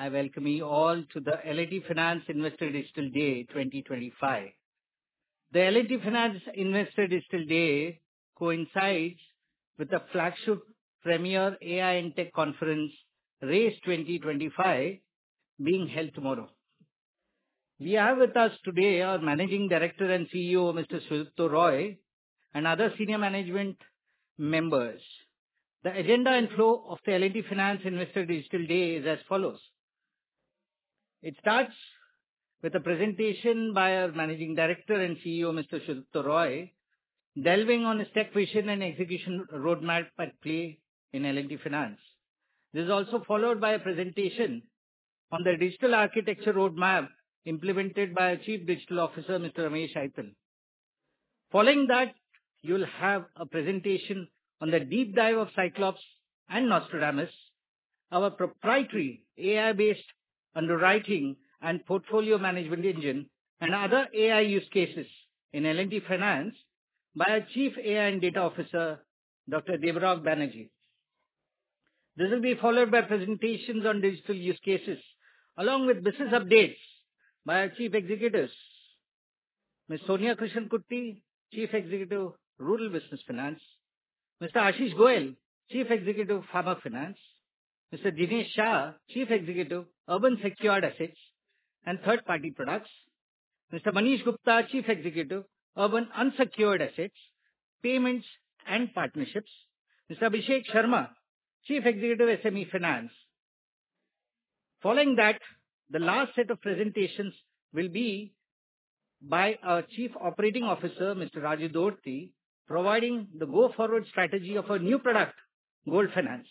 I welcome you all to the L&T Finance Investor Digital Day 2025. The L&T Finance Investor Digital Day coincides with the flagship premier AI and tech conference RAISE 2025 being held tomorrow. We have with us today our Managing Director and CEO, Mr. Sudipta Roy, and other senior management members. The agenda and flow of the L&T Finance Investor Digital Day is as follows. It starts with a presentation by our Managing Director and CEO, Mr. Sudipta Roy, delving on his tech vision and execution roadmap at play in L&T Finance. This is also followed by a presentation on the digital architecture roadmap implemented by our Chief Digital Officer, Mr. Ramesh Ganesan. Following that, you'll have a presentation on the deep dive of Cyclops and Nostradamus, our proprietary AI-based underwriting and portfolio management engine, and other AI use cases in L&T Finance by our Chief AI and Data Officer, Dr. Debarag Banerjee. This will be followed by presentations on digital use cases, along with business updates by our Chief Executives, Ms. Sonia Krishnankutty, Chief Executive, Rural Business Finance. Mr. Ashish Goyal, Chief Executive, Farmer Finance. Mr. Jinesh Shah, Chief Executive, Urban Secured Assets and Third Party Products. Mr. Manish Gupta, Chief Executive, Urban Unsecured Assets, Payments and Partnerships. Mr. Abhishek Sharma, Chief Executive, SME Finance. Following that, the last set of presentations will be by our Chief Operating Officer, Mr. Raju Dodti, providing the go-forward strategy of our new product, Gold Loans.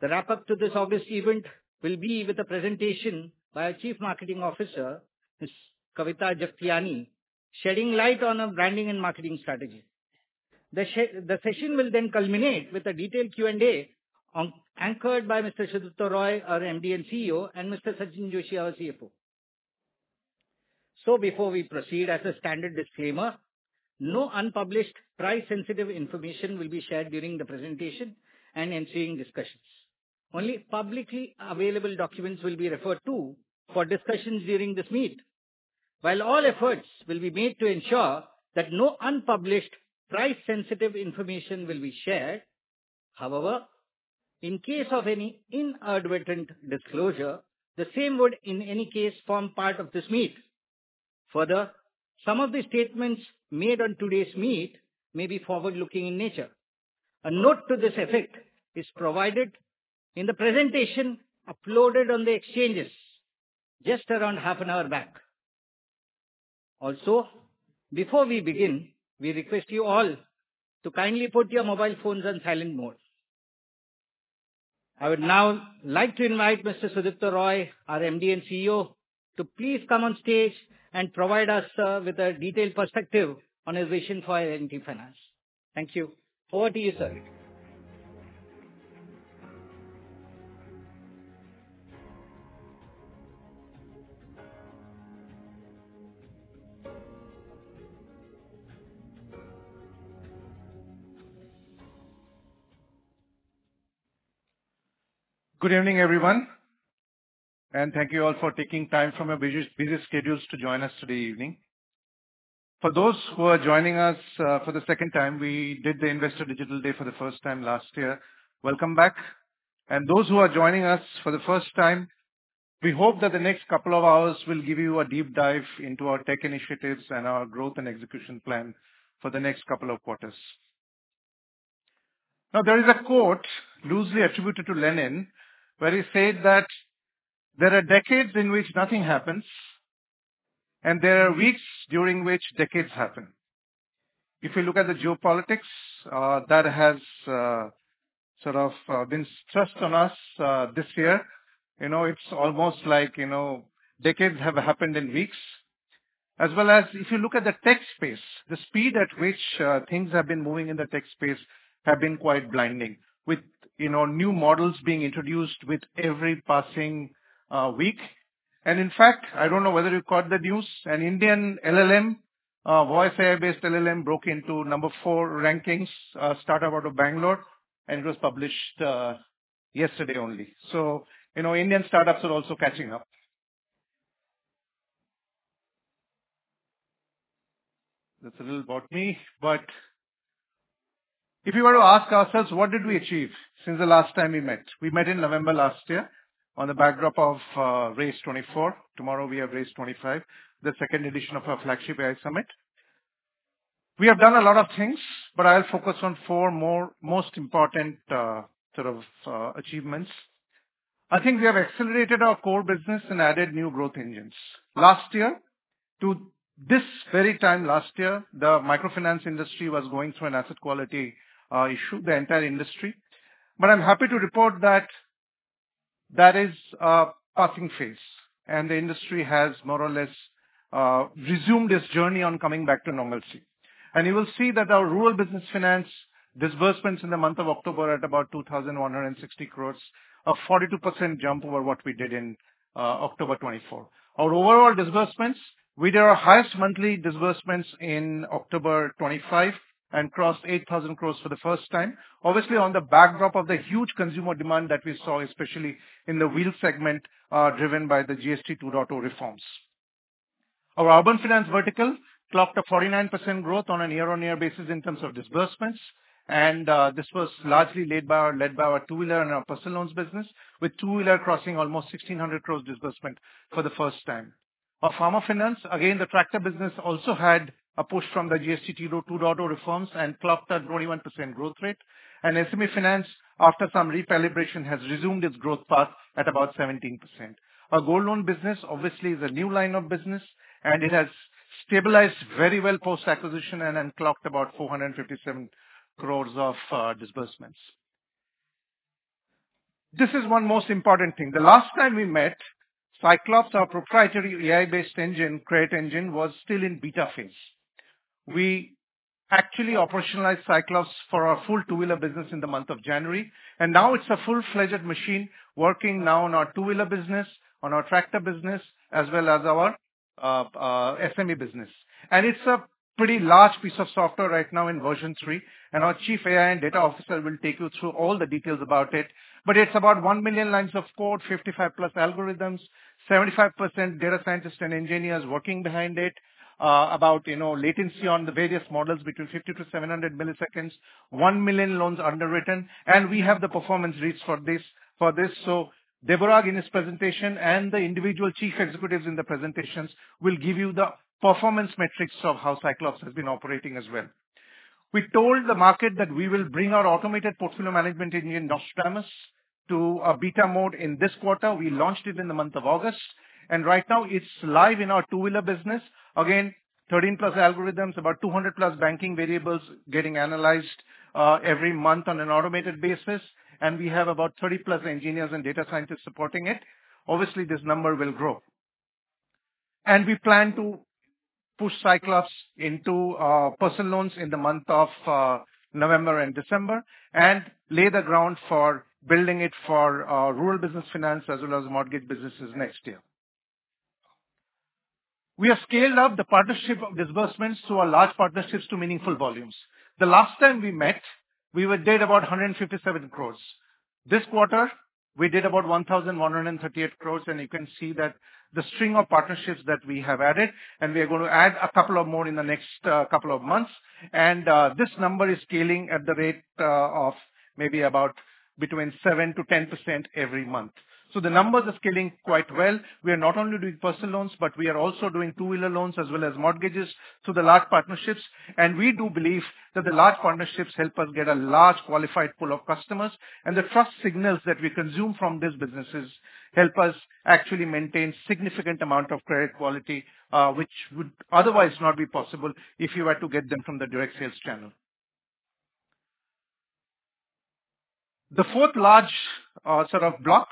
The wrap-up to this August event will be with a presentation by our Chief Marketing Officer, Ms. Kavita Jagtiani, shedding light on our branding and marketing strategy. The session will then culminate with a detailed Q&A anchored by Mr. Sudipta Roy, our MD and CEO, and Mr. Sachinn Joshi, our CFO. So, before we proceed, as a standard disclaimer, no unpublished price-sensitive information will be shared during the presentation and ensuing discussions. Only publicly available documents will be referred to for discussions during this meet, while all efforts will be made to ensure that no unpublished price-sensitive information will be shared. However, in case of any inadvertent disclosure, the same would, in any case, form part of this meet. Further, some of the statements made on today's meet may be forward-looking in nature. A note to this effect is provided in the presentation uploaded on the exchanges just around half an hour back. Also, before we begin, we request you all to kindly put your mobile phones on silent mode. I would now like to invite Mr. Sudipta Roy, our MD and CEO, to please come on stage and provide us with a detailed perspective on his vision for L&T Finance. Thank you. Over to you, sir. Good evening, everyone, and thank you all for taking time from your busy schedules to join us today evening. For those who are joining us for the second time, we did the Investor Digital Day for the first time last year. Welcome back. And those who are joining us for the first time, we hope that the next couple of hours will give you a deep dive into our tech initiatives and our growth and execution plan for the next couple of quarters. Now, there is a quote loosely attributed to Lenin, where he said that, "There are decades in which nothing happens, and there are weeks during which decades happen." If you look at the geopolitics that has sort of been stressed on us this year, it's almost like decades have happened in weeks. As well as if you look at the tech space, the speed at which things have been moving in the tech space has been quite blinding, with new models being introduced with every passing week. In fact, I don't know whether you caught the news, an Indian LLM, voice AI-based LLM, broke into number four rankings starting out of Bangalore, and it was published yesterday only. Indian startups are also catching up. That's a little about me. If you were to ask ourselves, what did we achieve since the last time we met? We met in November last year on the backdrop of RACE 24. Tomorrow, we have RACE 25, the second edition of our flagship AI summit. We have done a lot of things, but I'll focus on four most important sort of achievements. I think we have accelerated our core business and added new growth engines. Last year, to this very time last year, the microfinance industry was going through an asset quality issue, the entire industry. But I'm happy to report that that is a passing phase, and the industry has more or less resumed its journey on coming back to normalcy. And you will see that our rural business finance disbursements in the month of October at about 2,160 crores, a 42% jump over what we did in October 2024. Our overall disbursements, we did our highest monthly disbursements in October 2025 and crossed 8,000 crores for the first time, obviously on the backdrop of the huge consumer demand that we saw, especially in the two-wheeler segment driven by the GST 2.0 reforms. Our urban finance vertical clocked a 49% growth on a year-on-year basis in terms of disbursements. This was largely led by our two-wheeler and our personal loans business, with two-wheeler crossing almost 1,600 crores disbursement for the first time. Our pharma finance, again, the tractor business also had a push from the GST 2.0 reforms and clocked a 21% growth rate. SME finance, after some recalibration, has resumed its growth path at about 17%. Our gold loan business, obviously, is a new line of business, and it has stabilized very well post-acquisition and clocked about 457 crores of disbursements. This is one most important thing. The last time we met, Cyclops, our proprietary AI-based engine, credit engine, was still in beta phase. We actually operationalized Cyclops for our full two-wheeler business in the month of January. Now it's a full-fledged machine working now on our two-wheeler business, on our tractor business, as well as our SME business. It's a pretty large piece of software right now in version three. Our Chief AI and Data Officer will take you through all the details about it. It's about one million lines of code, 55+ algorithms, 75% data scientists and engineers working behind it, about latency on the various models between 50-700 milliseconds, one million loans underwritten. We have the performance reads for this. Debarag, in this presentation, and the individual chief executives in the presentations will give you the performance metrics of how Cyclops has been operating as well. We told the market that we will bring our automated portfolio management engine, Nostradamus, to a beta mode in this quarter. We launched it in the month of August. Right now, it's live in our two-wheeler business. Again, 13+ algorithms, about 200+ banking variables getting analyzed every month on an automated basis. We have about 30+ engineers and data scientists supporting it. Obviously, this number will grow. We plan to push Cyclops into personal loans in the month of November and December and lay the ground for building it for rural business finance as well as mortgage businesses next year. We have scaled up the partnership disbursements to our large partnerships to meaningful volumes. The last time we met, we did about 157 crores. This quarter, we did about 1,138 crores. You can see that the string of partnerships that we have added, and we are going to add a couple more in the next couple of months. This number is scaling at the rate of maybe about between 7%-10% every month. The numbers are scaling quite well. We are not only doing personal loans, but we are also doing two-wheeler loans as well as mortgages to the large partnerships. And we do believe that the large partnerships help us get a large qualified pool of customers. And the trust signals that we consume from these businesses help us actually maintain a significant amount of credit quality, which would otherwise not be possible if you were to get them from the direct sales channel. The fourth large sort of block,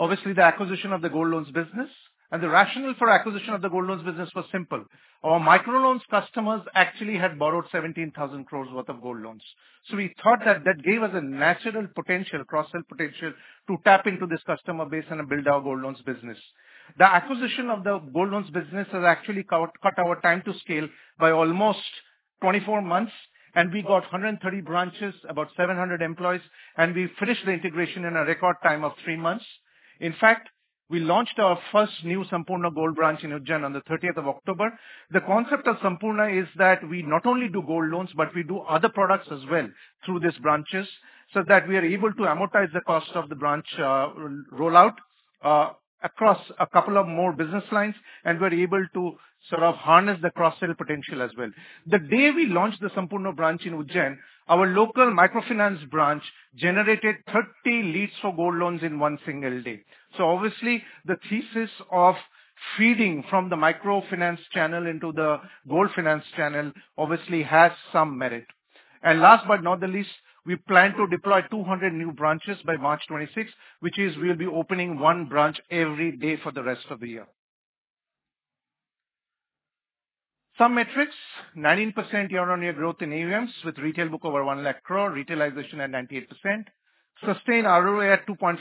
obviously, the acquisition of the gold loans business. And the rationale for acquisition of the gold loans business was simple. Our microloans customers actually had borrowed 17,000 crores' worth of gold loans. So we thought that that gave us a natural potential, cross-sell potential, to tap into this customer base and build our gold loans business. The acquisition of the gold loans business has actually cut our time to scale by almost 24 months. And we got 130 branches, about 700 employees, and we finished the integration in a record time of three months. In fact, we launched our first new Sampoorna Gold branch in Ujjain on the 30th of October. The concept of Sampoorna is that we not only do gold loans, but we do other products as well through these branches so that we are able to amortize the cost of the branch rollout across a couple of more business lines, and we're able to sort of harness the cross-sell potential as well. The day we launched the Sampoorna branch in Ujjain, our local microfinance branch generated 30 leads for gold loans in one single day. So obviously, the thesis of feeding from the microfinance channel into the gold finance channel obviously has some merit. And last but not the least, we plan to deploy 200 new branches by March 2026, which means we'll be opening one branch every day for the rest of the year. Some metrics: 19% year-on-year growth in AUMs with retail book over 1 lakh crore, retailization at 98%, sustained ROA at 2.4%,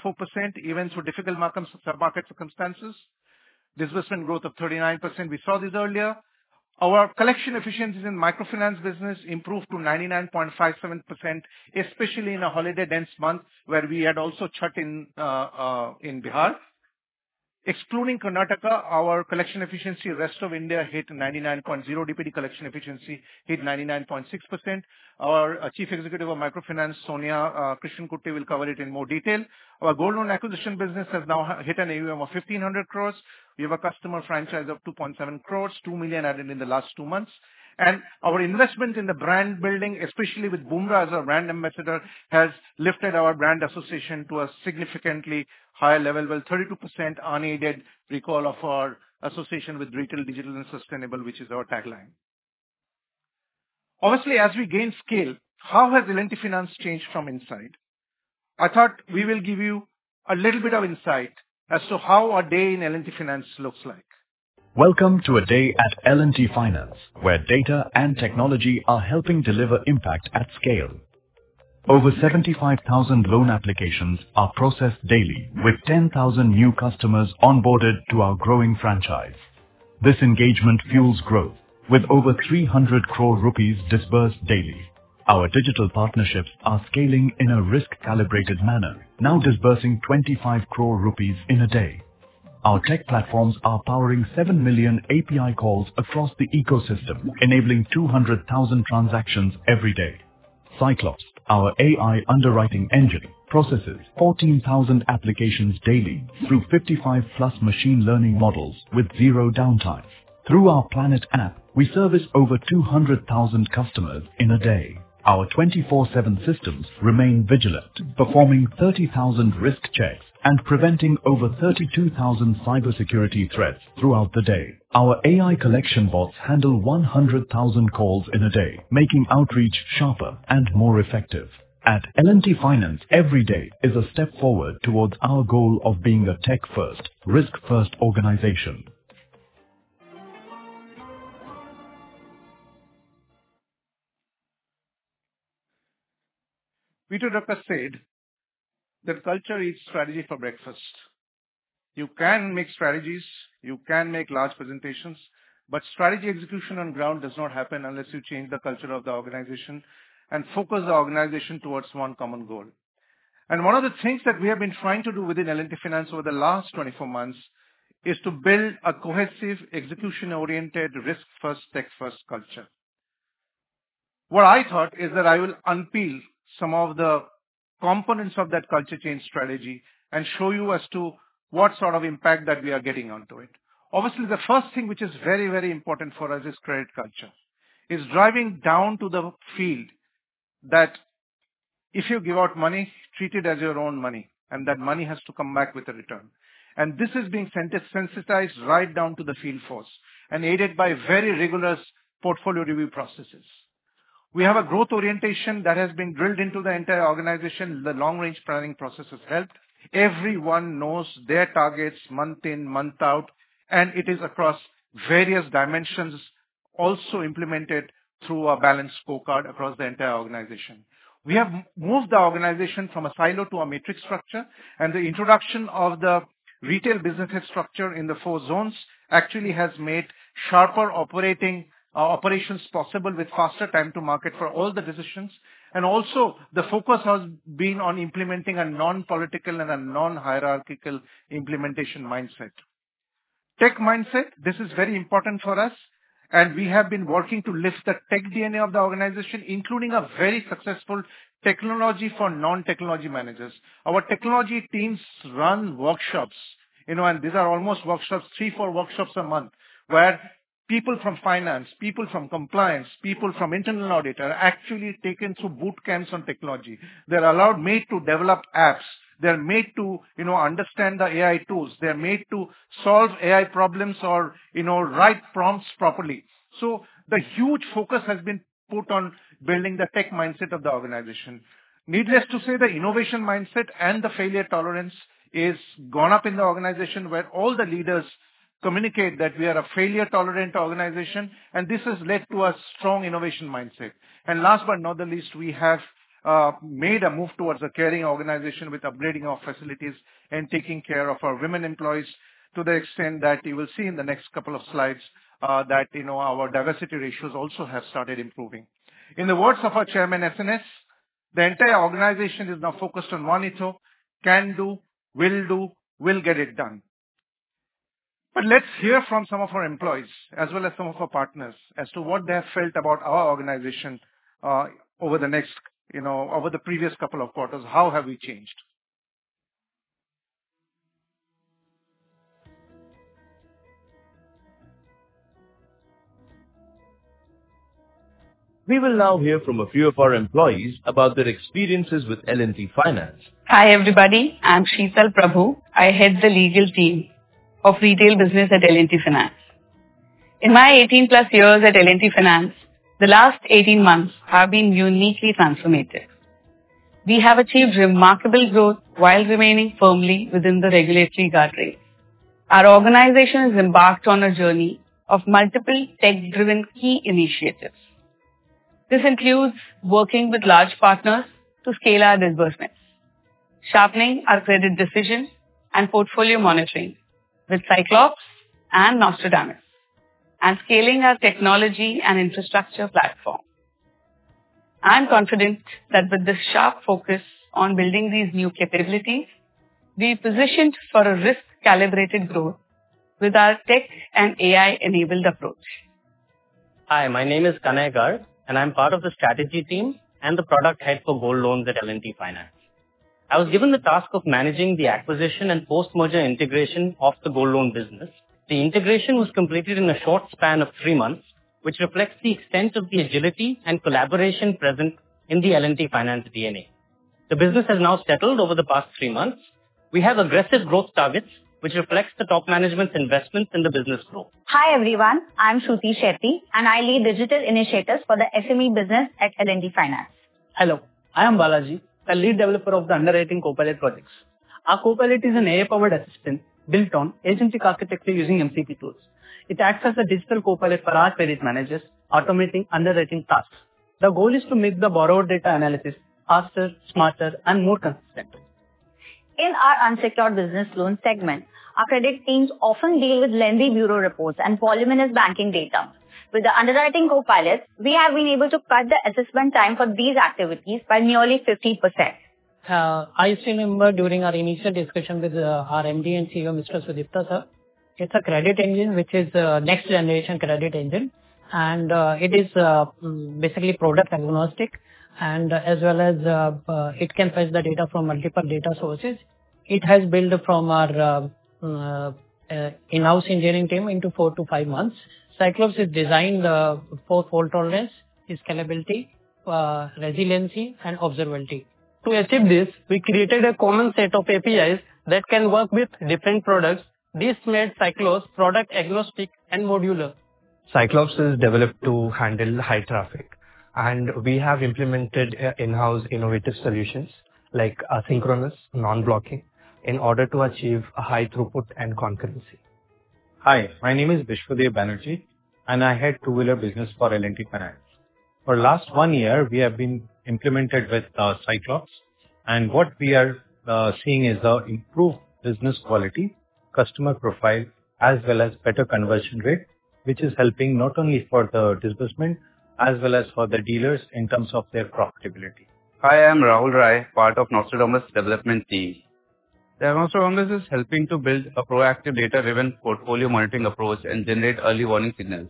even through difficult sub-market circumstances, disbursement growth of 39%. We saw this earlier. Our collection efficiencies in the microfinance business improved to 99.57%, especially in a holiday-dense month where we had also Chhath in Bihar. Excluding Karnataka, our collection efficiency rest of India hit 99.0%. DPD collection efficiency hit 99.6%. Our Chief Executive of Microfinance, Sonia Krishnankutty, will cover it in more detail. Our gold loan acquisition business has now hit an AUM of 1,500 crores. We have a customer franchise of 2.7 crores, 2 million added in the last two months. And our investment in the brand building, especially with Bumrah as our brand ambassador, has lifted our brand association to a significantly higher level, with 32% unaided recall of our association with Retail, Digital, and Sustainable, which is our tagline. Obviously, as we gain scale, how has L&T Finance changed from inside? I thought we will give you a little bit of insight as to how a day in L&T Finance looks like. Welcome to a day at L&T Finance, where data and technology are helping deliver impact at scale. Over 75,000 loan applications are processed daily, with 10,000 new customers onboarded to our growing franchise. This engagement fuels growth, with over 300 crore rupees disbursed daily. Our digital partnerships are scaling in a risk-calibrated manner, now disbursing 25 crore rupees in a day. Our tech platforms are powering 7 million API calls across the ecosystem, enabling 200,000 transactions every day. Cyclops, our AI underwriting engine, processes 14,000 applications daily through 55-plus machine learning models with zero downtime. Through our Planet app, we service over 200,000 customers in a day. Our 24/7 systems remain vigilant, performing 30,000 risk checks and preventing over 32,000 cybersecurity threats throughout the day. Our AI collection bots handle 100,000 calls in a day, making outreach sharper and more effective. At L&T Finance, every day is a step forward toward our goal of being a tech-first, risk-first organization. Peter Drucker said that culture is strategy for breakfast. You can make strategies, you can make large presentations, but strategy execution on the ground does not happen unless you change the culture of the organization and focus the organization towards one common goal. One of the things that we have been trying to do within L&T Finance over the last 24 months is to build a cohesive, execution-oriented, risk-first, tech-first culture. What I thought is that I will unpeel some of the components of that culture change strategy and show you as to what sort of impact that we are getting onto it. Obviously, the first thing which is very, very important for us is credit culture. It's driving down to the field that if you give out money, treat it as your own money, and that money has to come back with a return. This is being sensitized right down to the field force and aided by very rigorous portfolio review processes. We have a growth orientation that has been drilled into the entire organization. The long-range planning process has helped. Everyone knows their targets month in, month out, and it is across various dimensions, also implemented through a balanced scorecard across the entire organization. We have moved the organization from a silo to a matrix structure, and the introduction of the retail business head structure in the four zones actually has made sharper operations possible with faster time to market for all the decisions. And also, the focus has been on implementing a non-political and a non-hierarchical implementation mindset. Tech mindset, this is very important for us, and we have been working to lift the tech DNA of the organization, including a very successful technology for non-technology managers. Our technology teams run workshops, almost three or four workshops a month, where people from finance, people from compliance, people from internal audit are actually taken through boot camps on technology. They're allowed to develop apps. They're made to understand the AI tools. They're made to solve AI problems or write prompts properly. So the huge focus has been put on building the tech mindset of the organization. Needless to say, the innovation mindset and the failure tolerance is gone up in the organization, where all the leaders communicate that we are a failure-tolerant organization, and this has led to a strong innovation mindset. Last but not the least, we have made a move towards a caring organization with upgrading our facilities and taking care of our women employees to the extent that you will see in the next couple of slides that our diversity ratios also have started improving. In the words of our chairman, SNS, the entire organization is now focused on one ethos: can do, will do, will get it done. But let's hear from some of our employees, as well as some of our partners, as to what they have felt about our organization over the previous couple of quarters. How have we changed? We will now hear from a few of our employees about their experiences with L&T Finance. Hi, everybody. I'm Shishil Prabhu. I head the legal team of retail business at L&T Finance. In my 18+ years at L&T Finance, the last 18 months have been uniquely transformative. We have achieved remarkable growth while remaining firmly within the regulatory guardrails. Our organization has embarked on a journey of multiple tech-driven key initiatives. This includes working with large partners to scale our disbursements, sharpening our credit decision and portfolio monitoring with Cyclops and Nostradamus, and scaling our technology and infrastructure platform. I'm confident that with this sharp focus on building these new capabilities, we're positioned for a risk-calibrated growth with our tech and AI-enabled approach. Hi, my name is Kanav Garg, and I'm part of the strategy team and the product head for gold loans at L&T Finance. I was given the task of managing the acquisition and post-merger integration of the gold loan business. The integration was completed in a short span of three months, which reflects the extent of the agility and collaboration present in the L&T Finance DNA. The business has now settled over the past three months. We have aggressive growth targets, which reflects the top management's investments in the business growth. Hi, everyone. I'm Shruti Shetty, and I lead digital initiatives for the SME business at L&T Finance. Hello. I am Balaji. I am the lead developer of the underwriting Copilot projects. Our Copilot is an AI-powered assistant built on agentic architecture using MCP tools. It acts as a digital Copilot for our credit managers, automating underwriting tasks. The goal is to make the borrower data analysis faster, smarter, and more consistent. In our unsecured business loan segment, our credit teams often deal with lending bureau reports and voluminous banking data. With the underwriting Copilot, we have been able to cut the assessment time for these activities by nearly 50%. I still remember during our initial discussion with our MD and CEO, Mr. Sudipta Sir. It's a credit engine which is a next-generation credit engine, and it is basically product-agnostic, and as well as it can fetch the data from multiple data sources. It has built from our in-house engineering team into four to five months. Cyclops is designed for fault tolerance, scalability, resiliency, and observability. To achieve this, we created a common set of APIs that can work with different products. This made Cyclops product-agnostic and modular. Cyclops is developed to handle high traffic, and we have implemented in-house innovative solutions like asynchronous, non-blocking in order to achieve a high throughput and concurrency. Hi, my name is Viswadev Banerjee, and I head a two-wheeler business for L&T Finance. For the last one year, we have been implemented with Cyclops, and what we are seeing is an improved business quality, customer profile, as well as better conversion rate, which is helping not only for the disbursement as well as for the dealers in terms of their profitability. Hi, I'm Rahul Rai, part of Nostradamus Development Team. The Nostradamus is helping to build a proactive data-driven portfolio monitoring approach and generate early warning signals.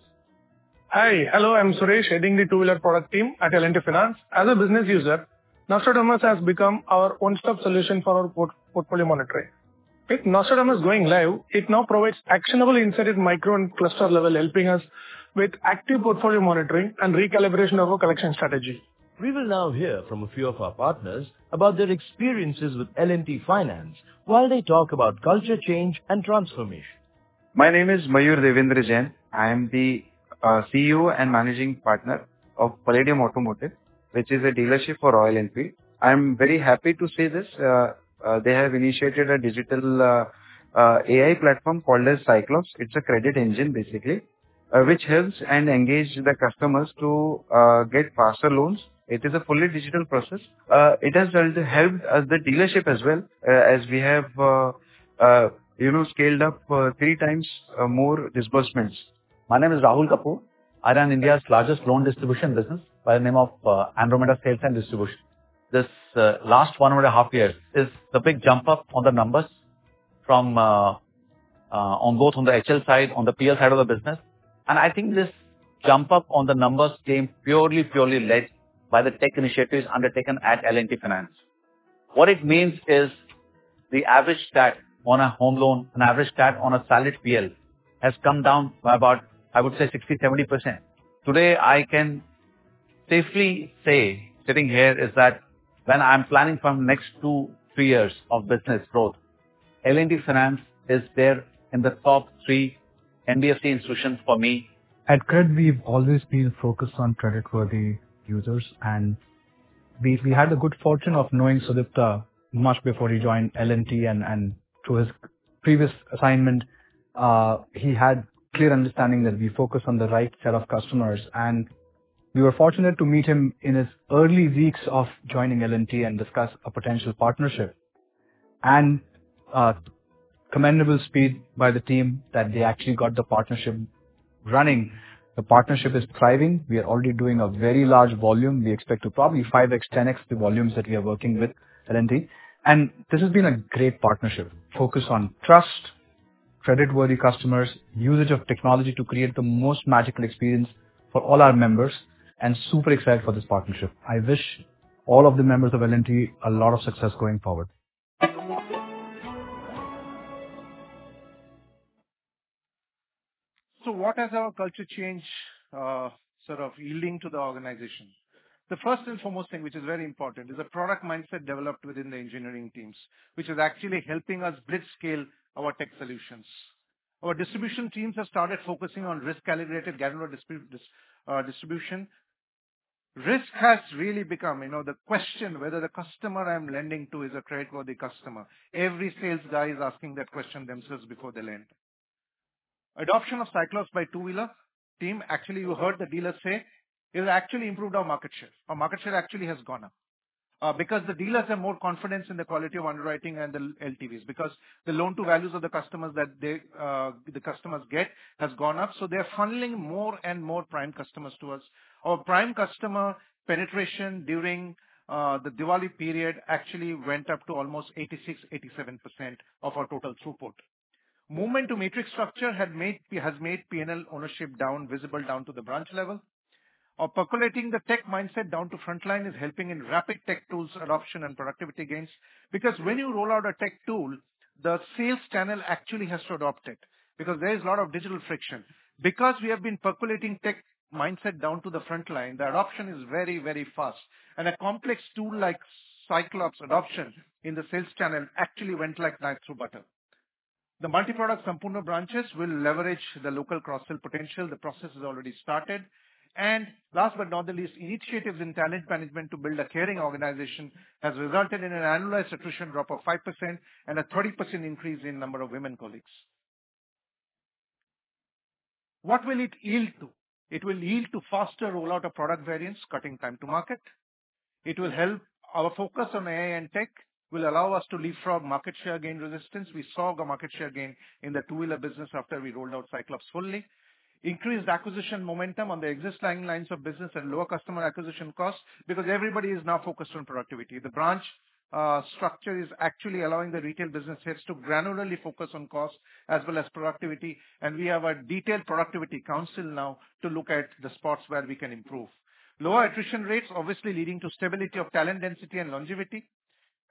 Hi, hello, I'm Suresh, heading the two-wheeler product team at L&T Finance. As a business user, Nostradamus has become our one-stop solution for our portfolio monitoring. With Nostradamus going live, it now provides actionable insights at micro and cluster level, helping us with active portfolio monitoring and recalibration of our collection strategy. We will now hear from a few of our partners about their experiences with L&T Finance while they talk about culture change and transformation. My name is Mayur Devendra Jain. I am the CEO and managing partner of Palladium Automotive, which is a dealership for Royal Enfield. I'm very happy to say this. They have initiated a digital AI platform called Cyclops. It's a credit engine, basically, which helps and engages the customers to get faster loans. It is a fully digital process. It has helped the dealership as well, as we have scaled up three times more disbursements. My name is Rahul Kapoor. I run India's largest loan distribution business by the name of Andromeda Sales and Distribution. This last one and a half years is the big jump up on the numbers on both the HL side, on the PL side of the business. And I think this jump up on the numbers came purely, purely led by the tech initiatives undertaken at L&T Finance. What it means is the average TAT on a home loan, an average TAT on a salaried PL, has come down by about, I would say, 60%-70%. Today, I can safely say, sitting here, is that when I'm planning for the next two, three years of business growth, L&T Finance is there in the top three NBFC institutions for me. At CRED, we've always been focused on creditworthy users, and we had the good fortune of knowing Sudipta much before he joined L&T. And through his previous assignment, he had a clear understanding that we focus on the right set of customers. And we were fortunate to meet him in his early weeks of joining L&T and discuss a potential partnership. And commendable speed by the team that they actually got the partnership running. The partnership is thriving. We are already doing a very large volume. We expect to probably 5x, 10x the volumes that we are working with L&T. And this has been a great partnership, focused on trust, creditworthy customers, usage of technology to create the most magical experience for all our members, and super excited for this partnership. I wish all of the members of L&T a lot of success going forward. So what has our culture change sort of yielding to the organization? The first and foremost thing, which is very important, is a product mindset developed within the engineering teams, which is actually helping us blitzscale our tech solutions. Our distribution teams have started focusing on risk-calibrated granular distribution. Risk has really become the question whether the customer I'm lending to is a creditworthy customer. Every sales guy is asking that question themselves before they lend. Adoption of Cyclops by two-wheeler team, actually, you heard the dealer say, it has actually improved our market share. Our market share actually has gone up because the dealers have more confidence in the quality of underwriting and the LTVs because the loan-to-values of the customers that the customers get have gone up. So they're funneling more and more prime customers to us. Our prime customer penetration during the Diwali period actually went up to almost 86%-87% of our total throughput. Movement to matrix structure has made P&L ownership visible down to the branch level. Our percolating the tech mindset down to frontline is helping in rapid tech tools adoption and productivity gains because when you roll out a tech tool, the sales channel actually has to adopt it because there is a lot of digital friction. Because we have been percolating tech mindset down to the frontline, the adoption is very, very fast. And a complex tool like Cyclops' adoption in the sales channel actually went like a knife through butter. The multi-product Sampoorna branches will leverage the local cross-sell potential. The process has already started. Last but not the least, initiatives in talent management to build a caring organization have resulted in an annualized attrition drop of 5% and a 30% increase in the number of women colleagues. What will it yield to? It will yield to faster rollout of product variants, cutting time to market. It will help. Our focus on AI and tech will allow us to leapfrog market share gain resistance. We saw a market share gain in the two-wheeler business after we rolled out Cyclops fully. Increased acquisition momentum on the existing lines of business and lower customer acquisition costs because everybody is now focused on productivity. The branch structure is actually allowing the retail business heads to granularly focus on costs as well as productivity. And we have a detailed productivity council now to look at the spots where we can improve. Lower attrition rates obviously leading to stability of talent density and longevity,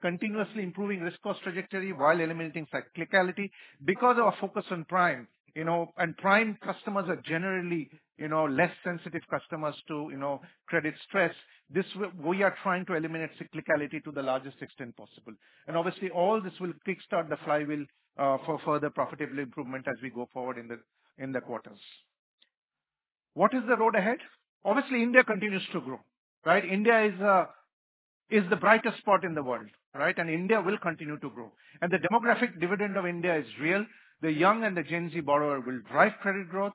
continuously improving risk-cost trajectory while eliminating cyclicality because of our focus on prime. And prime customers are generally less sensitive customers to credit stress. This way, we are trying to eliminate cyclicality to the largest extent possible. And obviously, all this will kickstart the flywheel for further profitability improvement as we go forward in the quarters. What is the road ahead? Obviously, India continues to grow. India is the brightest spot in the world, and India will continue to grow. And the demographic dividend of India is real. The young and the Gen Z borrower will drive credit growth.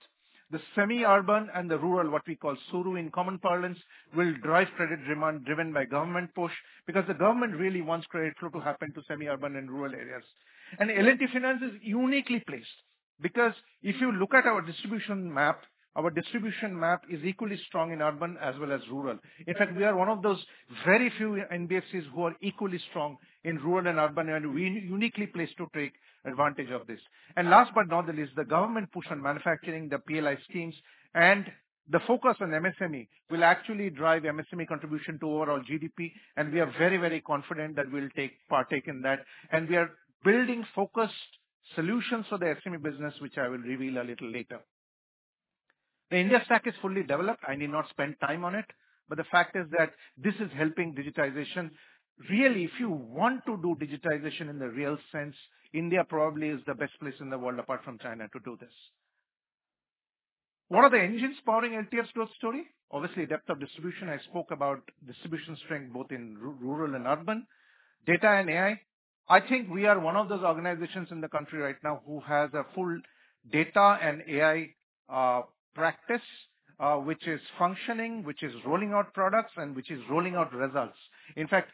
The semi-urban and the rural, what we call Suru in common parlance, will drive credit demand driven by government push because the government really wants credit flow to happen to semi-urban and rural areas. L&T Finance is uniquely placed because if you look at our distribution map, our distribution map is equally strong in urban as well as rural. In fact, we are one of those very few NBFCs who are equally strong in rural and urban, and we're uniquely placed to take advantage of this. Last but not the least, the government push on manufacturing, the PLI schemes, and the focus on MSME will actually drive MSME contribution to overall GDP. We are very, very confident that we'll partake in that. We are building focused solutions for the SME business, which I will reveal a little later. The India stack is fully developed. I need not spend time on it, but the fact is that this is helping digitization. Really, if you want to do digitization in the real sense, India probably is the best place in the world apart from China to do this. What are the engines powering LTF's growth story? Obviously, depth of distribution. I spoke about distribution strength both in rural and urban. Data and AI. I think we are one of those organizations in the country right now who has a full data and AI practice, which is functioning, which is rolling out products, and which is rolling out results. In fact,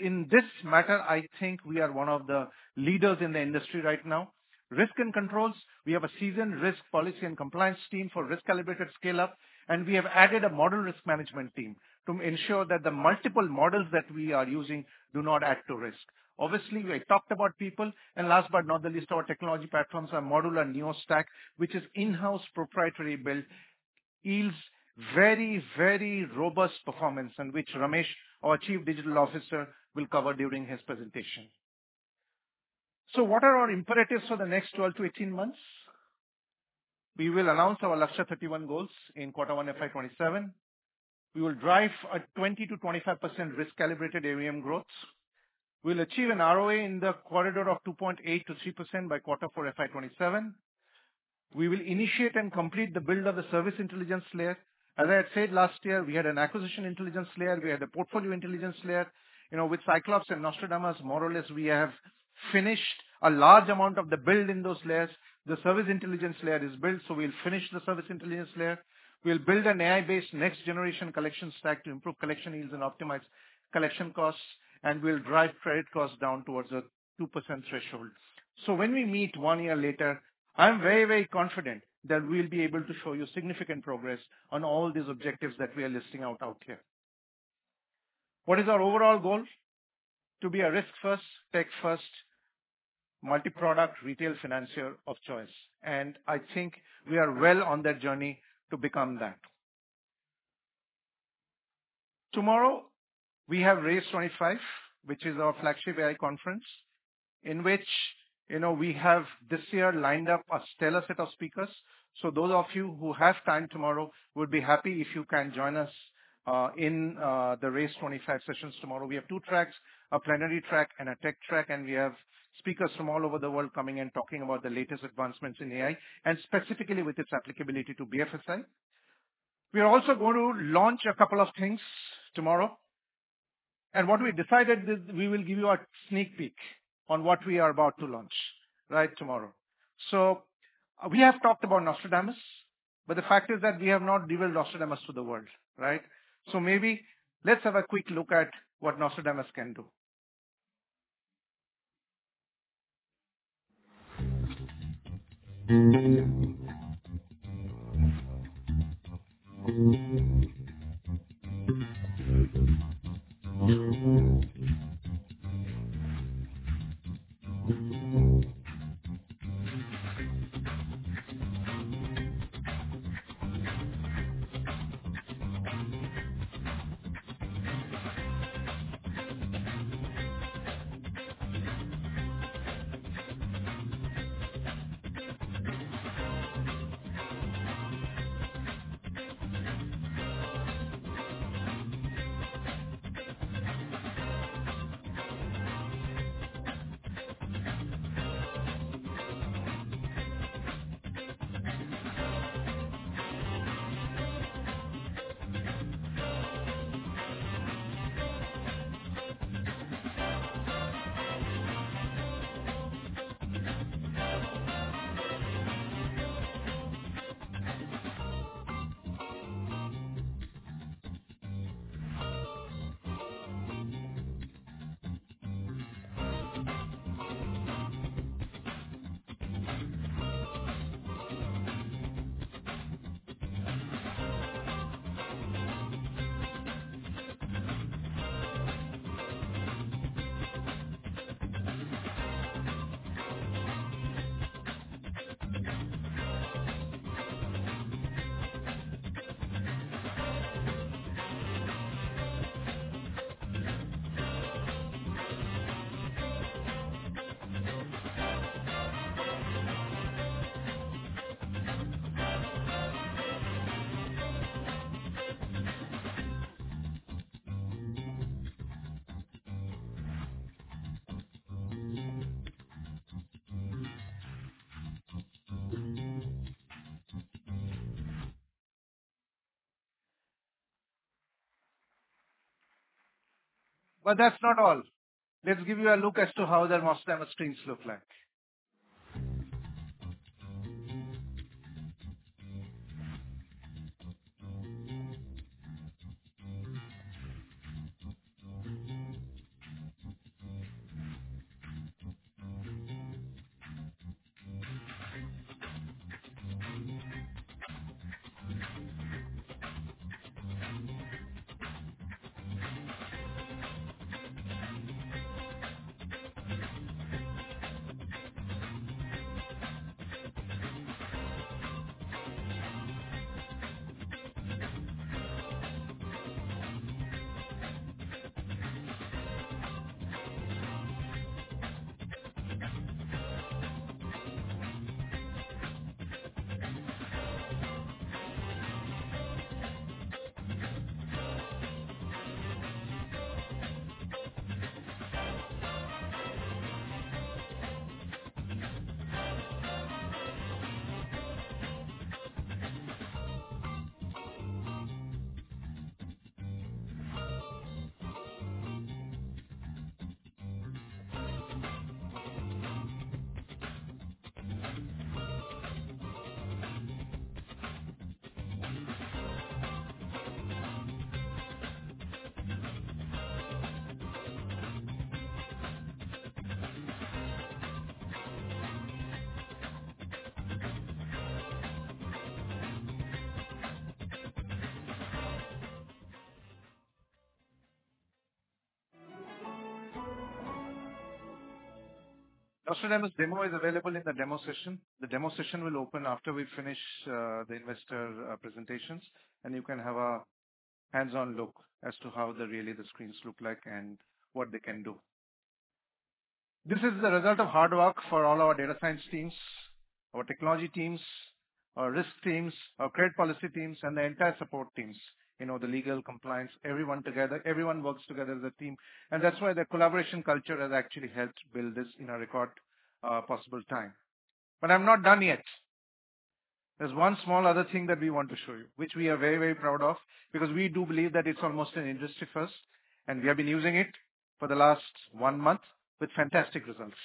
in this matter, I think we are one of the leaders in the industry right now. Risk and controls. We have a seasoned risk policy and compliance team for risk-calibrated scale-up, and we have added a model risk management team to ensure that the multiple models that we are using do not add to risk. Obviously, we talked about people. Last but not the least, our technology platforms, our modular NeoStack, which is in-house proprietary built, yields very, very robust performance, which Ramesh, our Chief Digital Officer, will cover during his presentation. What are our imperatives for the next 12 to 18 months? We will announce our Lakshya 31 goals in quarter one FY27. We will drive a 20%-25% risk-calibrated AUM growth. We will achieve an ROA in the corridor of 2.8%-3% by quarter four FY27. We will initiate and complete the build of the service intelligence layer. As I had said last year, we had an acquisition intelligence layer. We had a portfolio intelligence layer. With Cyclops and Nostradamus, more or less, we have finished a large amount of the build in those layers. The service intelligence layer is built, so we will finish the service intelligence layer. We'll build an AI-based next-generation collection stack to improve collection yields and optimize collection costs, and we'll drive credit costs down towards a 2% threshold. So when we meet one year later, I'm very, very confident that we'll be able to show you significant progress on all these objectives that we are listing out here. What is our overall goal? To be a risk-first, tech-first, multi-product retail financier of choice. And I think we are well on that journey to become that. Tomorrow, we have RACE 2025, which is our flagship AI conference, in which we have this year lined up a stellar set of speakers. So those of you who have time tomorrow would be happy if you can join us in the RACE 2025 sessions tomorrow. We have two tracks, a plenary track and a tech track, and we have speakers from all over the world coming and talking about the latest advancements in AI and specifically with its applicability to BFSI. We are also going to launch a couple of things tomorrow, and what we decided is we will give you a sneak peek on what we are about to launch tomorrow. So we have talked about Nostradamus, but the fact is that we have not developed Nostradamus for the world, so maybe let's have a quick look at what Nostradamus can do, but that's not all. Let's give you a look as to how the Nostradamus screens look like. Nostradamus demo is available in the demo session. The demo session will open after we finish the investor presentations, and you can have a hands-on look as to how really the screens look like and what they can do. This is the result of hard work for all our data science teams, our technology teams, our risk teams, our credit policy teams, and the entire support teams, the legal compliance. Everyone together, everyone works together as a team, and that's why the collaboration culture has actually helped build this in a record possible time, but I'm not done yet. There's one small other thing that we want to show you, which we are very, very proud of because we do believe that it's almost an industry first, and we have been using it for the last one month with fantastic results.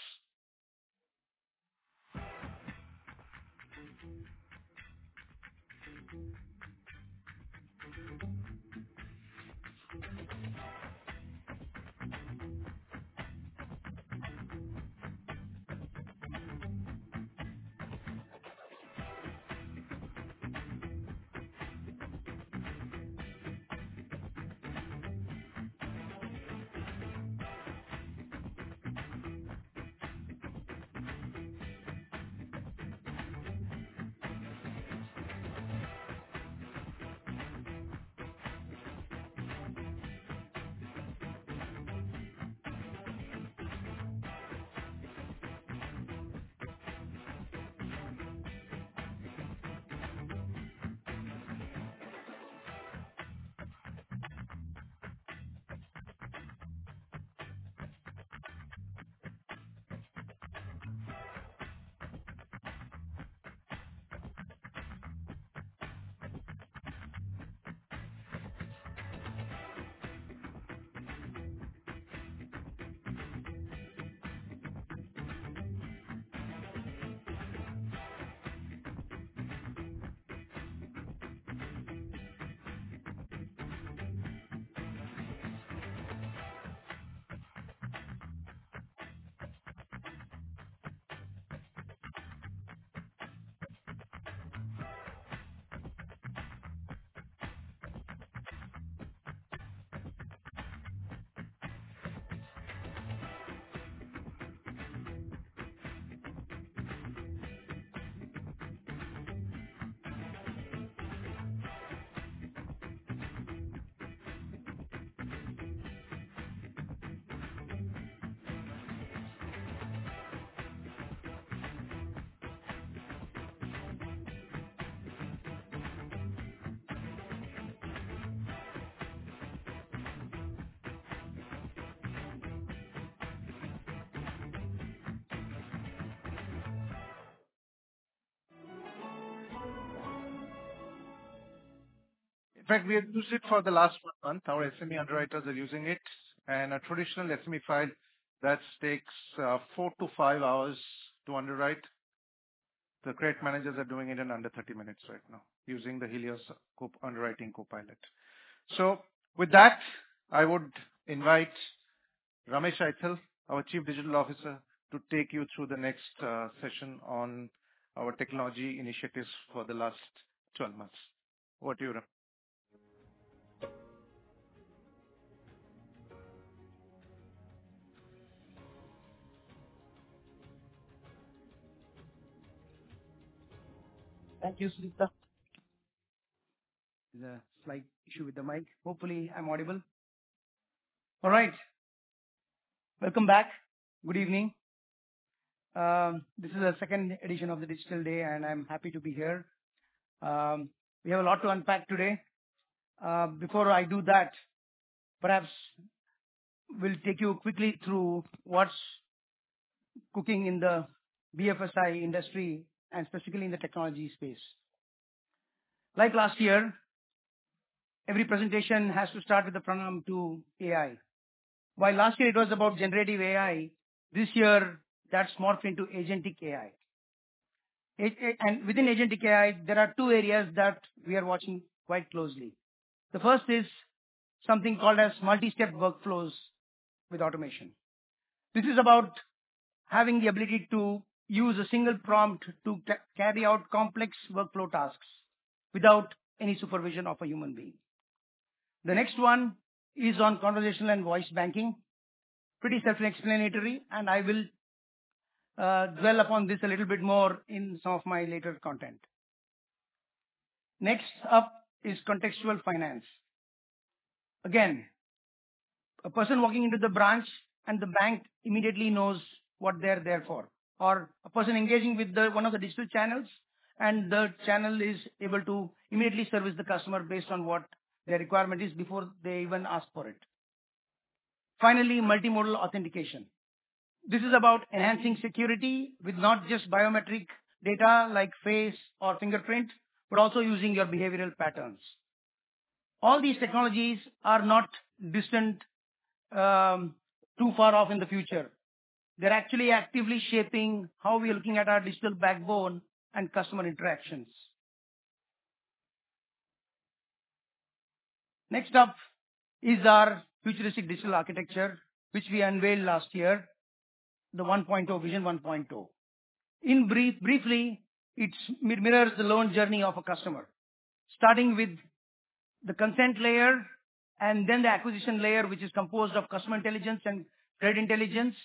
In fact, we have used it for the last one month. Our SME underwriters are using it. A traditional SME file that takes four to five hours to underwrite. The credit managers are doing it in under 30 minutes right now using the Helios underwriting Copilot. So with that, I would invite Ramesh Ganesan, our Chief Digital Officer, to take you through the next session on our technology initiatives for the last 12 months. Over to you, Ram. Thank you, Sudipta. There's a slight issue with the mic. Hopefully, I'm audible. All right. Welcome back. Good evening. This is the second edition of the Digital Day, and I'm happy to be here. We have a lot to unpack today. Before I do that, perhaps we'll take you quickly through what's cooking in the BFSI industry and specifically in the technology space. Like last year, every presentation has to start with the pronoun to AI. While last year it was about generative AI, this year that's morphed into agentic AI, and within agentic AI, there are two areas that we are watching quite closely. The first is something called multistep workflows with automation. This is about having the ability to use a single prompt to carry out complex workflow tasks without any supervision of a human being. The next one is on conversational and voice banking, pretty self-explanatory, and I will dwell upon this a little bit more in some of my later content. Next up is contextual finance. Again, a person walking into the branch and the bank immediately knows what they're there for, or a person engaging with one of the digital channels, and the channel is able to immediately service the customer based on what their requirement is before they even ask for it. Finally, multimodal authentication. This is about enhancing security with not just biometric data like face or fingerprint, but also using your behavioral patterns. All these technologies are not distant, too far off in the future. They're actually actively shaping how we are looking at our digital backbone and customer interactions. Next up is our futuristic digital architecture, which we unveiled last year, the 1.0 Vision 1.0. In briefly, it mirrors the loan journey of a customer, starting with the consent layer and then the acquisition layer, which is composed of customer intelligence and credit intelligence,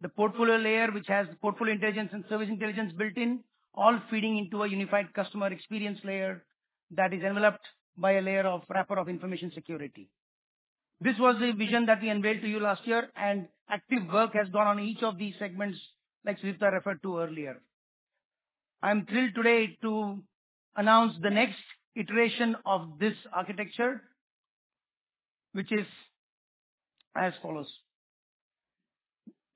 the portfolio layer, which has portfolio intelligence and service intelligence built in, all feeding into a unified customer experience layer that is enveloped by a layer of wrapper of information security. This was the vision that we unveiled to you last year, and active work has gone on each of these segments, like Sudipta referred to earlier. I'm thrilled today to announce the next iteration of this architecture, which is as follows.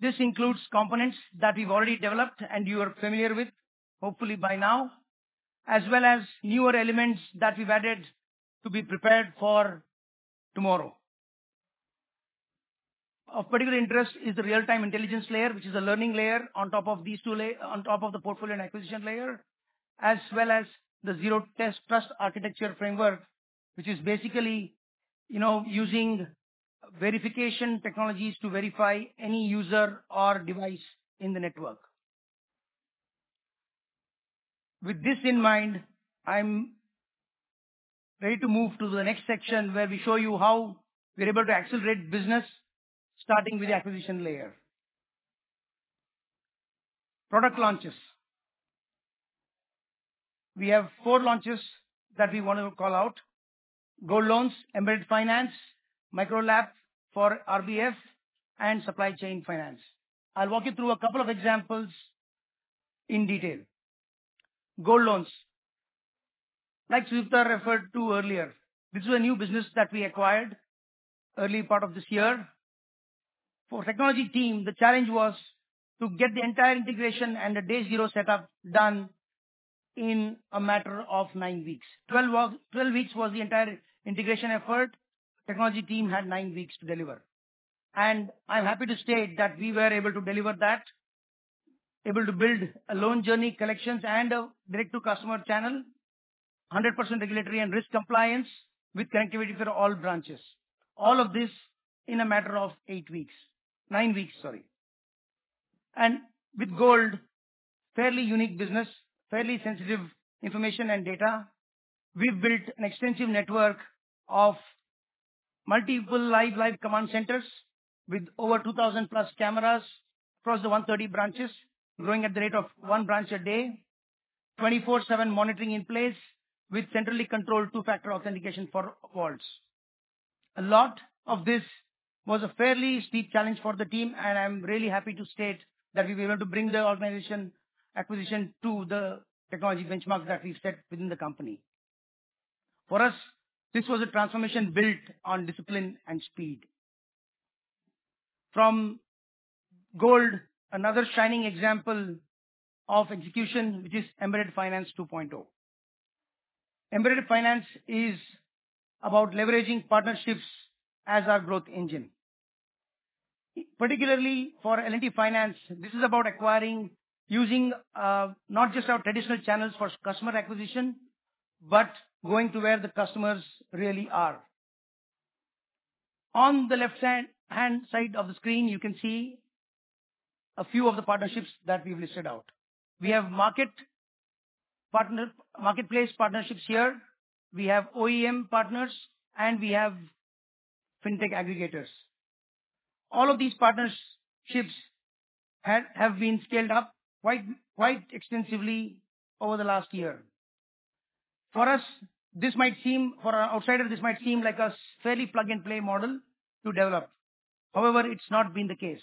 This includes components that we've already developed and you are familiar with, hopefully by now, as well as newer elements that we've added to be prepared for tomorrow. Of particular interest is the real-time intelligence layer, which is a learning layer on top of these two, on top of the portfolio and acquisition layer, as well as the zero trust architecture framework, which is basically using verification technologies to verify any user or device in the network. With this in mind, I'm ready to move to the next section where we show you how we're able to accelerate business, starting with the acquisition layer. Product launches. We have four launches that we want to call out: Gold Loans, Embedded Finance, Micro LAP for RBF, and Supply Chain Finance. I'll walk you through a couple of examples in detail. Gold Loans. Like Sudipta referred to earlier, this is a new business that we acquired early part of this year. For the technology team, the challenge was to get the entire integration and the day zero setup done in a matter of nine weeks. Twelve weeks was the entire integration effort. The technology team had nine weeks to deliver. And I'm happy to state that we were able to deliver that, able to build a loan journey collections and a direct-to-customer channel, 100% regulatory and risk compliance with connectivity for all branches. All of this in a matter of eight weeks, nine weeks, sorry. With Gold, fairly unique business, fairly sensitive information and data, we've built an extensive network of multiple live command centers with over 2,000+ cameras across the 130 branches, growing at the rate of one branch a day, 24/7 monitoring in place with centrally controlled two-factor authentication for vaults. A lot of this was a fairly steep challenge for the team, and I'm really happy to state that we were able to bring the organization acquisition to the technology benchmarks that we've set within the company. For us, this was a transformation built on discipline and speed. From Gold, another shining example of execution, which is Embedded Finance 2.0. Embedded Finance is about leveraging partnerships as our growth engine. Particularly for L&T Finance, this is about acquiring, using not just our traditional channels for customer acquisition, but going to where the customers really are. On the left-hand side of the screen, you can see a few of the partnerships that we've listed out. We have marketplace partnerships here. We have OEM partners, and we have fintech aggregators. All of these partnerships have been scaled up quite extensively over the last year. For us, this might seem, for an outsider, this might seem like a fairly plug-and-play model to develop. However, it's not been the case.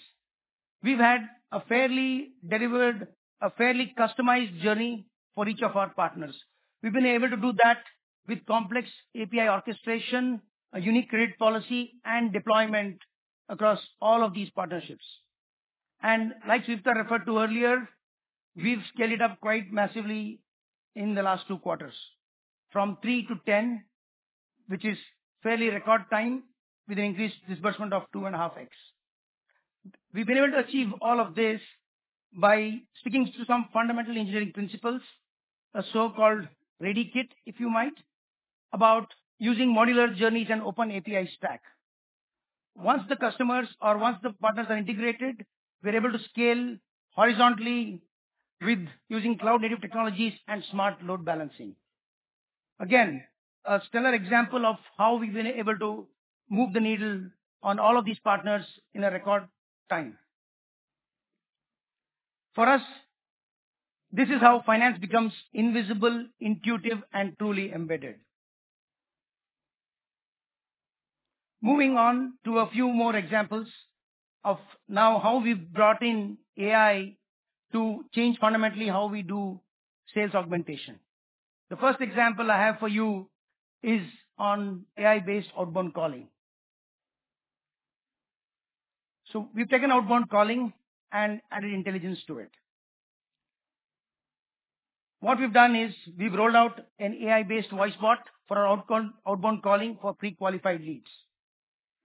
We've had a fairly customized journey for each of our partners. We've been able to do that with complex API orchestration, a unique credit policy, and deployment across all of these partnerships, and like Sudipta referred to earlier, we've scaled it up quite massively in the last two quarters, from three to 10, which is fairly record time with an increased disbursement of two and a half x. We've been able to achieve all of this by sticking to some fundamental engineering principles, a so-called ready kit, if you might, about using modular journeys and open API stack. Once the customers or once the partners are integrated, we're able to scale horizontally with using cloud-native technologies and smart load balancing. Again, a stellar example of how we've been able to move the needle on all of these partners in a record time. For us, this is how finance becomes invisible, intuitive, and truly embedded. Moving on to a few more examples of now how we've brought in AI to change fundamentally how we do sales augmentation. The first example I have for you is on AI-based outbound calling. So we've taken outbound calling and added intelligence to it. What we've done is we've rolled out an AI-based voice bot for our outbound calling for pre-qualified leads.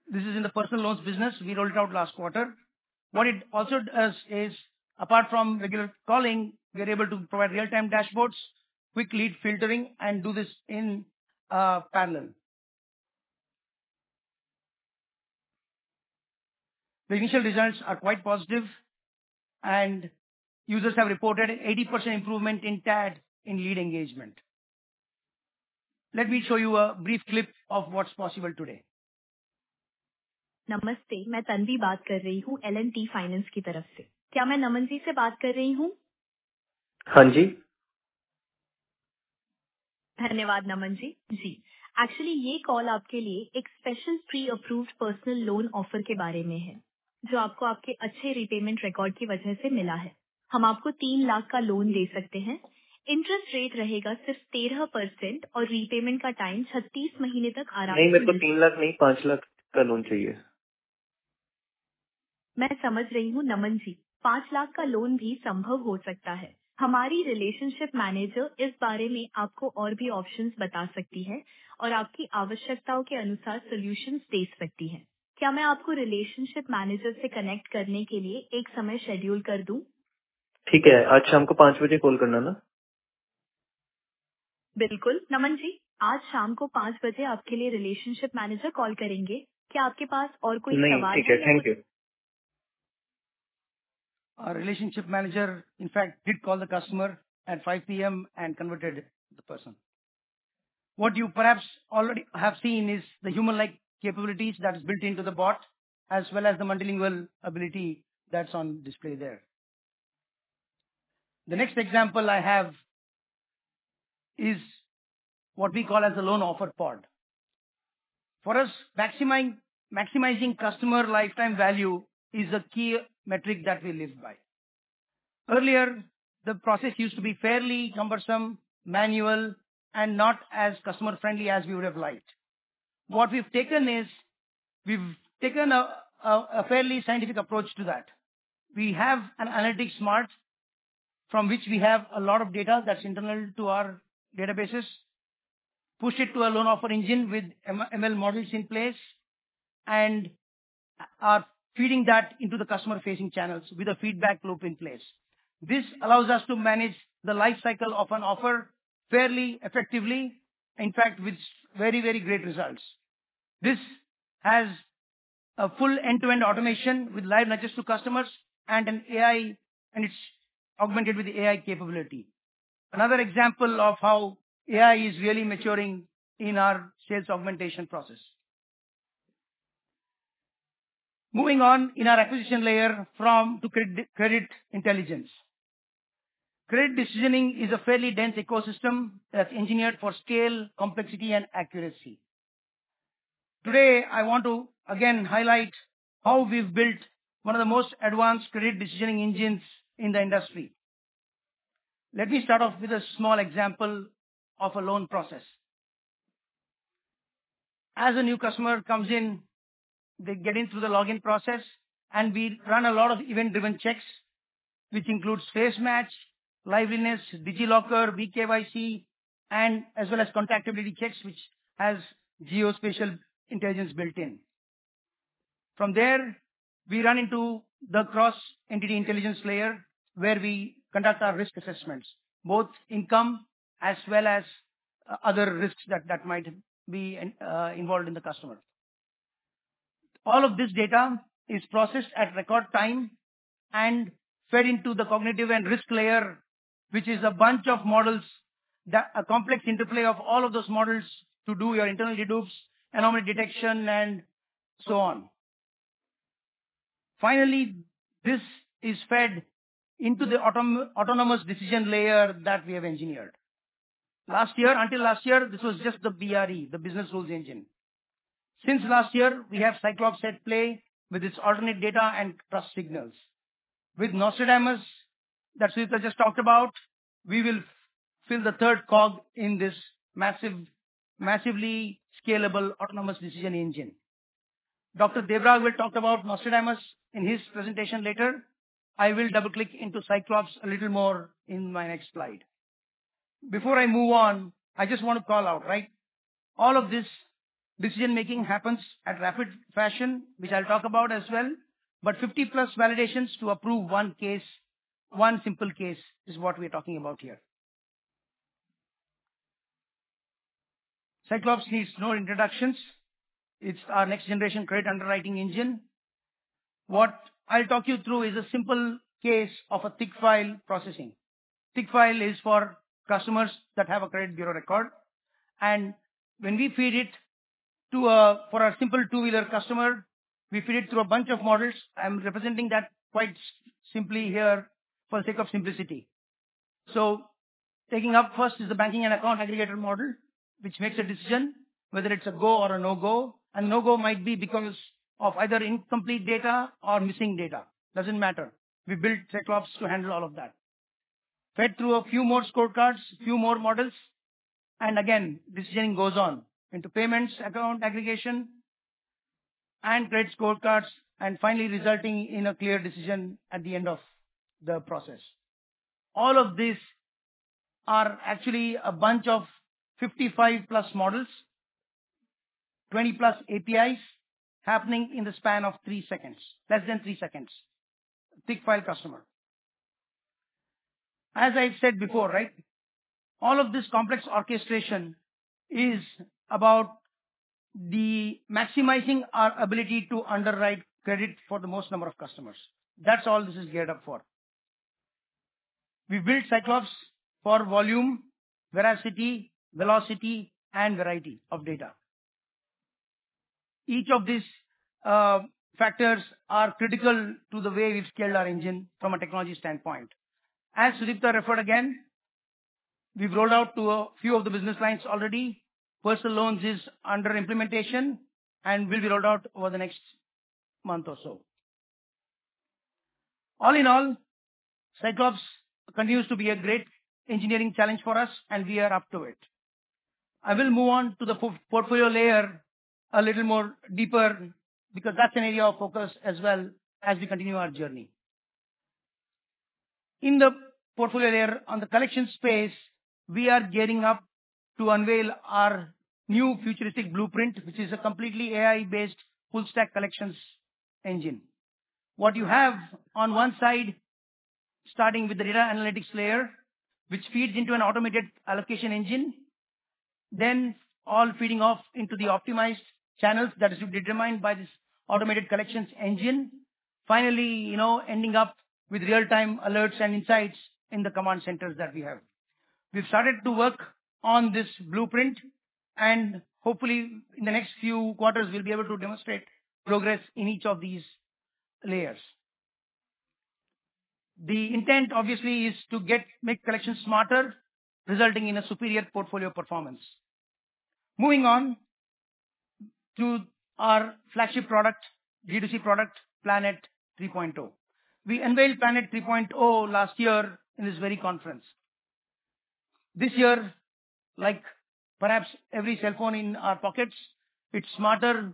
This is in the personal loans business. We rolled it out last quarter. What it also does is, apart from regular calling, we're able to provide real-time dashboards, quick lead filtering, and do this in parallel. The initial results are quite positive, and users have reported 80% improvement in TAT in lead engagement. Let me show you a brief clip of what's possible today. नमस्ते, मैं तन्वी बात कर रही हूँ L&T Finance की तरफ से। क्या मैं नमन जी से बात कर रही हूँ? Haan ji. Dhanyavaad Naman ji. Ji, actually ye call aapke liye ek special pre-approved personal loan offer ke baare mein hai, jo aapko aapke acche repayment record ki wajah se mila hai. Hum aapko INR 300,000 ka loan de sakte hain, interest rate rahega sirf 13% aur repayment ka time 36 mahine tak aaram se. Nahi, mere ko INR 300,000 nahi, INR 500,000 ka loan chahiye. Main samajh rahi hoon Naman ji, INR 500,000 ka loan bhi sambhav ho sakta hai. Hamari relationship manager is baare mein aapko aur bhi options bata sakti hai aur aapki aavashyaktaon ke anusaar solutions de sakti hai. Kya main aapko relationship manager se connect karne ke liye ek samay schedule kar doon? Theek hai, aaj shaam ko 5:00 P.M. call karna na. Bilkul, Naman ji, aaj shaam ko 5:00 P.M. aapke liye relationship manager call karenge. Kya aapke paas aur koi sawaal hai? Nahin, theek hai, thank you. Relationship manager, in fact, did call the customer at 5:00 P.M. and converted the person. What you perhaps already have seen is the human-like capabilities that are built into the bot, as well as the multilingual ability that's on display there. The next example I have is what we call as the loan offer pod. For us, maximizing customer lifetime value is a key metric that we live by. Earlier, the process used to be fairly cumbersome, manual, and not as customer-friendly as we would have liked. What we've taken is a fairly scientific approach to that. We have an analytics stack from which we have a lot of data that's internal to our databases, pushed it to a loan offer engine with ML models in place, and are feeding that into the customer-facing channels with a feedback loop in place. This allows us to manage the lifecycle of an offer fairly effectively, in fact, with very, very great results. This has a full end-to-end automation with live nudges to customers and an AI, and it's augmented with AI capability. Another example of how AI is really maturing in our sales augmentation process. Moving on, in our acquisition layer from to credit intelligence. Credit decisioning is a fairly dense ecosystem that's engineered for scale, complexity, and accuracy. Today, I want to again highlight how we've built one of the most advanced credit decisioning engines in the industry. Let me start off with a small example of a loan process. As a new customer comes in, they get in through the login process, and we run a lot of event-driven checks, which includes face match, liveness, DigiLocker, V-KYC, and as well as contactability checks, which has geospatial intelligence built in. From there, we run into the cross-entity intelligence layer, where we conduct our risk assessments, both income as well as other risks that might be involved in the customer. All of this data is processed in real time and fed into the cognitive and risk layer, which is a bunch of models, a complex interplay of all of those models to do your internal dedups, anomaly detection, and so on. Finally, this is fed into the autonomous decision layer that we have engineered. Last year, until last year, this was just the BRE, the business rules engine. Since last year, we have Cyclops at play with its alternate data and trust signals. With Nostradamus that Sudipta just talked about, we will fill the third cog in this massively scalable autonomous decision engine. Dr. Debarag will talk about Nostradamus in his presentation later. I will double-click into Cyclops a little more in my next slide. Before I move on, I just want to call out, right? All of this decision-making happens in rapid fashion, which I'll talk about as well, but 50 plus validations to approve one case, one simple case is what we are talking about here. Cyclops needs no introductions. It's our next-generation credit underwriting engine. What I'll talk you through is a simple case of a thick file processing. Thick file is for customers that have a credit bureau record. And when we feed it for a simple two-wheeler customer, we feed it through a bunch of models. I'm representing that quite simply here for the sake of simplicity. So taking up first is the banking and account aggregator model, which makes a decision whether it's a go or a no-go. No-go might be because of either incomplete data or missing data. Doesn't matter. We built Cyclops to handle all of that. Fed through a few more scorecards, a few more models. Again, decisioning goes on into payments, account aggregation, and credit scorecards, and finally resulting in a clear decision at the end of the process. All of these are actually a bunch of 55 plus models, 20 APIs happening in the span of three seconds, less than three seconds. Thick file customer. As I've said before, right? All of this complex orchestration is about maximizing our ability to underwrite credit for the most number of customers. That's all this is geared up for. We built Cyclops for volume, veracity, velocity, and variety of data. Each of these factors are critical to the way we've scaled our engine from a technology standpoint. As Sudipta referred again, we've rolled out to a few of the business lines already. Personal Loans is under implementation and will be rolled out over the next month or so. All in all, Cyclops continues to be a great engineering challenge for us, and we are up to it. I will move on to the portfolio layer a little more deeper because that's an area of focus as well as we continue our journey. In the portfolio layer on the collection space, we are gearing up to unveil our new futuristic blueprint, which is a completely AI-based full-stack collections engine. What you have on one side, starting with the data analytics layer, which feeds into an automated allocation engine, then all feeding off into the optimized channels that are determined by this automated collections engine. Finally, you know, ending up with real-time alerts and insights in the command centers that we have. We've started to work on this blueprint, and hopefully in the next few quarters, we'll be able to demonstrate progress in each of these layers. The intent obviously is to make collections smarter, resulting in a superior portfolio performance. Moving on to our flagship product, G2C product, Planet 3.0. We unveiled Planet 3.0 last year in this very conference. This year, like perhaps every cell phone in our pockets, it's smarter,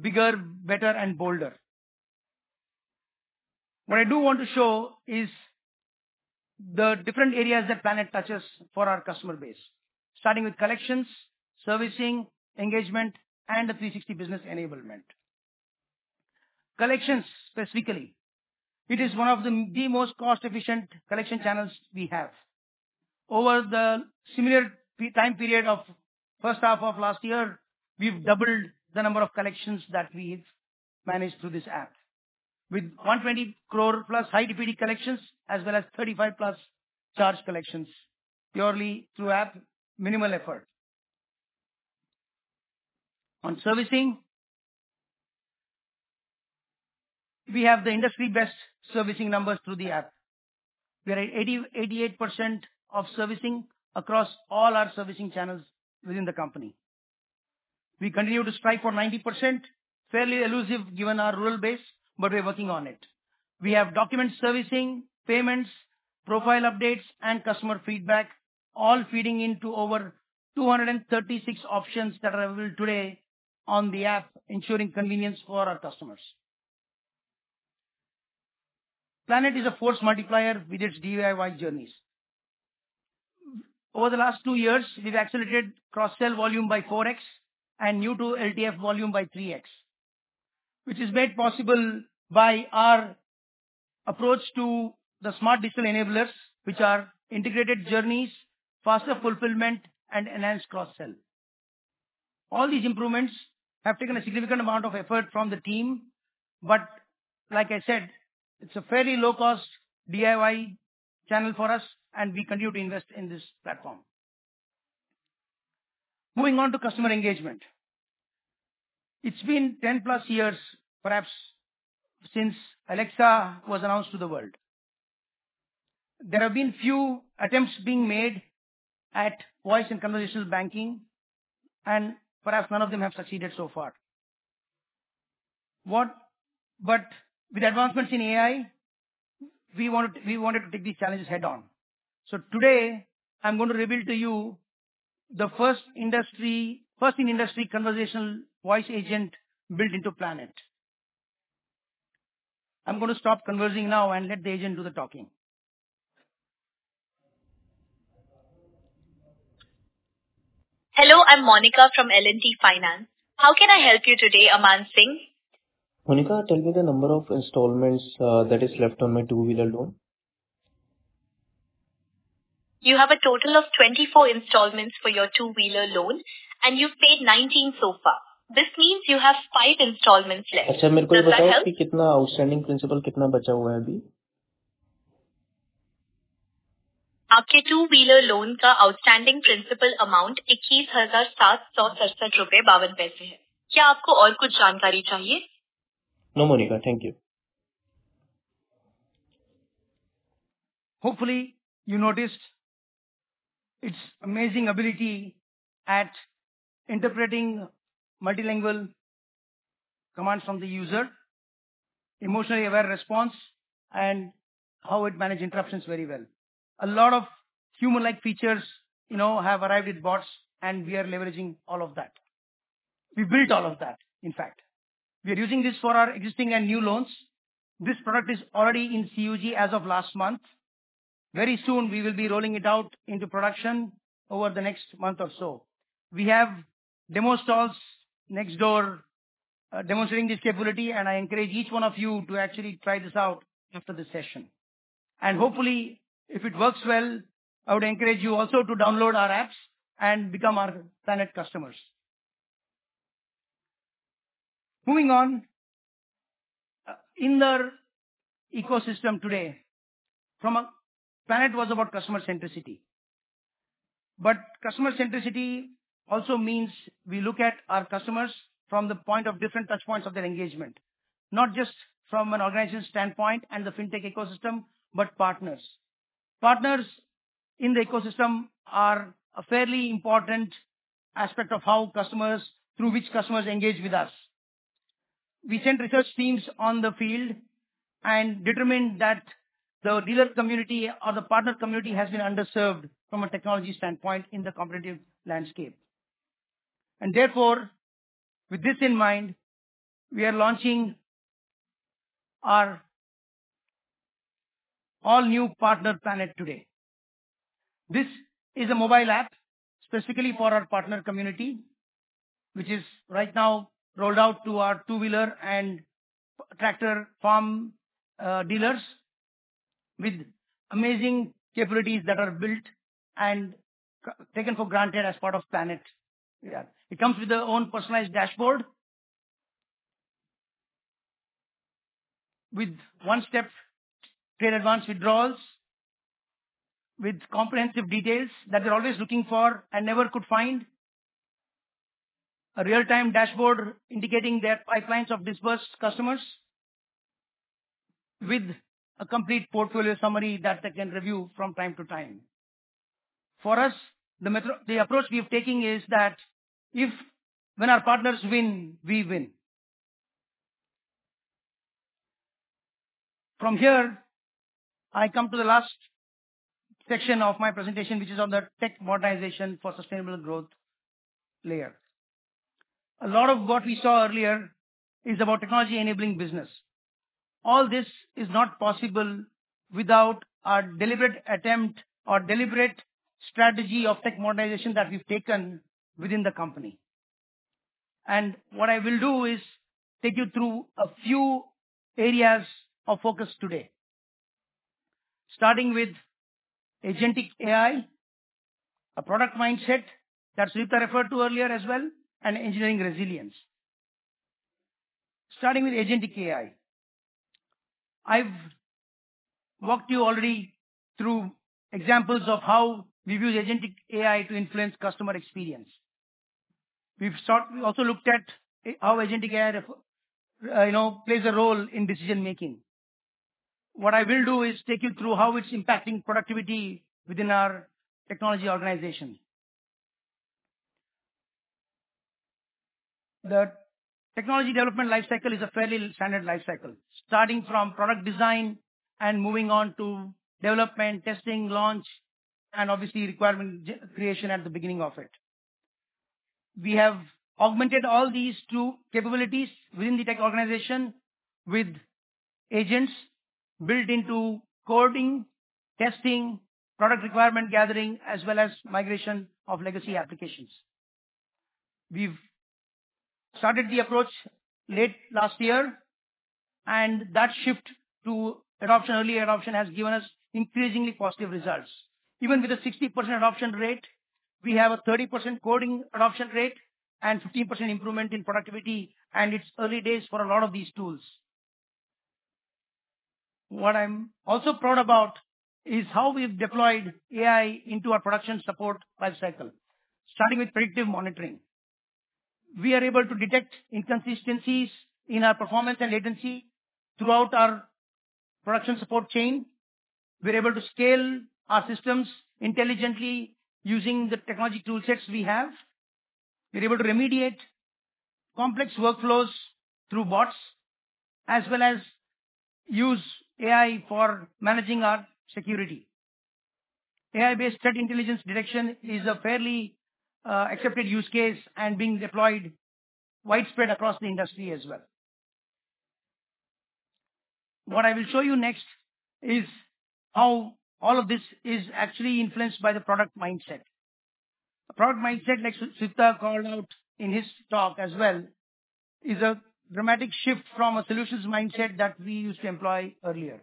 bigger, better, and bolder. What I do want to show is the different areas that Planet touches for our customer base, starting with collections, servicing, engagement, and the 360 business enablement. Collections specifically, it is one of the most cost-efficient collection channels we have. Over the similar time period of the first half of last year, we've doubled the number of collections that we've managed through this app, with 120 crore plus high-duty collections, as well as 35+ charge-off collections purely through app minimal effort. On servicing, we have the industry-best servicing numbers through the app. We are at 88% of servicing across all our servicing channels within the company. We continue to strive for 90%, fairly elusive given our rural base, but we're working on it. We have document servicing, payments, profile updates, and customer feedback, all feeding into over 236 options that are available today on the app, ensuring convenience for our customers. Planet is a force multiplier with its DIY journeys. Over the last two years, we've accelerated cross-sell volume by 4x and new-to-LTF volume by 3x, which is made possible by our approach to the smart digital enablers, which are integrated journeys, faster fulfillment, and enhanced cross-sell. All these improvements have taken a significant amount of effort from the team, but like I said, it's a fairly low-cost DIY channel for us, and we continue to invest in this platform. Moving on to customer engagement. It's been 10 plus years, perhaps, since Alexa was announced to the world. There have been few attempts being made at voice and conversational banking, and perhaps none of them have succeeded so far. But with advancements in AI, we wanted to take these challenges head-on. So today, I'm going to reveal to you the first industry-first conversational voice agent built into Planet. I'm going to stop conversing now and let the agent do the talking. Hello, I'm Monica from L&T Finance. How can I help you today, Aman Singh? Monica, tell me the number of installments that are left on my two-wheeler loan. You have a total of 24 installments for your two-wheeler loan, and you've paid 19 so far. This means you have five installments left. अच्छा, मेरे को ये बताओ कि कितना outstanding principal कितना बचा हुआ है अभी? आपके two-wheeler loan का outstanding principal amount INR 21,767.52 है। क्या आपको और कुछ जानकारी चाहिए? No, Monica, thank you. Hopefully, you noticed its amazing ability at interpreting multilingual commands from the user, emotionally aware response, and how it manages interruptions very well. A lot of human-like features, you know, have arrived with bots, and we are leveraging all of that. We built all of that, in fact. We are using this for our existing and new loans. This product is already in CUG as of last month. Very soon, we will be rolling it out into production over the next month or so. We have demo stalls next door demonstrating this capability, and I encourage each one of you to actually try this out after this session, and hopefully, if it works well, I would encourage you also to download our apps and become our Planet customers. Moving on, in the ecosystem today, Planet was about customer centricity, but customer centricity also means we look at our customers from the point of different touchpoints of their engagement, not just from an organization standpoint and the fintech ecosystem, but partners. Partners in the ecosystem are a fairly important aspect of how customers, through which customers engage with us. We sent research teams on the field and determined that the dealer community or the partner community has been underserved from a technology standpoint in the competitive landscape, and therefore, with this in mind, we are launching our all-new Partner Planet today. This is a mobile app specifically for our partner community, which is right now rolled out to our two-wheeler and tractor farm dealers with amazing capabilities that are built and taken for granted as part of Planet. It comes with their own personalized dashboard, with one-step trade advance withdrawals, with comprehensive details that they're always looking for and never could find, a real-time dashboard indicating their pipelines of disbursed customers, with a complete portfolio summary that they can review from time to time. For us, the approach we are taking is that if, when our partners win, we win. From here, I come to the last section of my presentation, which is on the tech modernization for sustainable growth layer. A lot of what we saw earlier is about technology-enabling business. All this is not possible without our deliberate attempt or deliberate strategy of tech modernization that we've taken within the company. And what I will do is take you through a few areas of focus today, starting with agentic AI, a product mindset that Sujitha referred to earlier as well, and engineering resilience. Starting with agentic AI, I've walked you already through examples of how we've used agentic AI to influence customer experience. We've also looked at how agentic AI, you know, plays a role in decision-making. What I will do is take you through how it's impacting productivity within our technology organization. The technology development lifecycle is a fairly standard lifecycle, starting from product design and moving on to development, testing, launch, and obviously requirement creation at the beginning of it. We have augmented all these two capabilities within the tech organization with agents built into coding, testing, product requirement gathering, as well as migration of legacy applications. We've started the approach late last year, and that shift to adoption, early adoption, has given us increasingly positive results. Even with a 60% adoption rate, we have a 30% coding adoption rate and 15% improvement in productivity and it's early days for a lot of these tools. What I'm also proud about is how we've deployed AI into our production support lifecycle, starting with predictive monitoring. We are able to detect inconsistencies in our performance and latency throughout our production support chain. We're able to scale our systems intelligently using the technology toolsets we have. We're able to remediate complex workflows through bots, as well as use AI for managing our security. AI-based threat intelligence detection is a fairly accepted use case and being deployed widespread across the industry as well. What I will show you next is how all of this is actually influenced by the product mindset. A product mindset, like Sujitha called out in his talk as well, is a dramatic shift from a solutions mindset that we used to employ earlier.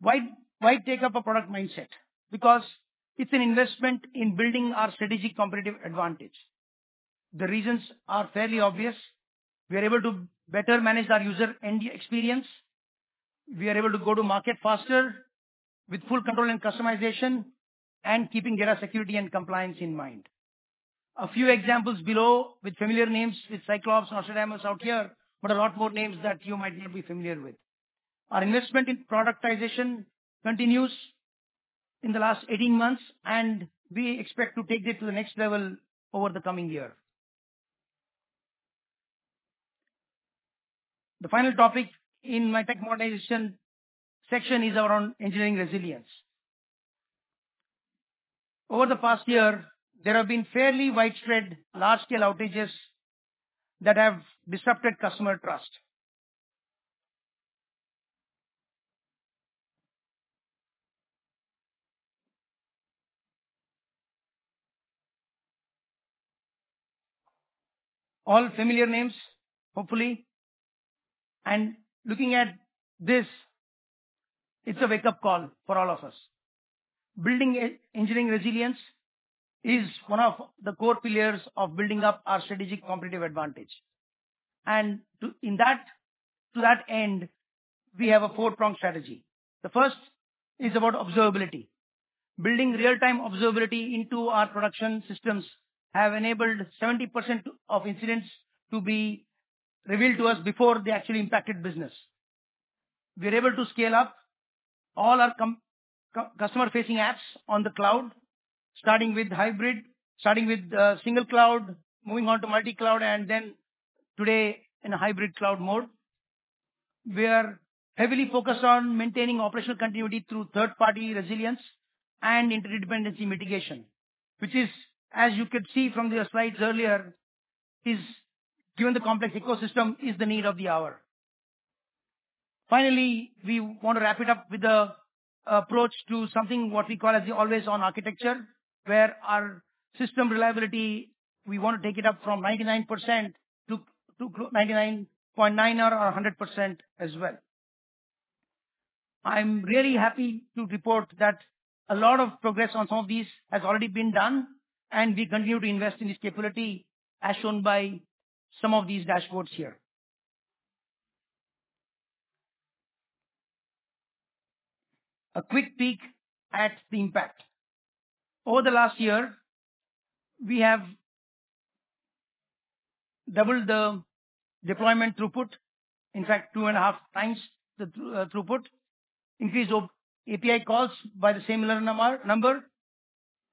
Why take up a product mindset? Because it's an investment in building our strategic competitive advantage. The reasons are fairly obvious. We are able to better manage our user end experience. We are able to go to market faster with full control and customization and keeping data security and compliance in mind. A few examples below with familiar names, with Cyclops, Nostradamus out here, but a lot more names that you might not be familiar with. Our investment in productization continues in the last 18 months, and we expect to take it to the next level over the coming year. The final topic in my tech modernization section is around engineering resilience. Over the past year, there have been fairly widespread large-scale outages that have disrupted customer trust. All familiar names, hopefully. Looking at this, it's a wake-up call for all of us. Building engineering resilience is one of the core pillars of building up our strategic competitive advantage. To that end, we have a four-pronged strategy. The first is about observability. Building real-time observability into our production systems has enabled 70% of incidents to be revealed to us before they actually impacted business. We are able to scale up all our customer-facing apps on the cloud, starting with hybrid, starting with single cloud, moving on to multi-cloud, and then today in a hybrid cloud mode. We are heavily focused on maintaining operational continuity through third-party resilience and interdependency mitigation, which is, as you could see from the slides earlier, given the complex ecosystem, is the need of the hour. Finally, we want to wrap it up with the approach to something what we call as the always-on architecture, where our system reliability, we want to take it up from 99%-99.9% or 100% as well. I'm really happy to report that a lot of progress on some of these has already been done, and we continue to invest in this capability, as shown by some of these dashboards here. A quick peek at the impact. Over the last year, we have doubled the deployment throughput, in fact, two and a half times the throughput, increased API calls by the same number,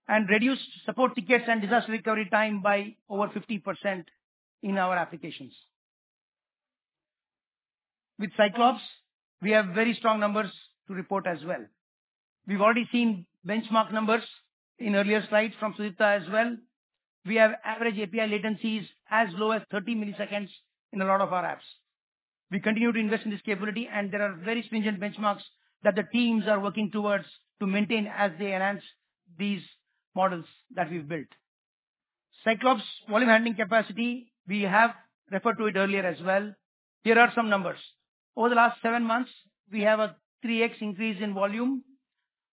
and reduced support tickets and disaster recovery time by over 50% in our applications. With Cyclops, we have very strong numbers to report as well. We've already seen benchmark numbers in earlier slides from Sujitha as well. We have average API latencies as low as 30 milliseconds in a lot of our apps. We continue to invest in this capability, and there are very stringent benchmarks that the teams are working towards to maintain as they enhance these models that we've built. Cyclops' volume handling capacity, we have referred to it earlier as well. Here are some numbers. Over the last seven months, we have a 3x increase in volume,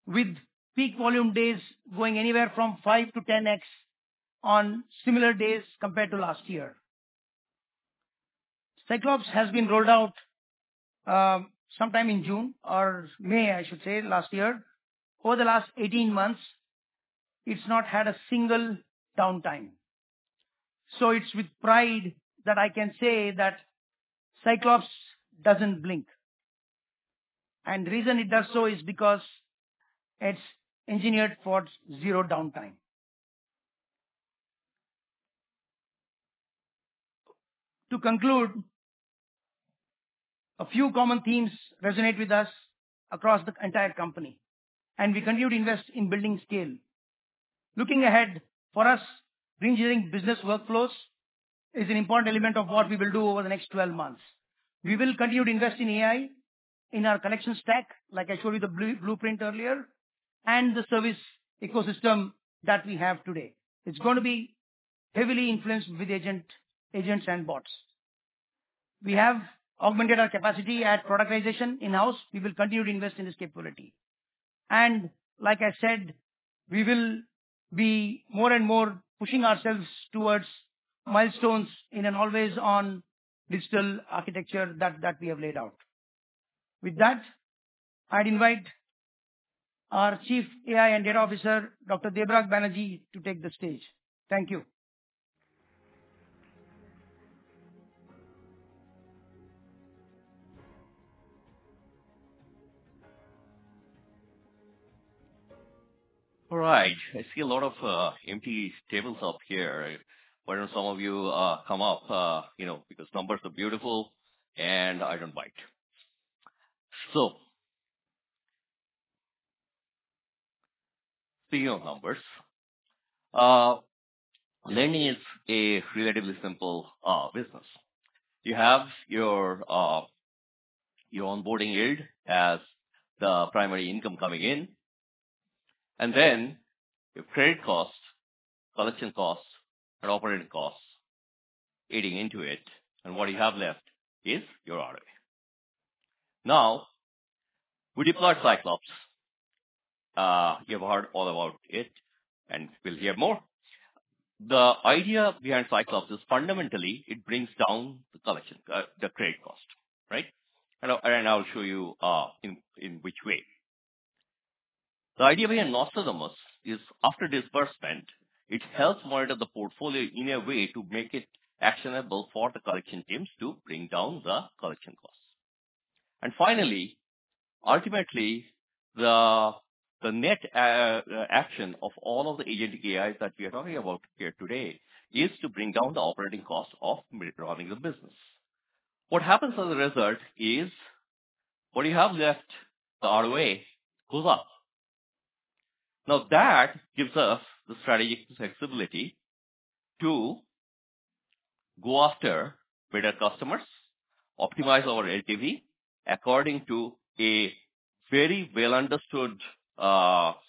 with peak volume days going anywhere from 5-10x on similar days compared to last year. Cyclops has been rolled out sometime in June or May, I should say, last year. Over the last 18 months, it's not had a single downtime. So it's with pride that I can say that Cyclops doesn't blink. And the reason it does so is because it's engineered for zero downtime. To conclude, a few common themes resonate with us across the entire company, and we continue to invest in building scale. Looking ahead, for us, reengineering business workflows is an important element of what we will do over the next 12 months. We will continue to invest in AI in our connection stack, like I showed you the blueprint earlier, and the service ecosystem that we have today. It's going to be heavily influenced with agents and bots. We have augmented our capacity at productization in-house. We will continue to invest in this capability, and like I said, we will be more and more pushing ourselves towards milestones in an always-on digital architecture that we have laid out. With that, I'd invite our Chief AI and Data Officer, Dr. Debarag Banerjee, to take the stage. Thank you. All right. I see a lot of empty tables up here. Why don't some of you come up, you know, because numbers are beautiful, and I don't mind. So, speaking of numbers, lending is a relatively simple business. You have your onboarding yield as the primary income coming in, and then your credit costs, collection costs, and operating costs eating into it, and what you have left is your ROA. Now, we deployed Cyclops. You've heard all about it, and we'll hear more. The idea behind Cyclops is fundamentally it brings down the collection, the credit cost, right? And I'll show you in which way. The idea behind Nostradamus is after disbursement, it helps monitor the portfolio in a way to make it actionable for the collection teams to bring down the collection costs. And finally, ultimately, the net action of all of the agentic AIs that we are talking about here today is to bring down the operating cost of running the business. What happens as a result is what you have left, the ROA, goes up. Now, that gives us the strategic flexibility to go after better customers, optimize our LTV according to a very well-understood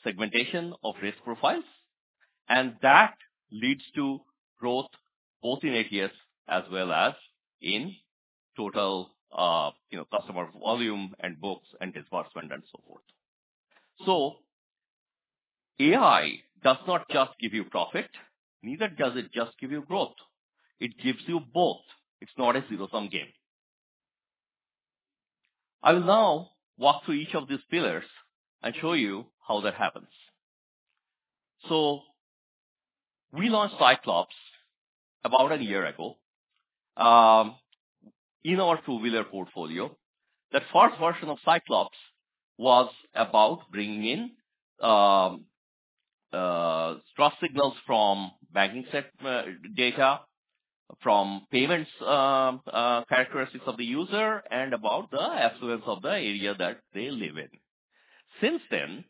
segmentation of risk profiles, and that leads to growth both in ATS as well as in total, you know, customer volume and books and disbursement and so forth. So, AI does not just give you profit, neither does it just give you growth. It gives you both. It's not a zero-sum game. I will now walk through each of these pillars and show you how that happens. So, we launched Cyclops about a year ago in our two-wheeler portfolio. The first version of Cyclops was about bringing in trust signals from banking data, from payments characteristics of the user, and about the affluence of the area that they live in. Since then,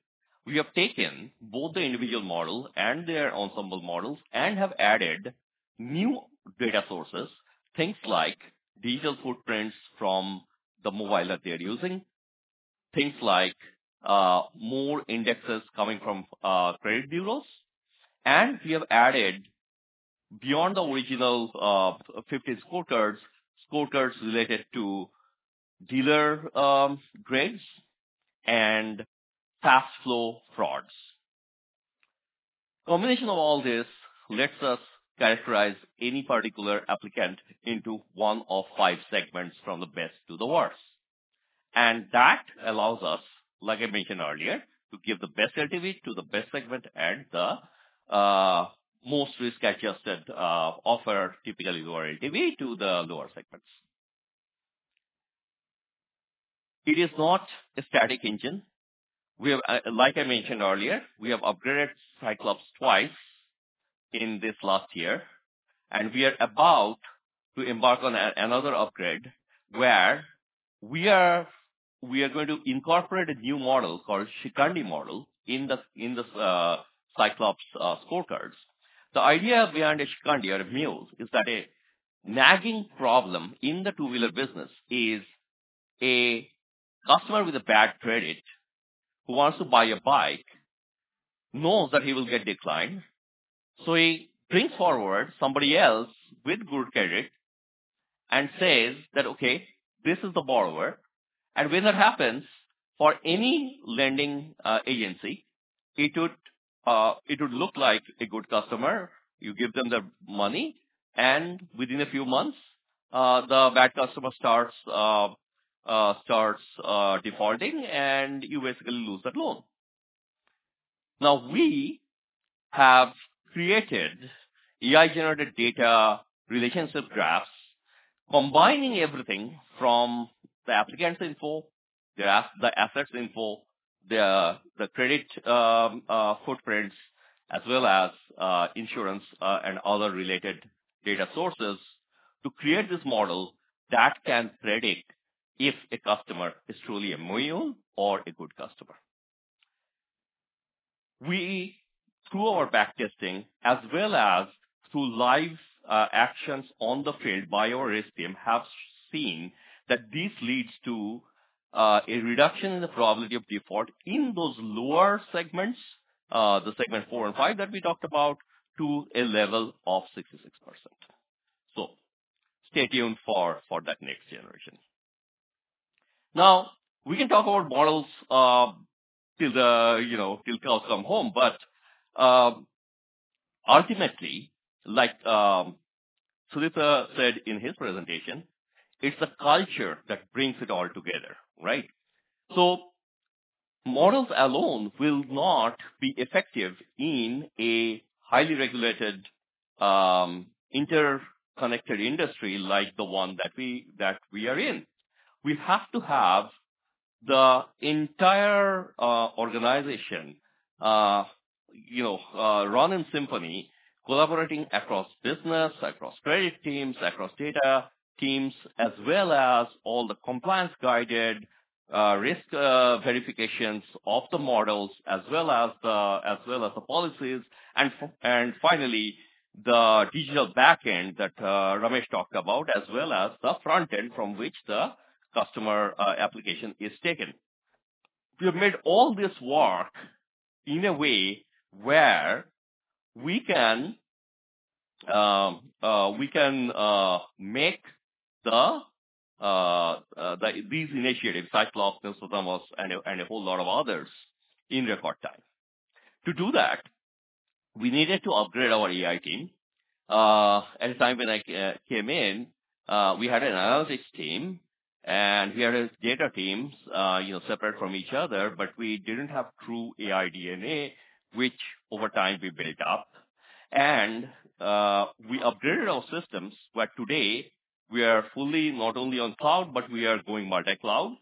we have taken both the individual model and their ensemble models and have added new data sources, things like digital footprints from the mobile that they're using, things like more indexes coming from credit bureaus, and we have added beyond the original 50 scorecards related to dealer grades and fast flow frauds. Combination of all this lets us characterize any particular applicant into one of five segments from the best to the worst. And that allows us, like I mentioned earlier, to give the best LTV to the best segment and the most risk-adjusted offer, typically lower LTV, to the lower segments. It is not a static engine. Like I mentioned earlier, we have upgraded Cyclops twice in this last year, and we are about to embark on another upgrade where we are going to incorporate a new model called Shikhandi model in the Cyclops scorecards. The idea behind a Shikhandi or a Mule is that a nagging problem in the two-wheeler business is a customer with a bad credit who wants to buy a bike, knows that he will get declined. So, he brings forward somebody else with good credit and says that, "Okay, this is the borrower." And when that happens, for any lending agency, it would look like a good customer. You give them the money, and within a few months, the bad customer starts defaulting, and you basically lose that loan. Now, we have created AI-generated data relationship graphs, combining everything from the applicant's info, the assets info, the credit footprints, as well as insurance and other related data sources to create this model that can predict if a customer is truly a Mule or a good customer. We, through our backtesting, as well as through live actions on the field by our risk team, have seen that this leads to a reduction in the probability of default in those lower segments, the segment four and five that we talked about, to a level of 66%. So, stay tuned for that next generation. Now, we can talk about models till the, you know, till cows come home, but ultimately, like Sudipta said in his presentation, it's the culture that brings it all together, right? So, models alone will not be effective in a highly regulated interconnected industry like the one that we are in. We have to have the entire organization, you know, run in symphony, collaborating across business, across credit teams, across data teams, as well as all the compliance-guided risk verifications of the models, as well as the policies, and finally, the digital backend that Ramesh talked about, as well as the frontend from which the customer application is taken. We have made all this work in a way where we can make these initiatives, Cyclops, Nostradamus, and a whole lot of others in record time. To do that, we needed to upgrade our AI team. At the time when I came in, we had an analysis team, and we had data teams, you know, separate from each other, but we didn't have true AI DNA, which over time we built up. And we upgraded our systems, but today we are fully not only on cloud, but we are going multi-cloud.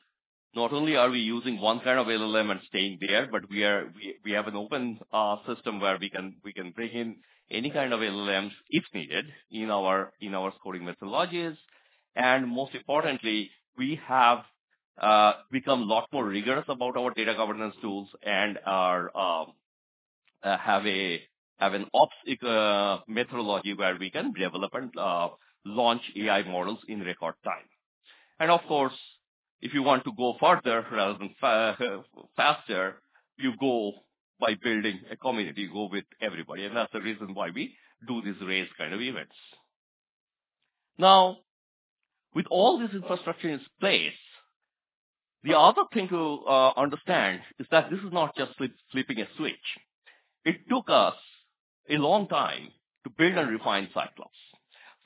Not only are we using one kind of LLM and staying there, but we have an open system where we can bring in any kind of LLMs if needed in our scoring methodologies. And most importantly, we have become a lot more rigorous about our data governance tools and have an ops methodology where we can develop and launch AI models in record time. And of course, if you want to go further rather than faster, you go by building a community, you go with everybody. And that's the reason why we do these RACE kind of events. Now, with all this infrastructure in place, the other thing to understand is that this is not just flipping a switch. It took us a long time to build and refine Cyclops.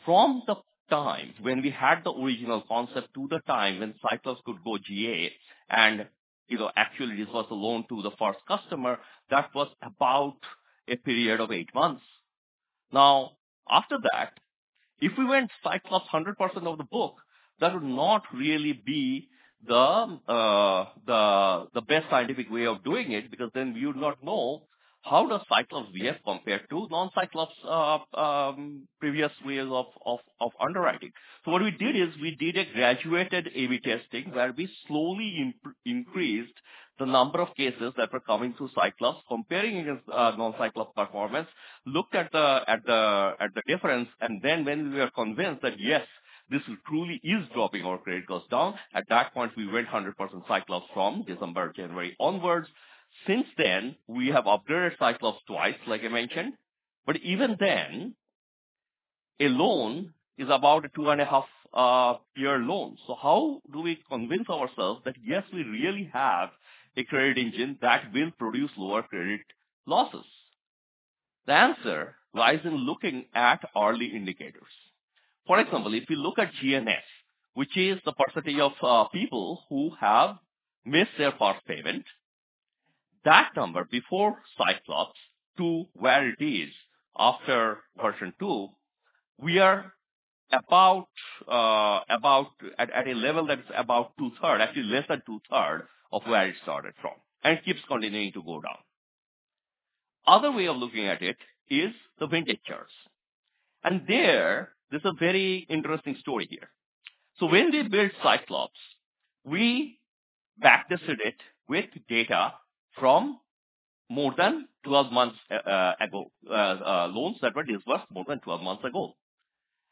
From the time when we had the original concept to the time when Cyclops could go GA and, you know, actually this was a loan to the first customer, that was about a period of eight months. Now, after that, if we went Cyclops 100% of the book, that would not really be the best scientific way of doing it because then we would not know how does Cyclops VF compare to non-Cyclops previous ways of underwriting. So what we did is we did a graduated A/B testing where we slowly increased the number of cases that were coming through Cyclops comparing against non-Cyclops performance, looked at the difference, and then when we were convinced that yes, this truly is dropping our credit costs down, at that point we went 100% Cyclops from December, January onwards. Since then, we have upgraded Cyclops twice, like I mentioned, but even then a loan is about a two and a half year loan. So how do we convince ourselves that yes, we really have a credit engine that will produce lower credit losses? The answer lies in looking at early indicators. For example, if you look at NNS, which is the percentage of people who have missed their first payment, that number before Cyclops to where it is after version two, we are about at a level that is about two-thirds, actually less than two-thirds of where it started from, and it keeps continuing to go down. Other way of looking at it is the vintage charts, and there, there's a very interesting story here. When we built Cyclops, we backtested it with data from more than 12 months ago loans that were disbursed more than 12 months ago.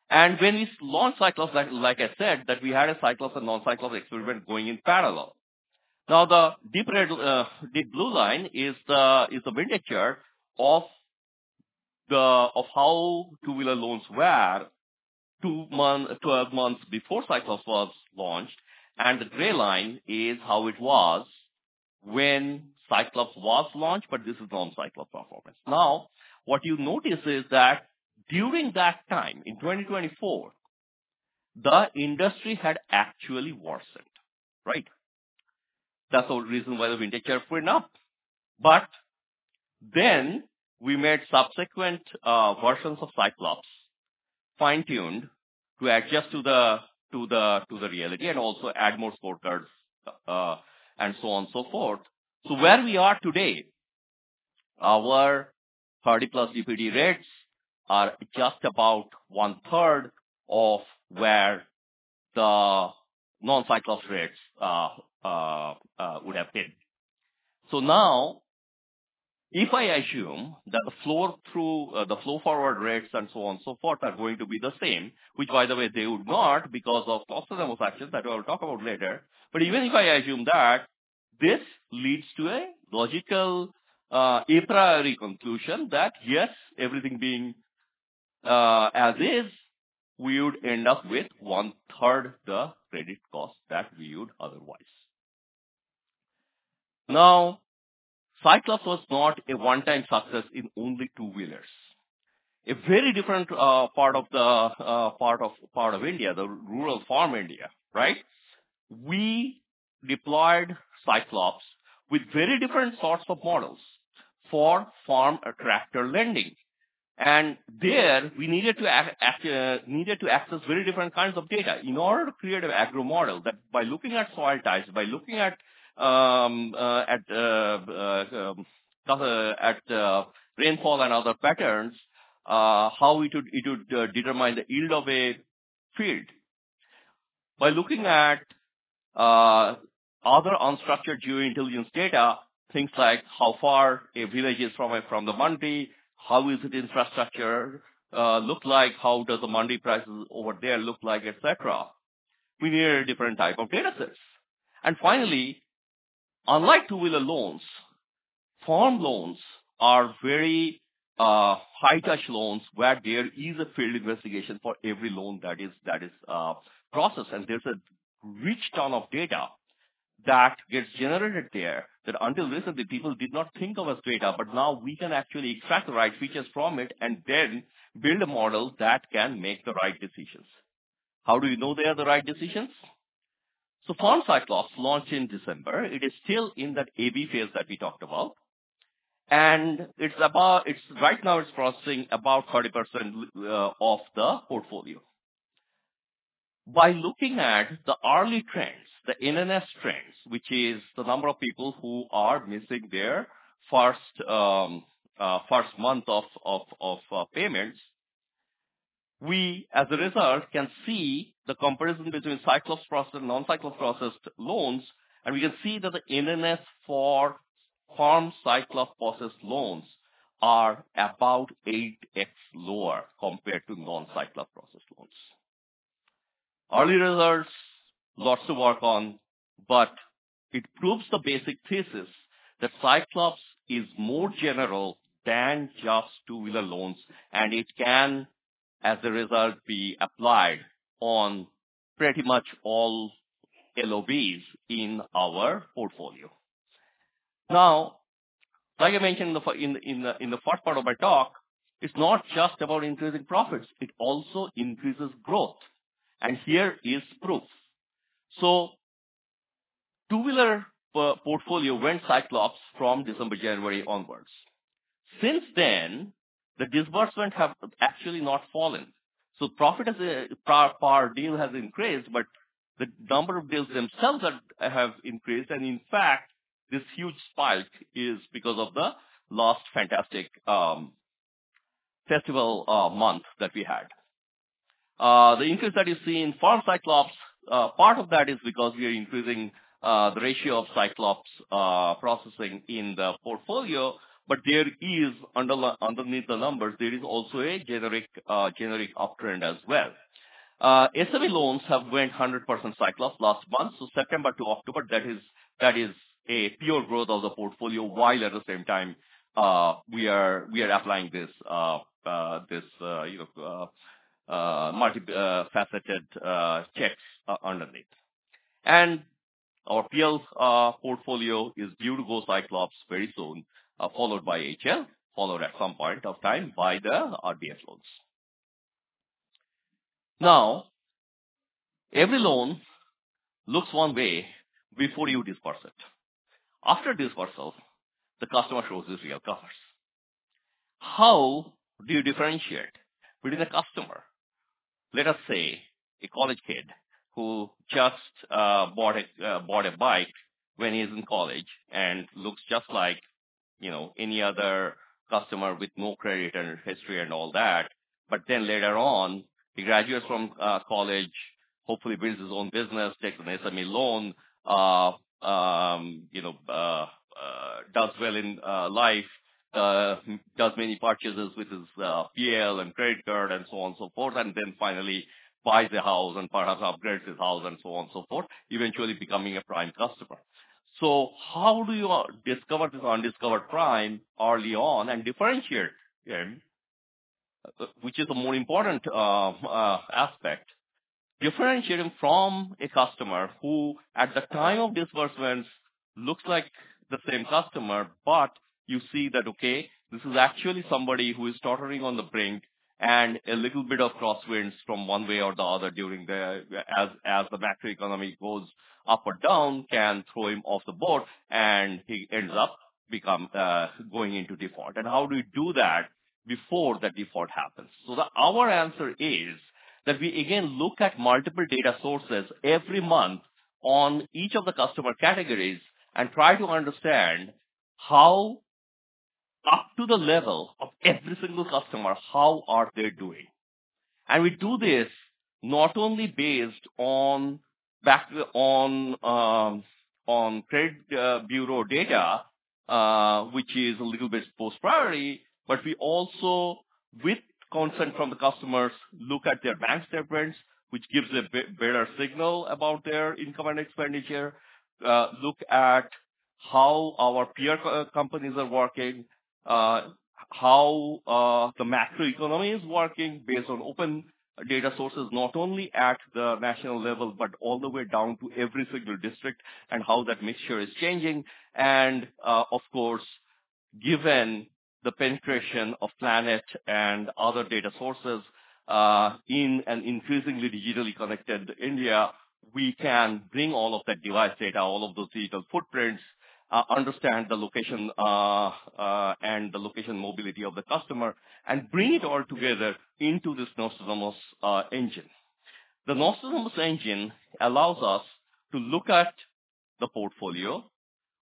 When we launched Cyclops, like I said, that we had a Cyclops and non-Cyclops experiment going in parallel. Now, the deep blue line is the vintage chart of how two-wheeler loans were 12 months before Cyclops was launched, and the gray line is how it was when Cyclops was launched, but this is non-Cyclops performance. Now, what you notice is that during that time in 2024, the industry had actually worsened, right? That is the reason why the vintage chart went up. Then we made subsequent versions of Cyclops fine-tuned to adjust to the reality and also add more scorecards and so on and so forth. So where we are today, our 30+ DPD rates are just about one-third of where the non-Cyclops rates would have been. So now, if I assume that the flow-forward rates and so on and so forth are going to be the same, which by the way, they would not because of Nostradamus actions that I will talk about later, but even if I assume that, this leads to a logical a priori conclusion that yes, everything being as is, we would end up with one-third the credit cost that we would otherwise. Now, Cyclops was not a one-time success in only two-wheelers. A very different part of India, the rural farm India, right? We deployed Cyclops with very different sorts of models for farm tractor lending. There we needed to access very different kinds of data in order to create an agro model that by looking at soil types, by looking at rainfall and other patterns, how it would determine the yield of a field. By looking at other unstructured geointelligence data, things like how far a village is from the mandi, how is the infrastructure look like, how does the mandi prices over there look like, et cetera, we needed a different type of data sets. Finally, unlike two-wheeler loans, farm loans are very high-touch loans where there is a field investigation for every loan that is processed, and there's a rich ton of data that gets generated there that until recently, people did not think of as data, but now we can actually extract the right features from it and then build a model that can make the right decisions. How do we know they are the right decisions? So Farm Cyclops launched in December. It is still in that A/B phase that we talked about. And it's about, right now it's processing about 30% of the portfolio. By looking at the early trends, the NNS trends, which is the number of people who are missing their first month of payments, we, as a result, can see the comparison between Cyclops processed and non-Cyclops processed loans, and we can see that the NNS for Farm Cyclops processed loans are about 8x lower compared to non-Cyclops processed loans. Early results, lots to work on, but it proves the basic thesis that Cyclops is more general than just two-wheeler loans, and it can, as a result, be applied on pretty much all LOBs in our portfolio. Now, like I mentioned in the first part of my talk, it's not just about increasing profits. It also increases growth, and here is proof. The two-wheeler portfolio went Cyclops from December, January onwards. Since then, the disbursement has actually not fallen. Profit as per deal has increased, but the number of deals themselves have increased. In fact, this huge spike is because of the last fantastic festival month that we had. The increase that you see in farm Cyclops, part of that is because we are increasing the ratio of Cyclops processing in the portfolio, but there is underneath the numbers, there is also a generic uptrend as well. SME loans have went 100% Cyclops last month, so September to October, that is a pure growth of the portfolio while at the same time we are applying this, you know, multifaceted checks underneath. Our PL portfolio is due to go Cyclops very soon, followed by HL, followed at some point of time by the RBS loans. Now, every loan looks one way before you disbursed it. After disbursal, the customer shows his real colors. How do you differentiate between a customer, let us say a college kid who just bought a bike when he's in college and looks just like, you know, any other customer with no credit and history and all that, but then later on, he graduates from college, hopefully builds his own business, takes an SME loan, you know, does well in life, does many purchases with his PL and credit card and so on and so forth, and then finally buys a house and perhaps upgrades his house and so on and so forth, eventually becoming a prime customer. So how do you discover this undiscovered prime early on and differentiate him, which is a more important aspect? Differentiating from a customer who at the time of disbursements looks like the same customer, but you see that, okay, this is actually somebody who is tottering on the brink and a little bit of crosswinds from one way or the other during the, as the macroeconomy goes up or down, can throw him off the board and he ends up going into default. And how do we do that before that default happens? So our answer is that we again look at multiple data sources every month on each of the customer categories and try to understand how up to the level of every single customer, how are they doing? We do this not only based on credit bureau data, which is a little bit a posteriori, but we also, with consent from the customers, look at their bank statements, which gives a better signal about their income and expenditure, look at how our peer companies are working, how the macroeconomy is working based on open data sources, not only at the national level, but all the way down to every single district and how that mixture is changing. Of course, given the penetration of Planet and other data sources in an increasingly digitally connected India, we can bring all of that device data, all of those digital footprints, understand the location and the location mobility of the customer, and bring it all together into this Nostradamus engine. The Nostradamus engine allows us to look at the portfolio,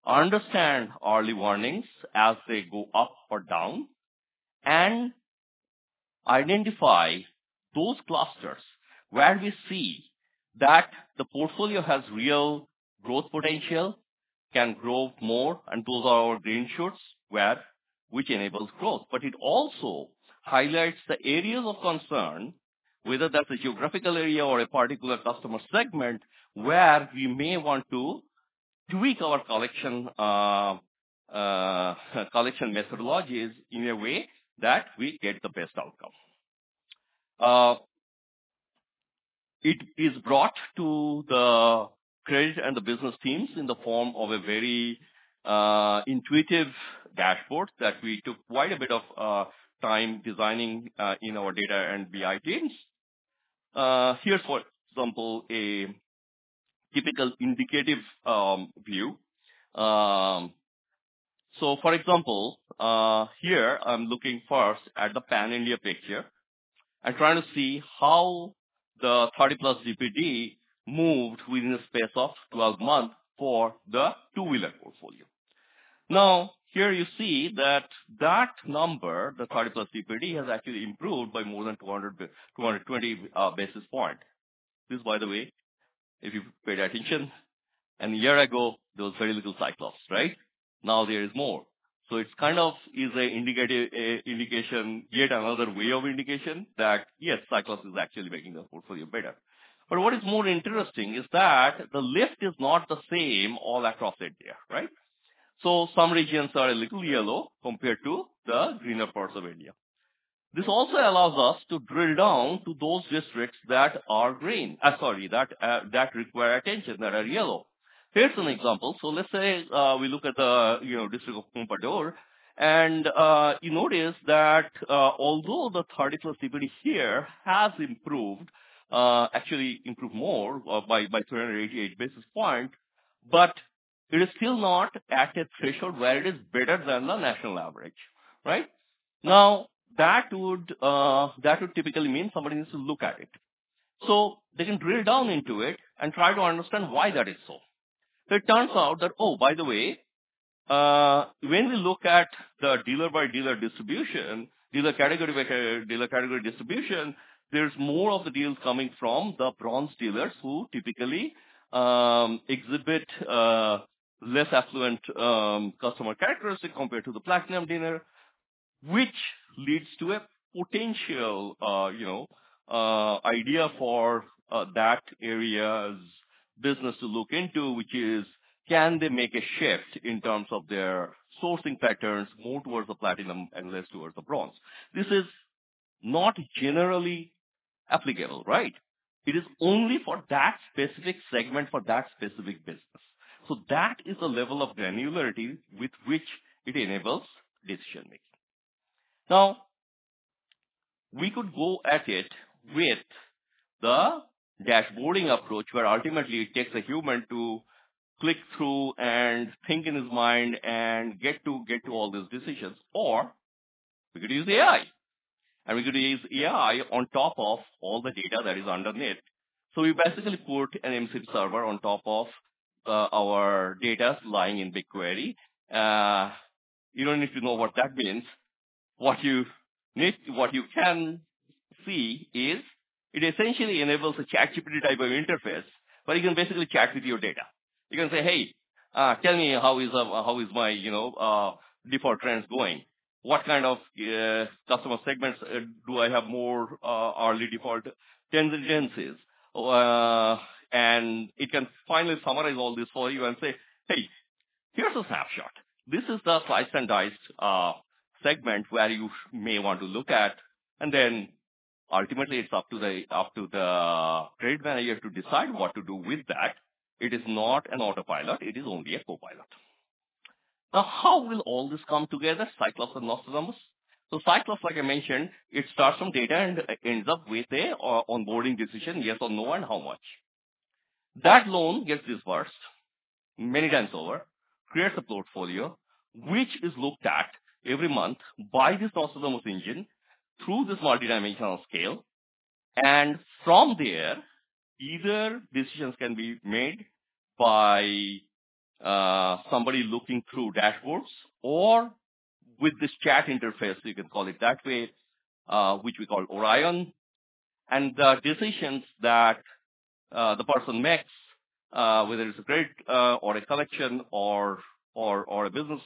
understand early warnings as they go up or down, and identify those clusters where we see that the portfolio has real growth potential, can grow more, and those are our green shoots which enable growth. But it also highlights the areas of concern, whether that's a geographical area or a particular customer segment where we may want to tweak our collection methodologies in a way that we get the best outcome. It is brought to the credit and the business teams in the form of a very intuitive dashboard that we took quite a bit of time designing in our data and BI teams. Here's, for example, a typical indicative view. So, for example, here I'm looking first at the pan-India picture and trying to see how the 30+ DPD moved within a space of 12 months for the two-wheeler portfolio. Now, here you see that that number, the 30+ DPD, has actually improved by more than 220 basis points. This, by the way, if you paid attention, a year ago, there was very little Cyclops, right? Now there is more. So it's kind of an indication, yet another way of indication that, yes, Cyclops is actually making the portfolio better. But what is more interesting is that the list is not the same all across India, right? So some regions are a little yellow compared to the greener parts of India. This also allows us to drill down to those districts that are green, sorry, that require attention, that are yellow. Here's an example. So let's say we look at the district of Pandharpur, and you notice that although the 30+ DPD here has improved, actually improved more by 388 basis points, but it is still not at a threshold where it is better than the national average, right? Now, that would typically mean somebody needs to look at it. So they can drill down into it and try to understand why that is so. So it turns out that, oh, by the way, when we look at the dealer-by-dealer distribution, dealer category-by-dealer category distribution, there's more of the deals coming from the bronze dealers who typically exhibit less affluent customer characteristics compared to the platinum dealer, which leads to a potential, you know, idea for that area's business to look into, which is, can they make a shift in terms of their sourcing patterns more towards the platinum and less towards the bronze? This is not generally applicable, right? It is only for that specific segment, for that specific business. So that is the level of granularity with which it enables decision making. Now, we could go at it with the dashboarding approach where ultimately it takes a human to click through and think in his mind and get to all these decisions, or we could use AI. And we could use AI on top of all the data that is underneath. So we basically put an MCP server on top of our data lying in BigQuery. You don't need to know what that means. What you can see is it essentially enables a ChatGPT type of interface, but you can basically chat with your data. You can say, "Hey, tell me how is my default trends going? What kind of customer segments do I have more early default tendencies?" And it can finally summarize all this for you and say, "Hey, here's a snapshot. This is the slice and dice segment where you may want to look at." And then ultimately, it's up to the credit manager to decide what to do with that. It is not an autopilot. It is only a co-pilot. Now, how will all this come together, Cyclops and Nostradamus? So Cyclops, like I mentioned, it starts from data and ends up with an onboarding decision, yes or no and how much. That loan gets disbursed many times over, creates a portfolio, which is looked at every month by this Nostradamus engine through this multidimensional scale. From there, either decisions can be made by somebody looking through dashboards or with this chat interface, you can call it that way, which we call Orion. The decisions that the person makes, whether it's a credit or a collection or a business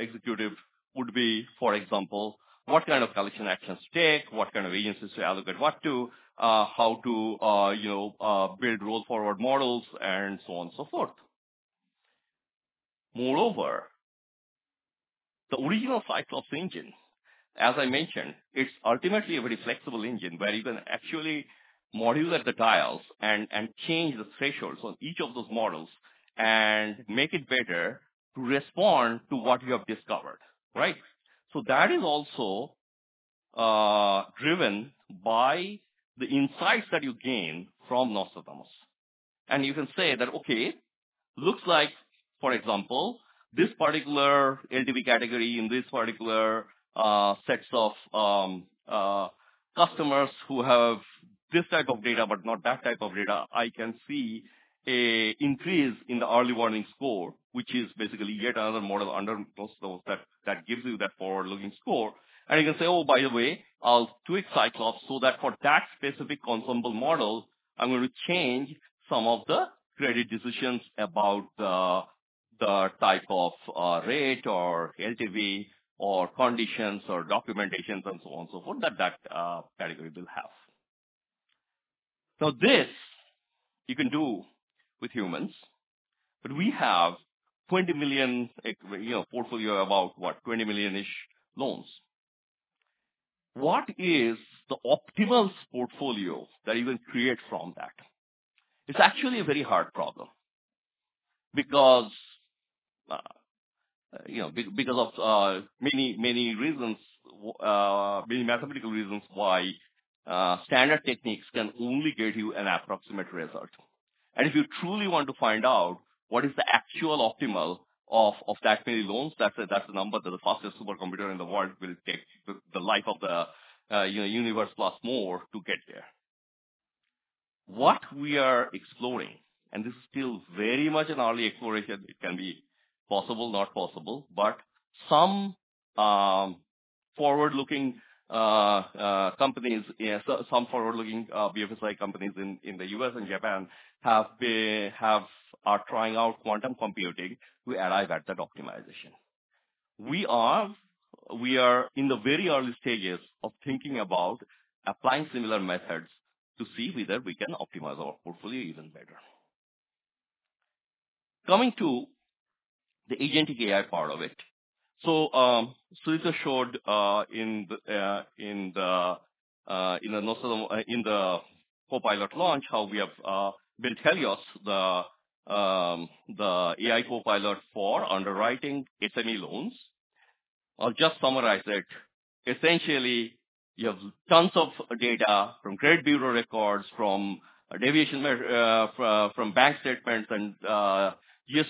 executive, would be, for example, what kind of collection actions to take, what kind of agencies to allocate what to, how to build roll-forward models, and so on and so forth. Moreover, the original Cyclops engine, as I mentioned, it's ultimately a very flexible engine where you can actually modulate the dials and change the thresholds on each of those models and make it better to respond to what you have discovered, right? So that is also driven by the insights that you gain from Nostradamus. You can say that, "Okay, looks like, for example, this particular LTV category in these particular sets of customers who have this type of data, but not that type of data, I can see an increase in the early warning score," which is basically yet another model under Nostradamus that gives you that forward-looking score. You can say, "Oh, by the way, I'll tweak Cyclops so that for that specific consumable model, I'm going to change some of the credit decisions about the type of rate or LTV or conditions or documentations and so on and so forth that that category will have." Now, this you can do with humans, but we have 20 million portfolio about what, 20 million-ish loans. What is the optimal portfolio that you can create from that? It's actually a very hard problem because of many, many reasons, many mathematical reasons why standard techniques can only get you an approximate result, and if you truly want to find out what is the actual optimal of that many loans, that's the number that the fastest supercomputer in the world will take the life of the universe plus more to get there. What we are exploring, and this is still very much an early exploration, it can be possible, not possible, but some forward-looking companies, some forward-looking BFSI companies in the U.S. and Japan are trying out quantum computing to arrive at that optimization. We are in the very early stages of thinking about applying similar methods to see whether we can optimize our portfolio even better. Coming to the agentic AI part of it, so it's as used in the Nostradamus in the Copilot launch how we have been telling you about the AI Copilot for underwriting SME loans. I'll just summarize it. Essentially, you have tons of data from credit bureau records, from bank statements and GST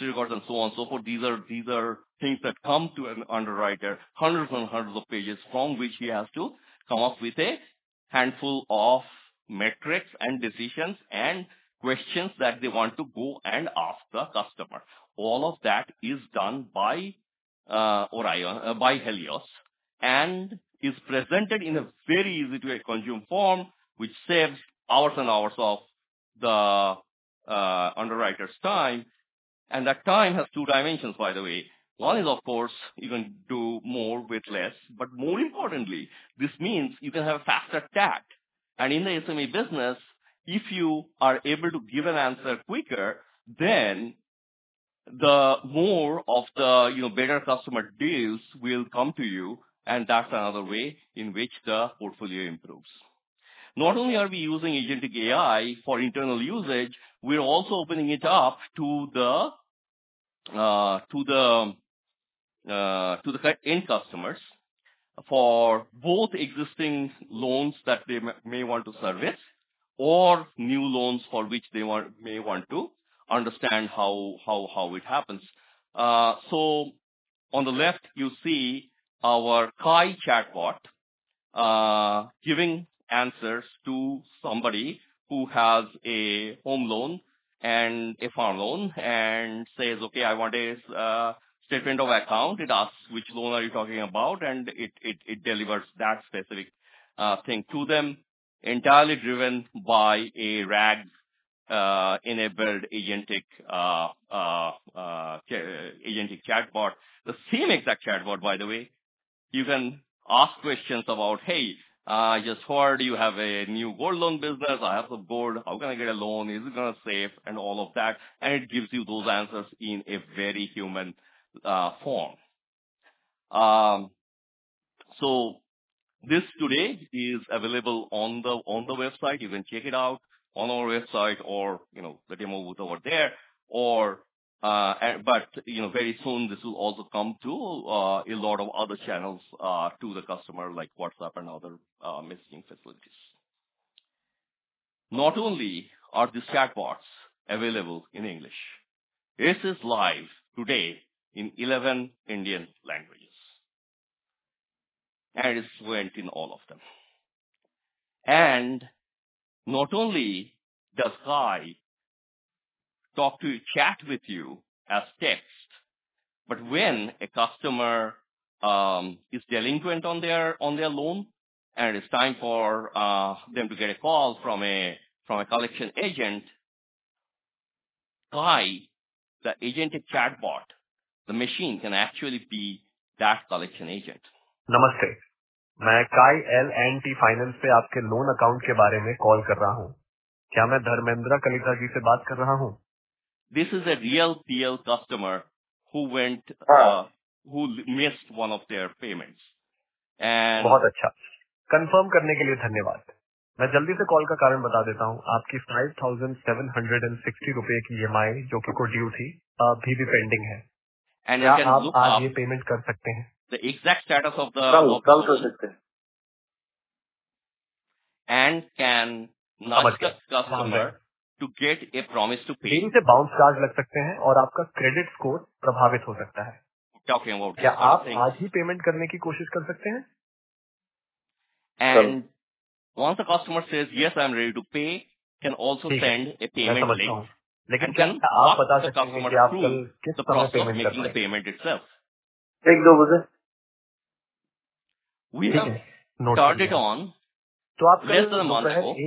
records, and so on and so forth. These are things that come to an underwriter, hundreds and hundreds of pages from which he has to come up with a handful of metrics and decisions and questions that they want to go and ask the customer. All of that is done by Helios and is presented in a very easy-to-consume form, which saves hours and hours of the underwriter's time. That time has two dimensions, by the way. One is, of course, you can do more with less, but more importantly, this means you can have a faster TAT. And in the SME business, if you are able to give an answer quicker, then the more of the better customer deals will come to you, and that's another way in which the portfolio improves. Not only are we using agentic AI for internal usage, we're also opening it up to the end customers for both existing loans that they may want to service or new loans for which they may want to understand how it happens. So on the left, you see our Kai chatbot giving answers to somebody who has a home loan and a farm loan and says, "Okay, I want a statement of account." It asks, "Which loan are you talking about?" And it delivers that specific thing to them, entirely driven by a RAG-enabled agentic chatbot. The same exact chatbot, by the way, you can ask questions about, "Hey, just heard, you have a new gold loan business. I have some gold. How can I get a loan? Is it going to save?" And all of that. And it gives you those answers in a very human form. So this today is available on the website. You can check it out on our website or the demo over there. But very soon, this will also come to a lot of other channels to the customer, like WhatsApp and other messaging facilities. Not only are these chatbots available in English, this is live today in 11 Indian languages. And it's fluent in all of them. And not only does Kai talk to you, chat with you as text, but when a customer is delinquent on their loan and it's time for them to get a call from a collection agent, Kai, the agentic chatbot, the machine can actually be that collection agent. नमस्ते, मैं Kai L&T Finance से आपके loan account के बारे में call कर रहा हूँ। क्या मैं धर्मेंद्र कलिता जी से बात कर रही हूँ? This is a real PL customer who missed one of their payments. बहुत अच्छा। कन्फर्म करने के लिए धन्यवाद। मैं जल्दी से कॉल का कारण बता देता हूँ। आपकी INR 5,760 की EMI, जो कि को ड्यू थी, अभी भी पेंडिंग है। एंड आप आज ये पेमेंट कर सकते हैं। The exact status of the कल कर सकते हैं। And can not. Customer to get a promise to pay. दिन से बाउंस चार्ज लग सकते हैं और आपका क्रेडिट स्कोर प्रभावित हो सकता है। क्या आप आज ही पेमेंट करने की कोशिश कर सकते हैं? And once the customer says, "Yes, I'm ready to pay," can also send a payment link. लेकिन क्या आप बता सकते हैं कि आप कल किस तरह से पेमेंट कर सकते हैं? Payment itself. एक-दो बजे। We turned it on. तो आप कल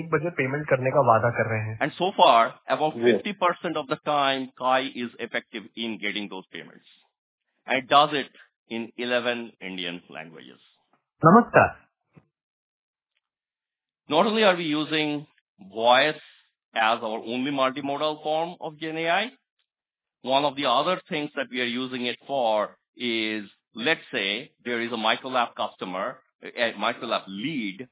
1 बजे पेमेंट करने का वादा कर रहे हैं। And so far, about 50% of the time, Kai is effective in getting those payments. And it does it in 11 Indian languages. Namaskar. Not only are we using voice as our only multimodal form of GenAI, one of the other things that we are using it for is, let's say, there is a Micro LAP customer, a Micro LAP lead,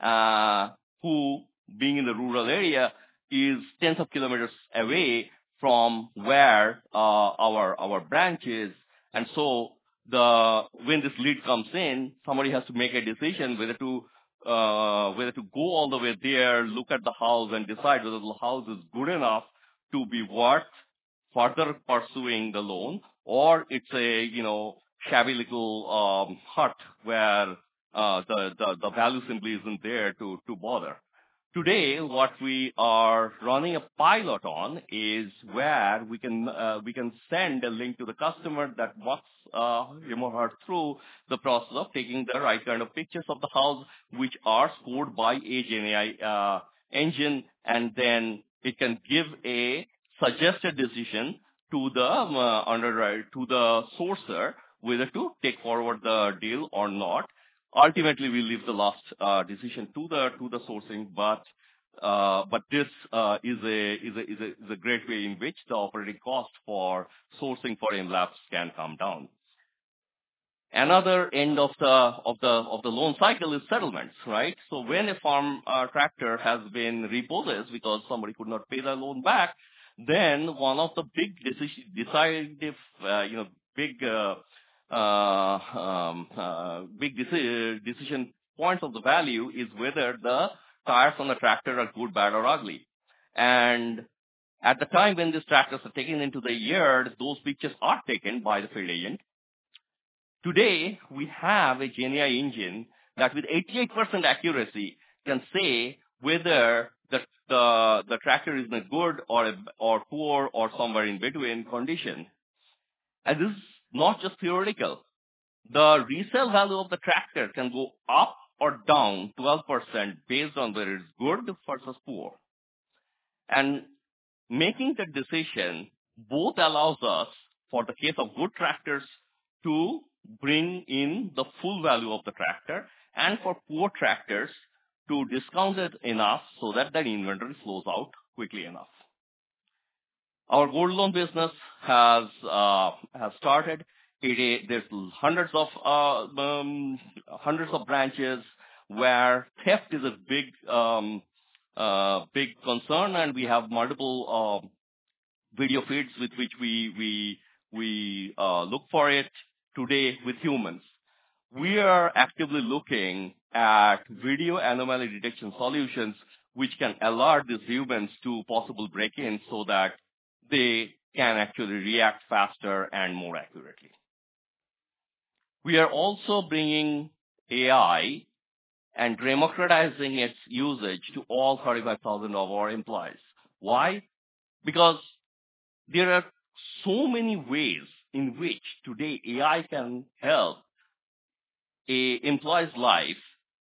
who being in the rural area is tens of kilometers away from where our branch is. And so when this lead comes in, somebody has to make a decision whether to go all the way there, look at the house, and decide whether the house is good enough to be worth further pursuing the loan, or it's a shabby little hut where the value simply isn't there to bother. Today, what we are running a pilot on is where we can send a link to the customer that walks him or her through the process of taking the right kind of pictures of the house, which are scored by a GenAI engine, and then it can give a suggested decision to the sourcer whether to take forward the deal or not. Ultimately, we leave the last decision to the sourcing, but this is a great way in which the operating cost for sourcing for MLAPs can come down. Another end of the loan cycle is settlements, right? So when a farm tractor has been repossessed because somebody could not pay the loan back, then one of the big decisive decision points of the value is whether the tires on the tractor are good, bad, or ugly. At the time when these tractors are taken into the yard, those pictures are taken by the field agent. Today, we have a GenAI engine that with 88% accuracy can say whether the tractor is in a good or poor or somewhere in between condition. This is not just theoretical. The resale value of the tractor can go up or down 12% based on whether it's good versus poor. Making that decision both allows us, for the case of good tractors, to bring in the full value of the tractor and for poor tractors to discount it enough so that the inventory flows out quickly enough. Our gold loan business has started. There are hundreds of branches where theft is a big concern, and we have multiple video feeds with which we look for it today with humans. We are actively looking at video anomaly detection solutions, which can alert these humans to possible break-ins so that they can actually react faster and more accurately. We are also bringing AI and democratizing its usage to all 35,000 of our employees. Why? Because there are so many ways in which today AI can help an employee's life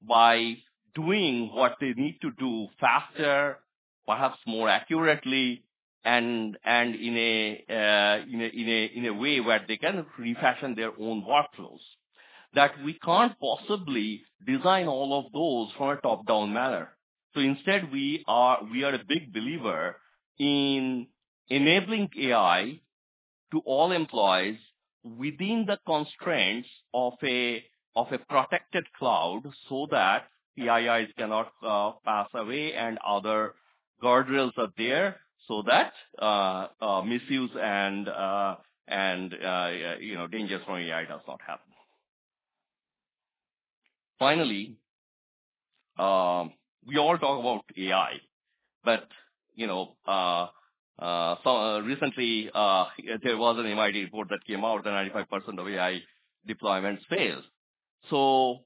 by doing what they need to do faster, perhaps more accurately, and in a way where they can refashion their own workflows that we can't possibly design all of those from a top-down manner. So instead, we are a big believer in enabling AI to all employees within the constraints of a protected cloud so that PIIs cannot pass away and other guardrails are there so that misuse and dangers from AI do not happen. Finally, we all talk about AI, but recently there was an MIT report that came out that 95% of AI deployments failed. So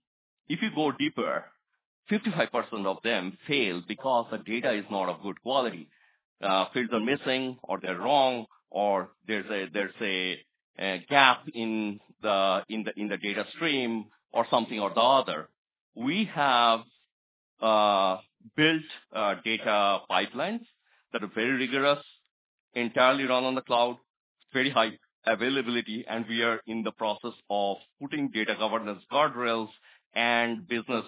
if you go deeper, 55% of them fail because the data is not of good quality. Fields are missing or they're wrong or there's a gap in the data stream or something or the other. We have built data pipelines that are very rigorous, entirely run on the cloud, very high availability, and we are in the process of putting data governance guardrails and business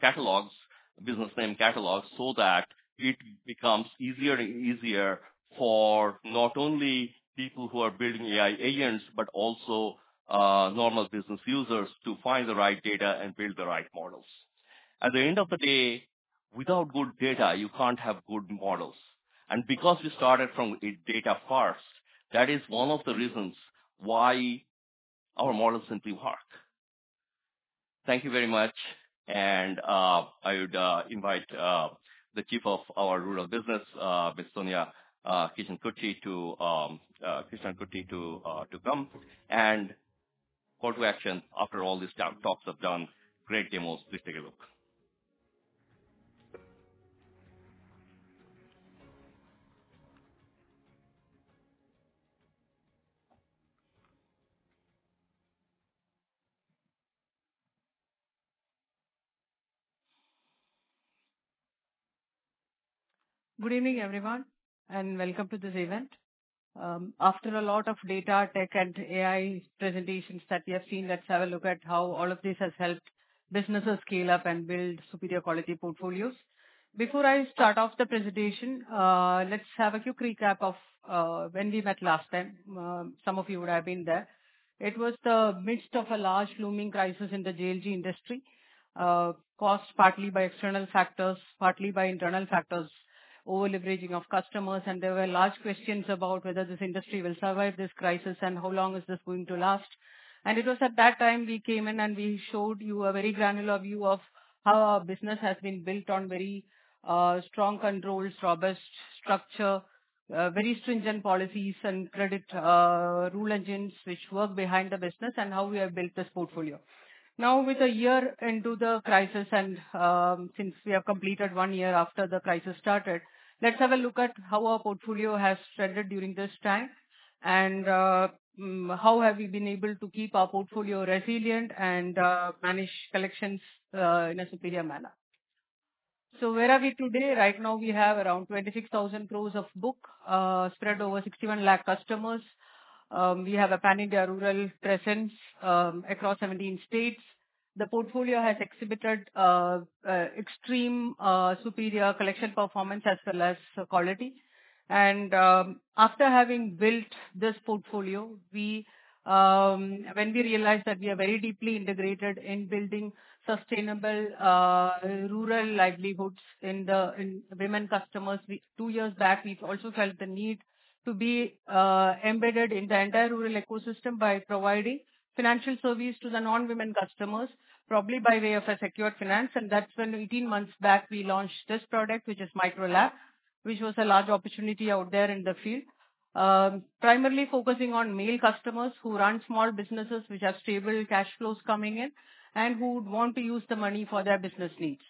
catalogs, business name catalogs, so that it becomes easier and easier for not only people who are building AI agents, but also normal business users to find the right data and build the right models. At the end of the day, without good data, you can't have good models. Because we started from data first, that is one of the reasons why our models simply work. Thank you very much. I would invite the Chief of our rural business, Ms. Sonia Krishnankutty, to come and call to action. After all these talks have done, great demos. Please take a look. Good evening, everyone, and welcome to this event. After a lot of data, tech, and AI presentations that we have seen, let's have a look at how all of this has helped businesses scale up and build superior quality portfolios. Before I start off the presentation, let's have a quick recap of when we met last time. Some of you would have been there. It was the midst of a large looming crisis in the JLG industry, caused partly by external factors, partly by internal factors, over-leveraging of customers, and there were large questions about whether this industry will survive this crisis and how long is this going to last. It was at that time we came in and we showed you a very granular view of how our business has been built on very strong controls, robust structure, very stringent policies, and credit rule engines which work behind the business, and how we have built this portfolio. Now, with a year into the crisis and since we have completed one year after the crisis started, let's have a look at how our portfolio has weathered during this time and how have we been able to keep our portfolio resilient and manage collections in a superior manner. Where are we today? Right now, we have around 26,000 crores of books spread over 61 million customers. We have a pan-India rural presence across 17 states. The portfolio has exhibited extremely superior collection performance as well as quality. After having built this portfolio, when we realized that we are very deeply integrated in building sustainable rural livelihoods in women customers, two years back, we also felt the need to be embedded in the entire rural ecosystem by providing financial service to the non-women customers, probably by way of a secured finance. That's when 18 months back, we launched this product, which is Micro LAP, which was a large opportunity out there in the field, primarily focusing on male customers who run small businesses which have stable cash flows coming in and who would want to use the money for their business needs.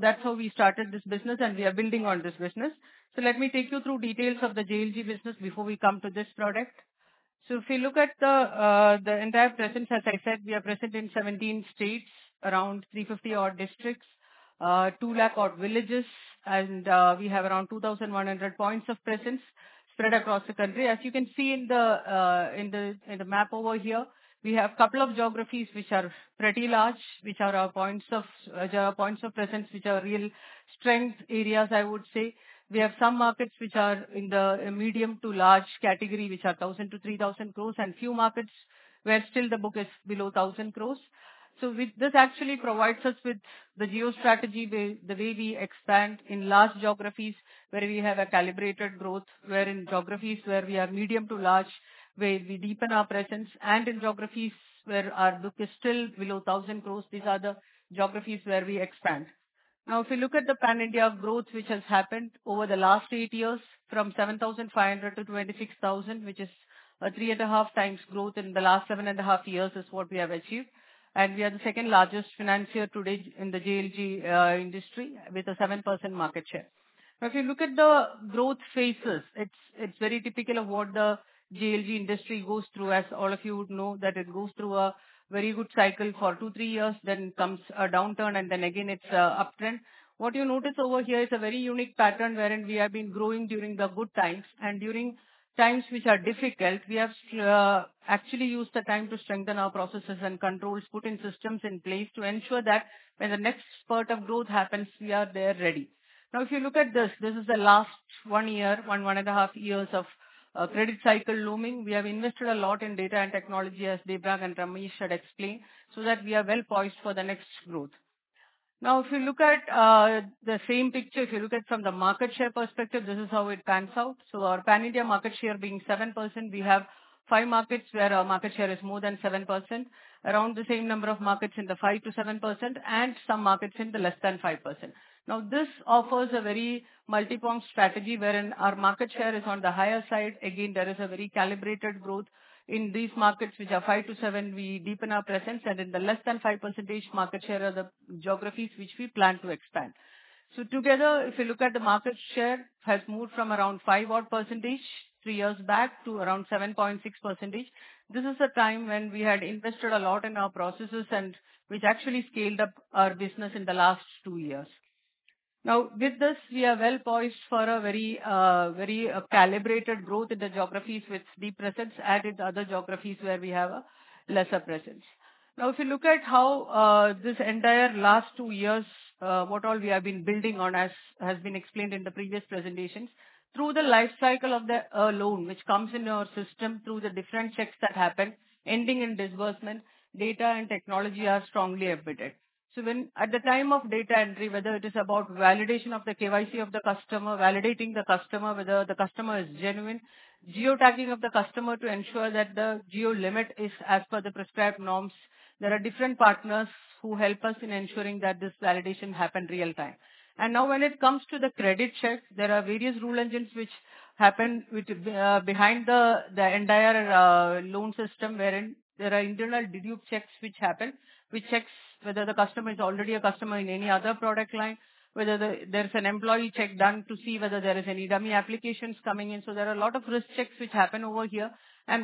That's how we started this business, and we are building on this business. Let me take you through details of the JLG business before we come to this product. If you look at the entire presence, as I said, we are present in 17 states, around 350-odd districts, 2,000,000-odd villages, and we have around 2,100 points of presence spread across the country. As you can see in the map over here, we have a couple of geographies which are pretty large, which are our points of presence, which are real strength areas, I would say. We have some markets which are in the medium to large category, which are 1,000-3,000 crores, and few markets where still the book is below 1,000 crores. This actually provides us with the geostrategy, the way we expand in large geographies where we have a calibrated growth, where in geographies where we are medium to large, where we deepen our presence, and in geographies where our book is still below 1,000 crores. These are the geographies where we expand. Now, if you look at the pan-India growth which has happened over the last eight years, from 7,500-26,000, which is a three and a half times growth in the last seven and a half years, is what we have achieved. We are the second largest financier today in the JLG industry with a 7% market share. Now, if you look at the growth phases, it's very typical of what the JLG industry goes through, as all of you would know, that it goes through a very good cycle for two, three years, then comes a downturn, and then again, it's an uptrend. What you notice over here is a very unique pattern wherein we have been growing during the good times, and during times which are difficult, we have actually used the time to strengthen our processes and controls, put in systems in place to ensure that when the next spurt of growth happens, we are there ready. Now, if you look at this, this is the last one year, one and a half years of credit cycle looming. We have invested a lot in data and technology, as Deepak and Ramesh had explained, so that we are well poised for the next growth. Now, if you look at the same picture, if you look at it from the market share perspective, this is how it pans out. So our pan-India market share being 7%, we have five markets where our market share is more than 7%, around the same number of markets in the 5%-7%, and some markets in the less than 5%. Now, this offers a very multi-point strategy wherein our market share is on the higher side. Again, there is a very calibrated growth in these markets which are 5%-7%. We deepen our presence, and in the less than 5% market share are the geographies which we plan to expand. So together, if you look at the market share, it has moved from around 5% odd percentage three years back to around 7.6%. This is a time when we had invested a lot in our processes and which actually scaled up our business in the last two years. Now, with this, we are well poised for a very calibrated growth in the geographies with deep presence, added other geographies where we have a lesser presence. Now, if you look at how this entire last two years, what all we have been building on has been explained in the previous presentations, through the lifecycle of the loan which comes in our system through the different checks that happen, ending in disbursement, data and technology are strongly embedded. So at the time of data entry, whether it is about validation of the KYC of the customer, validating the customer, whether the customer is genuine, geo-tagging of the customer to ensure that the geo limit is as per the prescribed norms, there are different partners who help us in ensuring that this validation happens in real time. And now, when it comes to the credit check, there are various rule engines which happen behind the entire loan system wherein there are internal dedupe checks which happen, which checks whether the customer is already a customer in any other product line, whether there's an employee check done to see whether there are any dummy applications coming in. So there are a lot of risk checks which happen over here.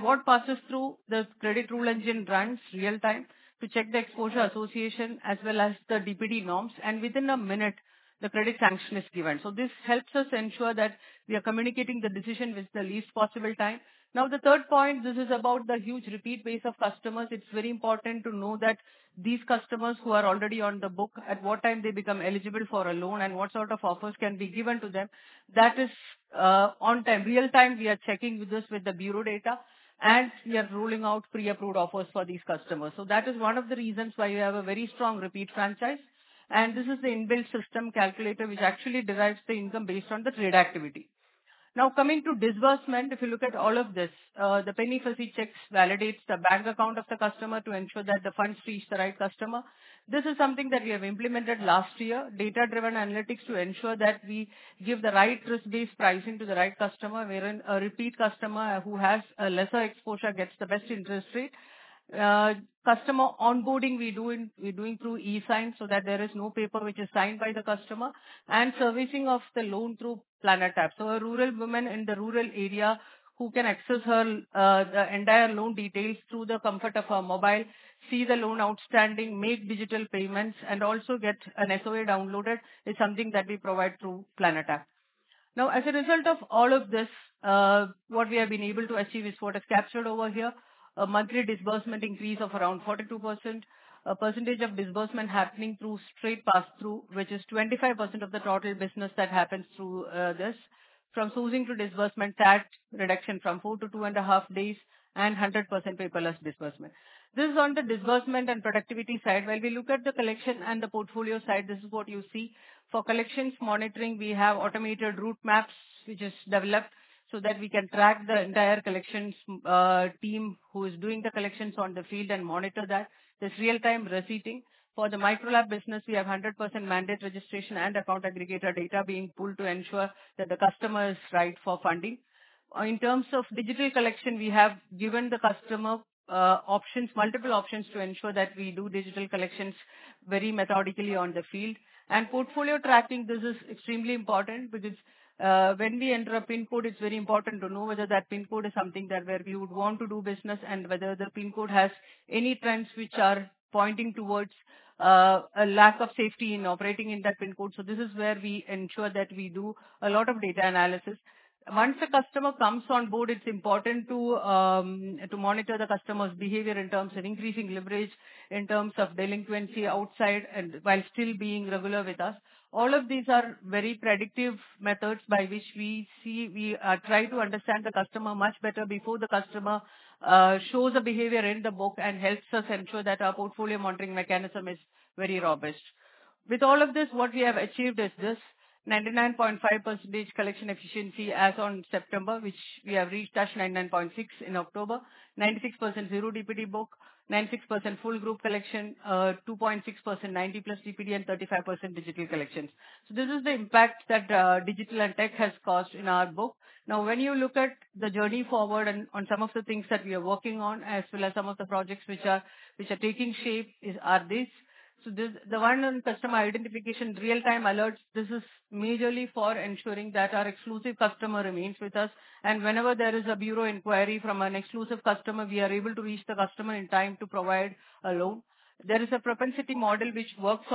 What passes through the credit rule engine runs in real time to check the exposure association as well as the DPD norms. Within a minute, the credit sanction is given. This helps us ensure that we are communicating the decision with the least possible time. Now, the third point, this is about the huge repeat base of customers. It's very important to know that these customers who are already on the book, at what time they become eligible for a loan and what sort of offers can be given to them, that is on time, real time. We are checking this with the bureau data, and we are rolling out pre-approved offers for these customers. That is one of the reasons why we have a very strong repeat franchise. This is the inbuilt system calculator which actually derives the income based on the trade activity. Now, coming to disbursement, if you look at all of this, the penny drop checks validate the bank account of the customer to ensure that the funds reach the right customer. This is something that we have implemented last year, data-driven analytics to ensure that we give the right risk-based pricing to the right customer, wherein a repeat customer who has a lesser exposure gets the best interest rate. Customer onboarding we're doing through e-sign so that there is no paper which is signed by the customer and servicing of the loan through Planet app. A rural woman in the rural area who can access her entire loan details through the comfort of her mobile, see the loan outstanding, make digital payments, and also get an SOA downloaded is something that we provide through Planet. Now, as a result of all of this, what we have been able to achieve is what is captured over here, a monthly disbursement increase of around 42%, a percentage of disbursement happening through straight pass-through, which is 25% of the total business that happens through this, from sourcing to disbursement, that reduction from four to two and a half days, and 100% paperless disbursement. This is on the disbursement and productivity side. When we look at the collection and the portfolio side, this is what you see. For collections monitoring, we have automated route maps which are developed so that we can track the entire collections team who is doing the collections on the field and monitor that. There's real-time receipting. For the Micro LAP business, we have 100% mandate registration and Account Aggregator data being pulled to ensure that the customer is right for funding. In terms of digital collection, we have given the customer multiple options to ensure that we do digital collections very methodically on the field. Portfolio tracking, this is extremely important because when we enter a PIN code, it's very important to know whether that PIN code is something where we would want to do business and whether the PIN code has any trends which are pointing towards a lack of safety in operating in that PIN code. This is where we ensure that we do a lot of data analysis. Once the customer comes on board, it's important to monitor the customer's behavior in terms of increasing leverage, in terms of delinquency outside, and while still being regular with us. All of these are very predictive methods by which we try to understand the customer much better before the customer shows a behavior in the book and helps us ensure that our portfolio monitoring mechanism is very robust. With all of this, what we have achieved is this 99.5% collection efficiency as of September, which we have reached 99.6% in October, 96% zero DPD book, 96% full group collection, 2.6% 90+ DPD, and 35% digital collections. This is the impact that digital and tech has caused in our book. Now, when you look at the journey forward and on some of the things that we are working on, as well as some of the projects which are taking shape, are these. So the one-on-one customer identification, real-time alerts, this is majorly for ensuring that our exclusive customer remains with us. Whenever there is a bureau inquiry from an exclusive customer, we are able to reach the customer in time to provide a loan. There is a propensity model which works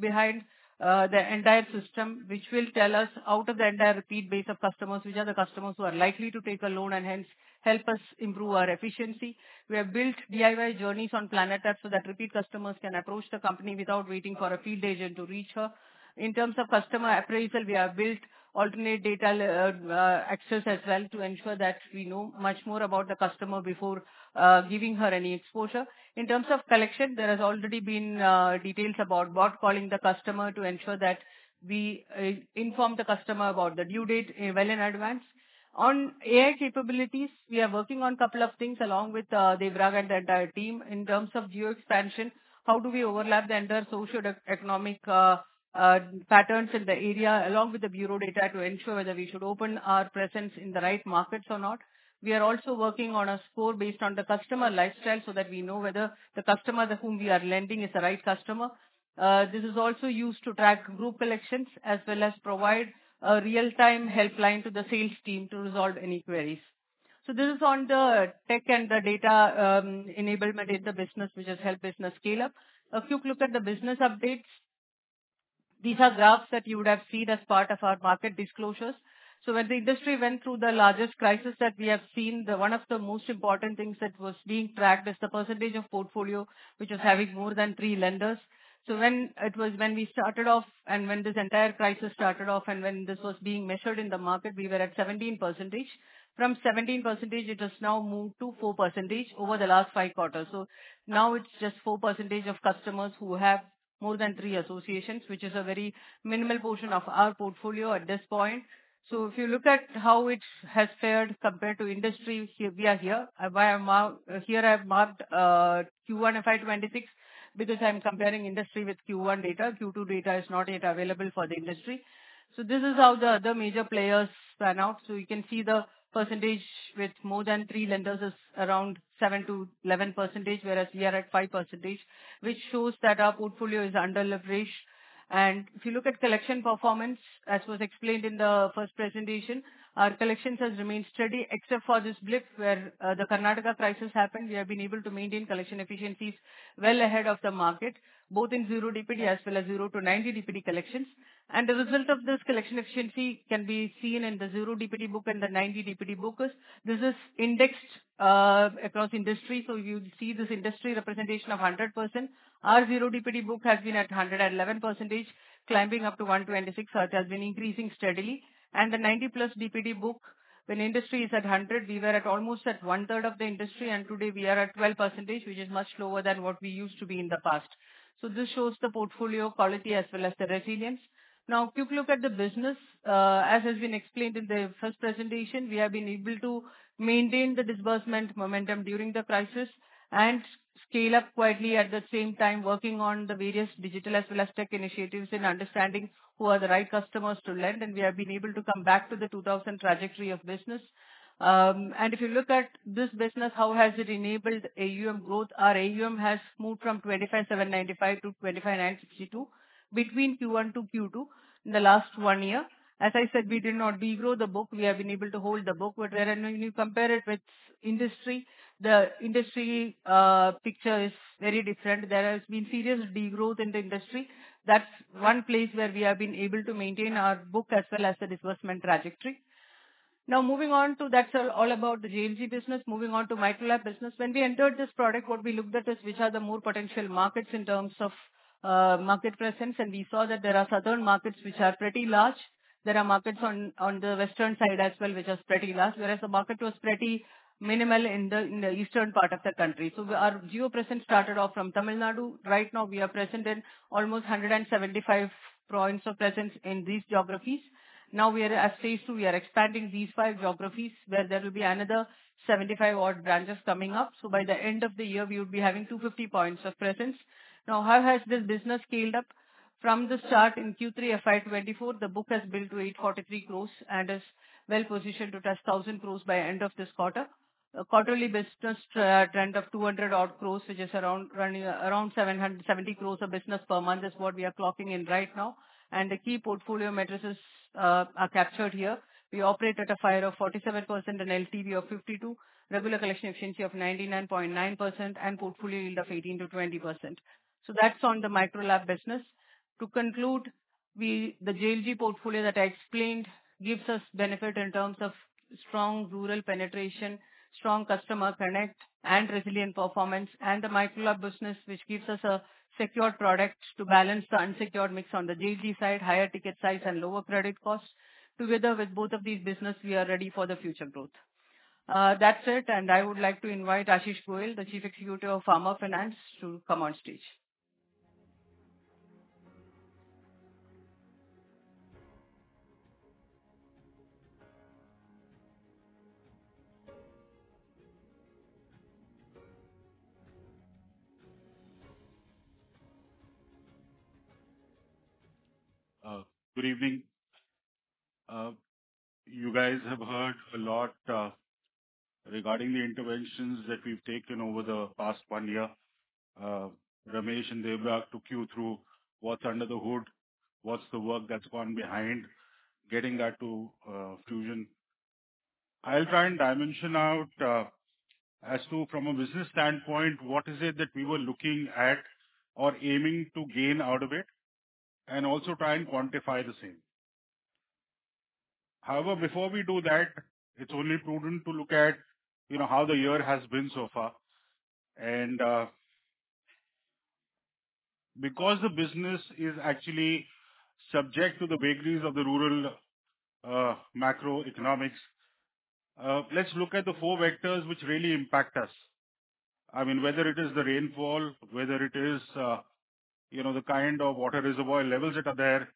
behind the entire system, which will tell us out of the entire repeat base of customers which are the customers who are likely to take a loan and hence help us improve our efficiency. We have built DIY journeys on Planet so that repeat customers can approach the company without waiting for a field agent to reach her. In terms of customer appraisal, we have built alternate data access as well to ensure that we know much more about the customer before giving her any exposure. In terms of collection, there has already been details about bot calling the customer to ensure that we inform the customer about the due date well in advance. On AI capabilities, we are working on a couple of things along with Deepak and the entire team. In terms of geo expansion, how do we overlap the entire socioeconomic patterns in the area along with the bureau data to ensure whether we should open our presence in the right markets or not? We are also working on a score based on the customer lifestyle so that we know whether the customer to whom we are lending is the right customer. This is also used to track group collections as well as provide a real-time helpline to the sales team to resolve any queries. So this is on the tech and the data enablement in the business, which has helped business scale up. A quick look at the business updates. These are graphs that you would have seen as part of our market disclosures. So when the industry went through the largest crisis that we have seen, one of the most important things that was being tracked is the percentage of portfolio which was having more than three lenders. So when it was, when we started off and when this entire crisis started off and when this was being measured in the market, we were at 17%. From 17%, it has now moved to 4% over the last five quarters. Now it's just 4% of customers who have more than three associations, which is a very minimal portion of our portfolio at this point. If you look at how it has fared compared to industry, we are here. Here I have marked Q1 FY26 because I'm comparing industry with Q1 data. Q2 data is not yet available for the industry. This is how the other major players pan out. You can see the percentage with more than three lenders is around 7%-11%, whereas we are at 5%, which shows that our portfolio is under leverage. If you look at collection performance, as was explained in the first presentation, our collections have remained steady except for this blip where the Karnataka crisis happened. We have been able to maintain collection efficiencies well ahead of the market, both in zero DPD as well as 0-90 DPD collections, and the result of this collection efficiency can be seen in the zero DPD book and the 90 DPD books. This is indexed across industry, so you see this industry representation of 100%. Our zero DPD book has been at 111%, climbing up to 126%, which has been increasing steadily, and the 90+ DPD book, when industry is at 100, we were at almost one-third of the industry, and today, we are at 12%, which is much lower than what we used to be in the past, so this shows the portfolio quality as well as the resilience. Now, a quick look at the business. As has been explained in the first presentation, we have been able to maintain the disbursement momentum during the crisis and scale up quietly at the same time, working on the various digital as well as tech initiatives and understanding who are the right customers to lend. And we have been able to come back to the 2000 trajectory of business. And if you look at this business, how has it enabled AUM growth? Our AUM has moved from 25,795-25,962 between Q1-Q2 in the last one year. As I said, we did not degrow the book. We have been able to hold the book. But when you compare it with industry, the industry picture is very different. There has been serious degrowth in the industry. That's one place where we have been able to maintain our book as well as the disbursement trajectory. Now, moving on. That's all about the JLG business, moving on to Micro LAP business. When we entered this product, what we looked at is which are the more potential markets in terms of market presence, and we saw that there are southern markets which are pretty large. There are markets on the western side as well, which are pretty large, whereas the market was pretty minimal in the eastern part of the country, so our geo presence started off from Tamil Nadu. Right now, we are present in almost 175 points of presence in these geographies. Now, we are at stage two. We are expanding these five geographies where there will be another 75-odd branches coming up, so by the end of the year, we would be having 250 points of presence. Now, how has this business scaled up? From the start in Q3 FY24, the book has built to 843 crores and is well-positioned to test 1,000 crores by the end of this quarter. A quarterly business trend of 200-odd crores, which is around 770 crores of business per month, is what we are clocking in right now, and the key portfolio metrics are captured here. We operate at a FOIR of 47%, an LTV of 52%, regular collection efficiency of 99.9%, and portfolio yield of 18%-20%. So that's on the Micro LAP business. To conclude, the JLG portfolio that I explained gives us benefit in terms of strong rural penetration, strong customer connect, and resilient performance, and the Micro LAP business, which gives us a secured product to balance the unsecured mix on the JLG side, higher ticket size, and lower credit cost. Together with both of these businesses, we are ready for the future growth. That's it, and I would like to invite Ashish Goyal, the Chief Executive of Farm Finance, to come on stage. Good evening. You guys have heard a lot regarding the interventions that we've taken over the past one year. Ramesh and Deepak took you through what's under the hood, what's the work that's gone behind getting that to fusion. I'll try and dimension out as to, from a business standpoint, what is it that we were looking at or aiming to gain out of it and also try and quantify the same. However, before we do that, it's only prudent to look at how the year has been so far. And because the business is actually subject to the vagaries of the rural macroeconomics, let's look at the four vectors which really impact us. I mean, whether it is the rainfall, whether it is the kind of water reservoir levels that are there,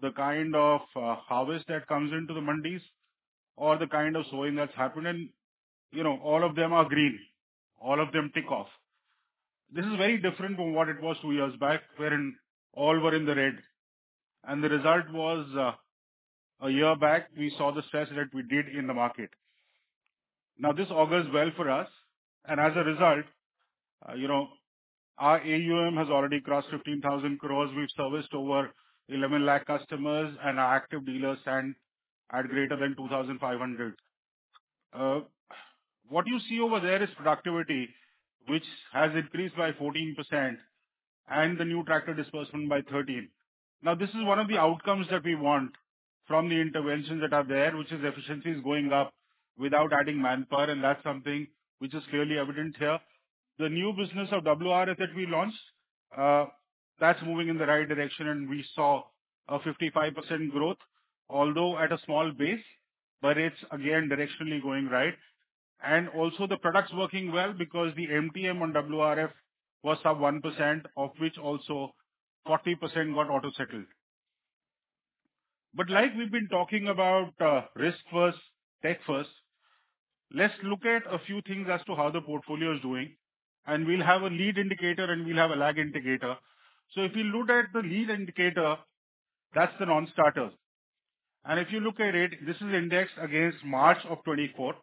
the kind of harvest that comes into the mandis, or the kind of sowing that's happening, all of them are green. All of them tick off. This is very different from what it was two years back, wherein all were in the red. And the result was, a year back, we saw the stress that we did in the market. Now, this augurs well for us. And as a result, our AUM has already crossed 15,000 crores. We've serviced over 11 lakh customers, and our active dealers stand at greater than 2,500. What you see over there is productivity, which has increased by 14%, and the new tractor disbursement by 13%. Now, this is one of the outcomes that we want from the interventions that are there, which is efficiencies going up without adding manpower, and that's something which is clearly evident here. The new business of WRF that we launched, that's moving in the right direction, and we saw a 55% growth, although at a small base, but it's, again, directionally going right. And also, the product's working well because the MTM on WRF was sub 1%, of which also 40% got auto-settled. But like we've been talking about risk-first, tech-first, let's look at a few things as to how the portfolio is doing, and we'll have a lead indicator, and we'll have a lag indicator. So if you look at the lead indicator, that's the non-starter, and if you look at it, this is indexed against March of 2024.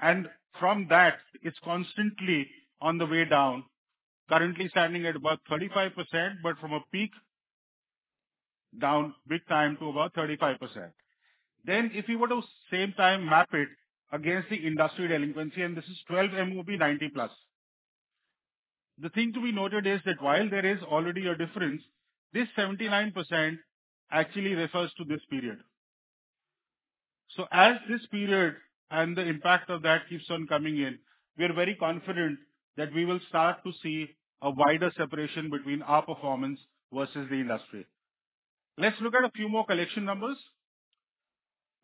And from that, it's constantly on the way down, currently standing at about 35%, but from a peak down big time to about 35%. Then, if you were to same time map it against the industry delinquency, and this is 12 MOB 90+, the thing to be noted is that while there is already a difference, this 79% actually refers to this period. So as this period and the impact of that keeps on coming in, we're very confident that we will start to see a wider separation between our performance versus the industry. Let's look at a few more collection numbers.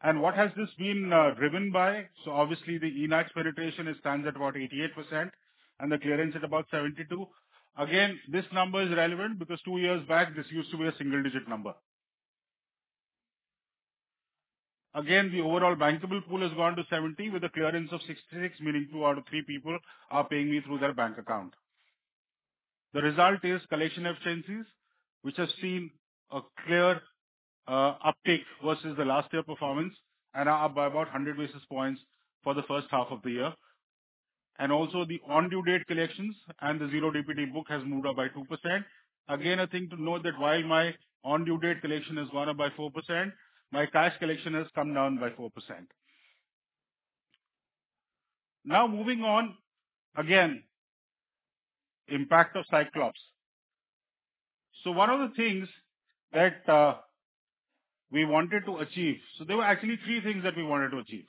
And what has this been driven by? So obviously, the eNACH penetration stands at about 88%, and the clearance at about 72%. Again, this number is relevant because two years back, this used to be a single-digit number. Again, the overall bankable pool has gone to 70 with a clearance of 66, meaning two out of three people are paying me through their bank account. The result is collection efficiencies, which have seen a clear uptick versus the last year performance and are up by about 100 basis points for the first half of the year. And also, the on-due date collections and the zero DPD book has moved up by 2%. Again, a thing to note that while my on-due date collection has gone up by 4%, my cash collection has come down by 4%. Now, moving on, again, impact of Cyclops. So one of the things that we wanted to achieve so there were actually three things that we wanted to achieve.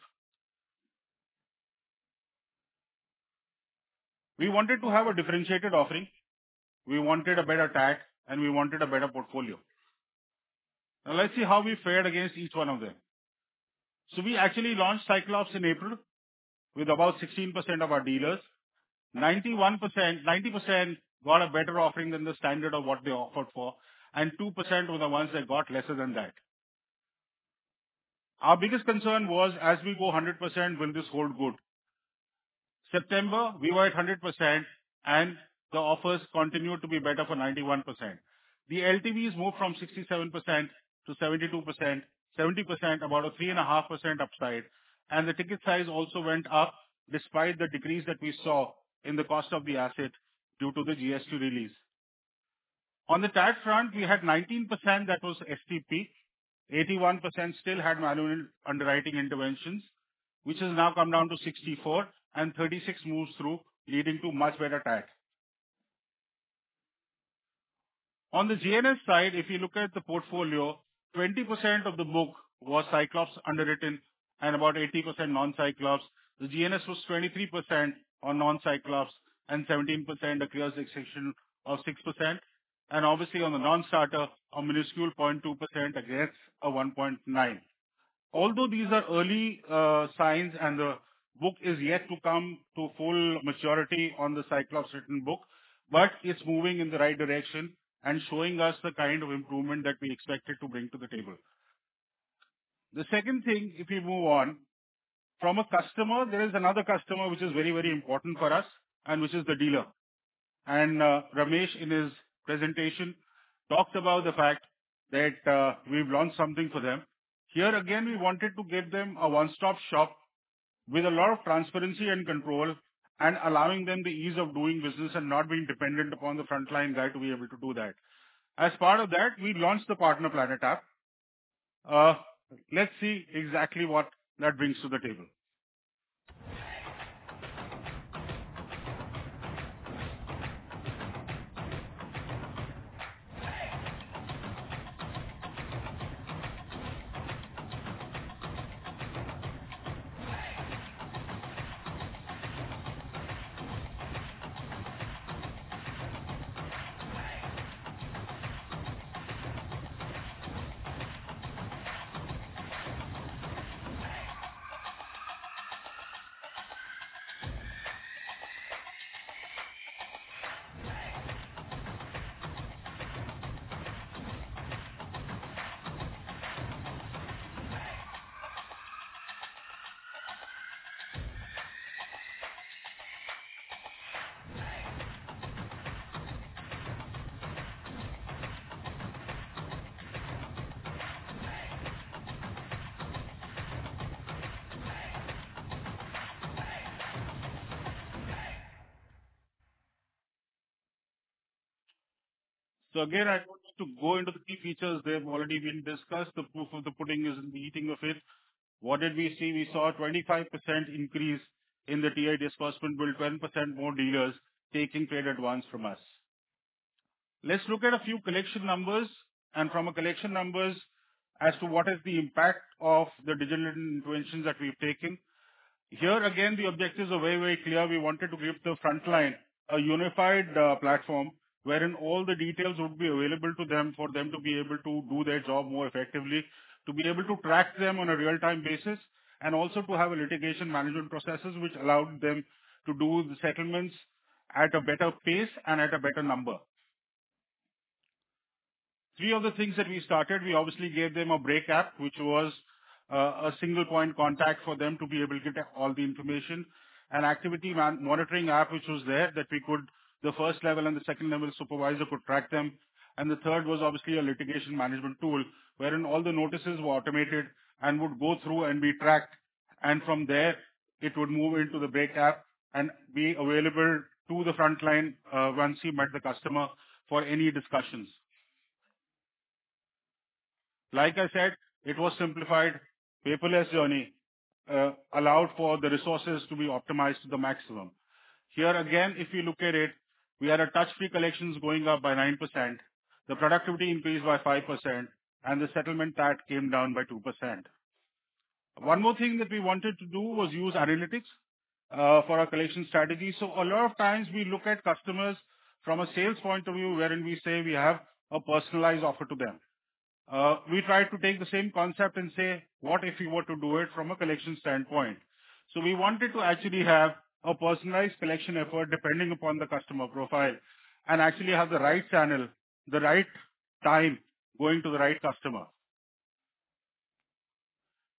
We wanted to have a differentiated offering. We wanted a better ATS, and we wanted a better portfolio. Now, let's see how we fared against each one of them. So we actually launched Cyclops in April with about 16% of our dealers. 91% got a better offering than the standard of what they offered for, and 2% were the ones that got lesser than that. Our biggest concern was, as we go 100%, will this hold good? September, we were at 100%, and the offers continued to be better for 91%. The LTVs moved from 67%-72%, 70%, about a 3.5% upside. And the ticket size also went up despite the decrease that we saw in the cost of the asset due to the GST release. On the tag front, we had 19% that was STP. 81% still had manual underwriting interventions, which has now come down to 64%, and 36% moves through, leading to much better tag. On the GNS side, if you look at the portfolio, 20% of the book was Cyclops underwritten and about 80% non-Cyclops. The GNS was 23% on non-Cyclops and 17% across the exception of 6%. And obviously, on the non-starter, a minuscule 0.2% against a 1.9. Although these are early signs and the book is yet to come to full maturity on the Cyclops written book, but it's moving in the right direction and showing us the kind of improvement that we expected to bring to the table. The second thing, if we move on, from a customer, there is another customer which is very, very important for us, and which is the dealer. And Ramesh, in his presentation, talked about the fact that we've launched something for them. Here, again, we wanted to give them a one-stop shop with a lot of transparency and control and allowing them the ease of doing business and not being dependent upon the frontline guy to be able to do that. As part of that, we launched the Partner Planet app. Let's see exactly what that brings to the table. So again, I want to go into the key features they've already been discussed. The proof of the pudding is in the eating of it. What did we see? We saw a 25% increase in the retail disbursement with 10% more dealers taking trade advance from us. Let's look at a few collection numbers and from collection numbers as to what is the impact of the digital interventions that we've taken. Here, again, the objectives are very, very clear. We wanted to give the frontline a unified platform wherein all the details would be available to them for them to be able to do their job more effectively, to be able to track them on a real-time basis, and also to have a litigation management processes which allowed them to do the settlements at a better pace and at a better number. Three of the things that we started, we obviously gave them a break app, which was a single-point contact for them to be able to get all the information, an activity monitoring app, which was there that we could, the first level and the second-level supervisor could track them, and the third was obviously a litigation management tool wherein all the notices were automated and would go through and be tracked. From there, it would move into the Breeze app and be available to the frontline once he met the customer for any discussions. Like I said, it was simplified. Paperless journey allowed for the resources to be optimized to the maximum. Here, again, if you look at it, we had touch-free collections going up by 9%, the productivity increased by 5%, and the settlement TAT came down by 2%. One more thing that we wanted to do was use analytics for our collection strategy. So a lot of times, we look at customers from a sales point of view wherein we say we have a personalized offer to them. We tried to take the same concept and say, "What if you were to do it from a collection standpoint?" So we wanted to actually have a personalized collection effort depending upon the customer profile and actually have the right channel, the right time going to the right customer.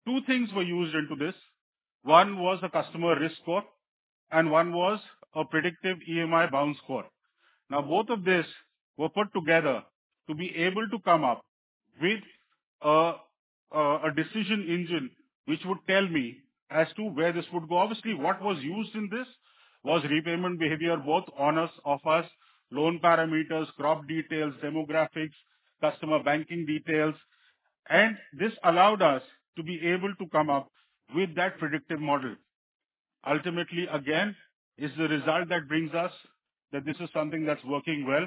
Two things were used into this. One was a customer risk score, and one was a predictive EMI bounce score. Now, both of these were put together to be able to come up with a decision engine which would tell me as to where this would go. Obviously, what was used in this was repayment behavior, both on us, off us, loan parameters, crop details, demographics, customer banking details. And this allowed us to be able to come up with that predictive model. Ultimately, again, is the result that brings us that this is something that's working well,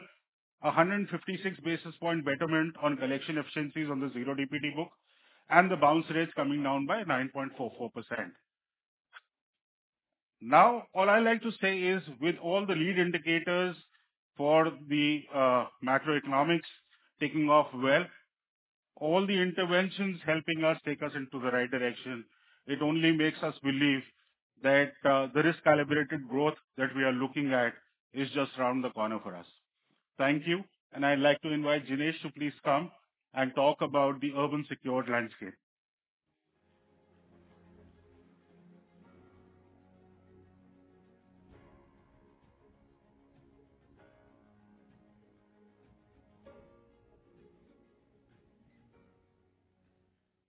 a 156 basis point betterment on collection efficiencies on the zero DPD book and the bounce rate coming down by 9.44%. Now, all I'd like to say is, with all the lead indicators for the macroeconomics taking off well, all the interventions helping us take us into the right direction, it only makes us believe that the risk-calibrated growth that we are looking at is just around the corner for us. Thank you, and I'd like to invite Jinesh to please come and talk about the urban-secured landscape.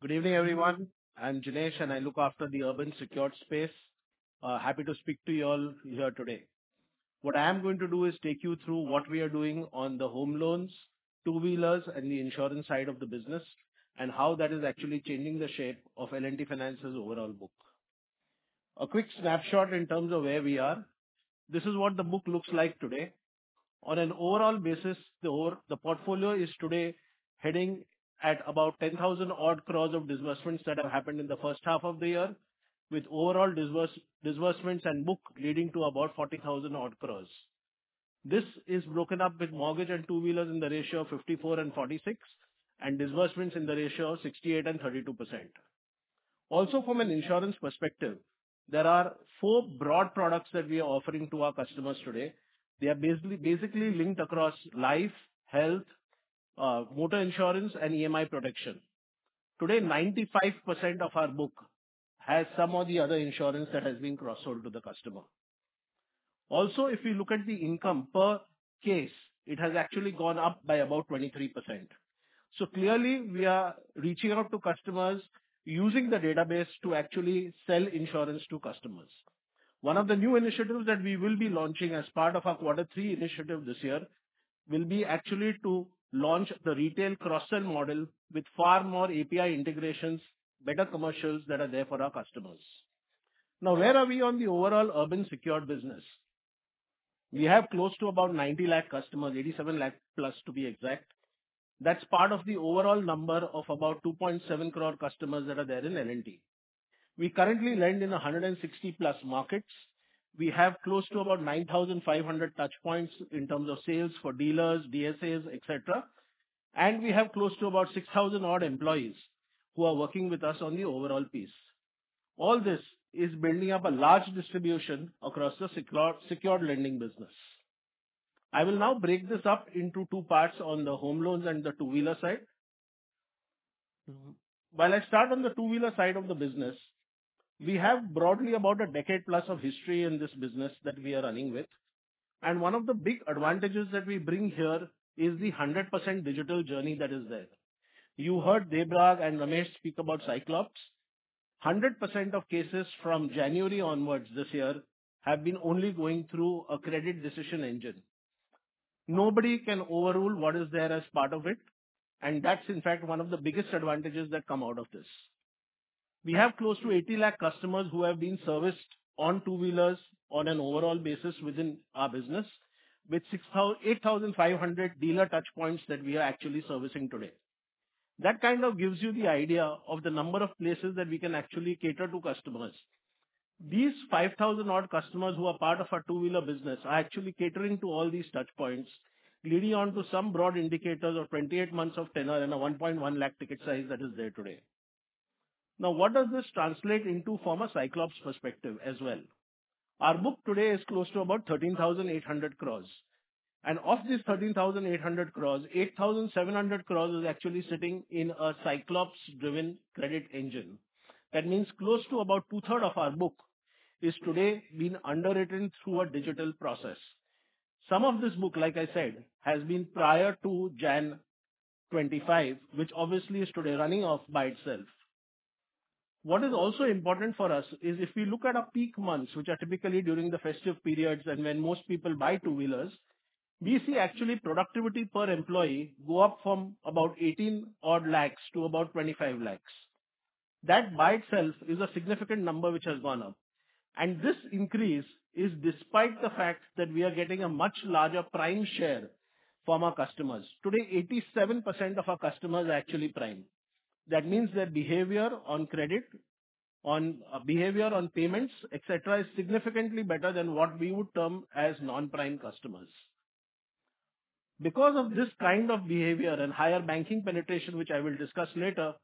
Good evening, everyone. I'm Jinesh, and I look after the urban-secured space. Happy to speak to you all here today. What I am going to do is take you through what we are doing on the home loans, two-wheelers, and the insurance side of the business and how that is actually changing the shape of L&T Finance's overall book. A quick snapshot in terms of where we are, this is what the book looks like today. On an overall basis, the portfolio is today heading at about 10,000 odd crores of disbursements that have happened in the first half of the year, with overall disbursements and book leading to about 40,000 odd crores. This is broken up with mortgage and two-wheelers in the ratio of 54 and 46, and disbursements in the ratio of 68 and 32%. Also, from an insurance perspective, there are four broad products that we are offering to our customers today. They are basically linked across life, health, motor insurance, and EMI protection. Today, 95% of our book has some of the other insurance that has been cross-sold to the customer. Also, if you look at the income per case, it has actually gone up by about 23%. So clearly, we are reaching out to customers using the database to actually sell insurance to customers. One of the new initiatives that we will be launching as part of our quarter three initiative this year will be actually to launch the retail cross-sell model with far more API integrations, better commercials that are there for our customers. Now, where are we on the overall urban-secured business? We have close to about 90 lakh customers, 87 lakh plus to be exact. That's part of the overall number of about 2.7 crore customers that are there in L&T. We currently lend in 160-plus markets. We have close to about 9,500 touch points in terms of sales for dealers, DSAs, etc., and we have close to about 6,000 odd employees who are working with us on the overall piece. All this is building up a large distribution across the secured lending business. I will now break this up into two parts on the home loans and the two-wheeler side. While I start on the two-wheeler side of the business, we have broadly about a decade-plus of history in this business that we are running with, and one of the big advantages that we bring here is the 100% digital journey that is there. You heard Debarag and Ramesh speak about Cyclops. 100% of cases from January onwards this year have been only going through a credit decision engine. Nobody can overrule what is there as part of it. And that's, in fact, one of the biggest advantages that come out of this. We have close to 80 lakh customers who have been serviced on two-wheelers on an overall basis within our business with 8,500 dealer touch points that we are actually servicing today. That kind of gives you the idea of the number of places that we can actually cater to customers. These 5,000 odd customers who are part of our two-wheeler business are actually catering to all these touch points, leading on to some broad indicators of 28 months of tenure and a 1.1 lakh ticket size that is there today. Now, what does this translate into from a Cyclops perspective as well? Our book today is close to about 13,800 crores. And of these 13,800 crores, 8,700 crores is actually sitting in a Cyclops-driven credit engine. That means close to about two-thirds of our book is today being underwritten through a digital process. Some of this book, like I said, has been prior to Jan 25, which obviously is today running off by itself. What is also important for us is if we look at our peak months, which are typically during the festive periods and when most people buy two-wheelers, we see actually productivity per employee go up from about 18 odd lakhs to about 25 lakhs. That by itself is a significant number which has gone up. And this increase is despite the fact that we are getting a much larger prime share from our customers. Today, 87% of our customers are actually prime. That means their behavior on credit, on behavior on payments, etc., is significantly better than what we would term as non-prime customers. Because of this kind of behavior and higher banking penetration, which I will discuss later,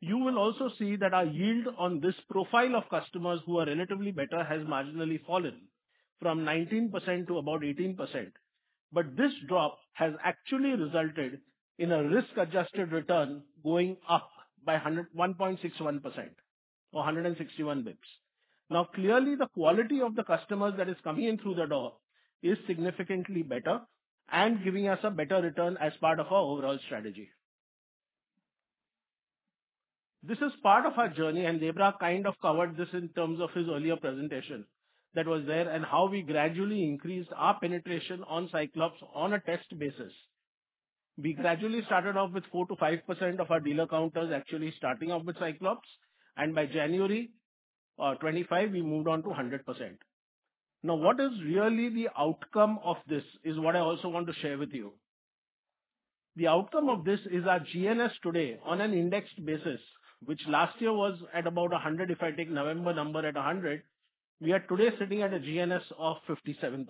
you will also see that our yield on this profile of customers who are relatively better has marginally fallen from 19% to about 18%. But this drop has actually resulted in a risk-adjusted return going up by 1.61% or 161 basis points. Now, clearly, the quality of the customers that is coming in through the door is significantly better and giving us a better return as part of our overall strategy. This is part of our journey, and Debarag kind of covered this in terms of his earlier presentation that was there and how we gradually increased our penetration on Cyclops on a test basis. We gradually started off with 4%-5% of our dealer counters actually starting off with Cyclops, and by January 25, we moved on to 100%. Now, what is really the outcome of this is what I also want to share with you. The outcome of this is our GNS today on an indexed basis, which last year was at about 100. If I take November number at 100, we are today sitting at a GNS of 57%.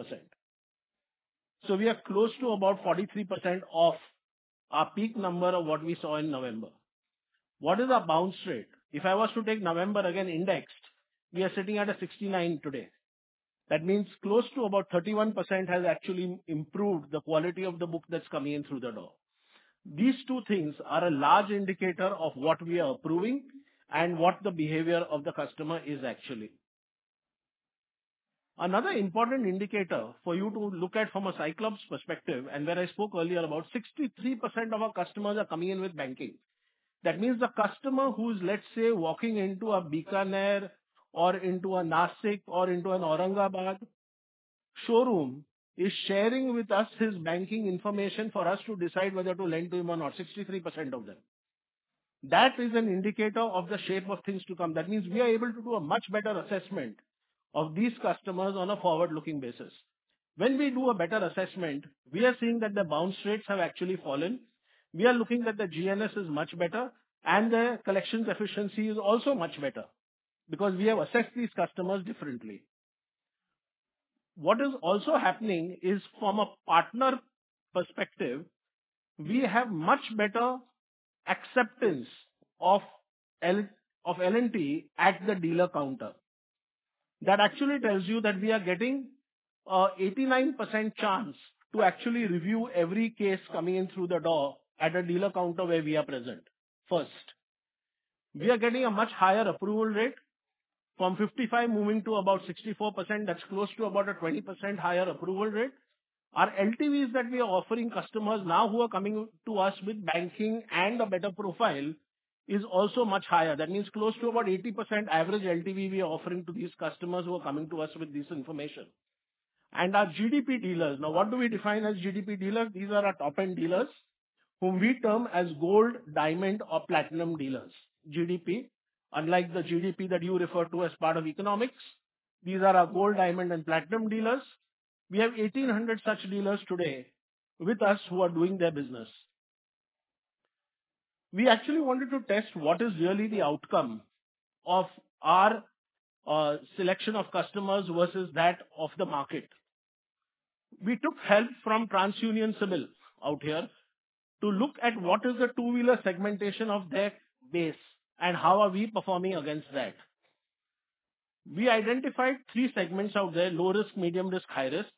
So we are close to about 43% off our peak number of what we saw in November. What is our bounce rate? If I was to take November again indexed, we are sitting at a 69 today. That means close to about 31% has actually improved the quality of the book that's coming in through the door. These two things are a large indicator of what we are approving and what the behavior of the customer is actually. Another important indicator for you to look at from a Cyclops perspective, and where I spoke earlier about 63% of our customers are coming in with banking. That means the customer who's, let's say, walking into a Bikaner or into a Nashik or into an Aurangabad showroom is sharing with us his banking information for us to decide whether to lend to him or not, 63% of them. That is an indicator of the shape of things to come. That means we are able to do a much better assessment of these customers on a forward-looking basis. When we do a better assessment, we are seeing that the bounce rates have actually fallen. We are looking that the GNS is much better, and the collections efficiency is also much better because we have assessed these customers differently. What is also happening is from a partner perspective, we have much better acceptance of L&T at the dealer counter. That actually tells you that we are getting an 89% chance to actually review every case coming in through the door at a dealer counter where we are present. First, we are getting a much higher approval rate from 55 moving to about 64%. That's close to about a 20% higher approval rate. Our LTVs that we are offering customers now who are coming to us with banking and a better profile is also much higher. That means close to about 80% average LTV we are offering to these customers who are coming to us with this information. Our GDP dealers, now what do we define as GDP dealers? These are our top-end dealers whom we term as gold, diamond, or platinum dealers. GDP, unlike the GDP that you refer to as part of economics, these are our gold, diamond, and platinum dealers. We have 1,800 such dealers today with us who are doing their business. We actually wanted to test what is really the outcome of our selection of customers versus that of the market. We took help from TransUnion CIBIL out here to look at what is the two-wheeler segmentation of their base and how are we performing against that. We identified three segments out there: low risk, medium risk, high risk.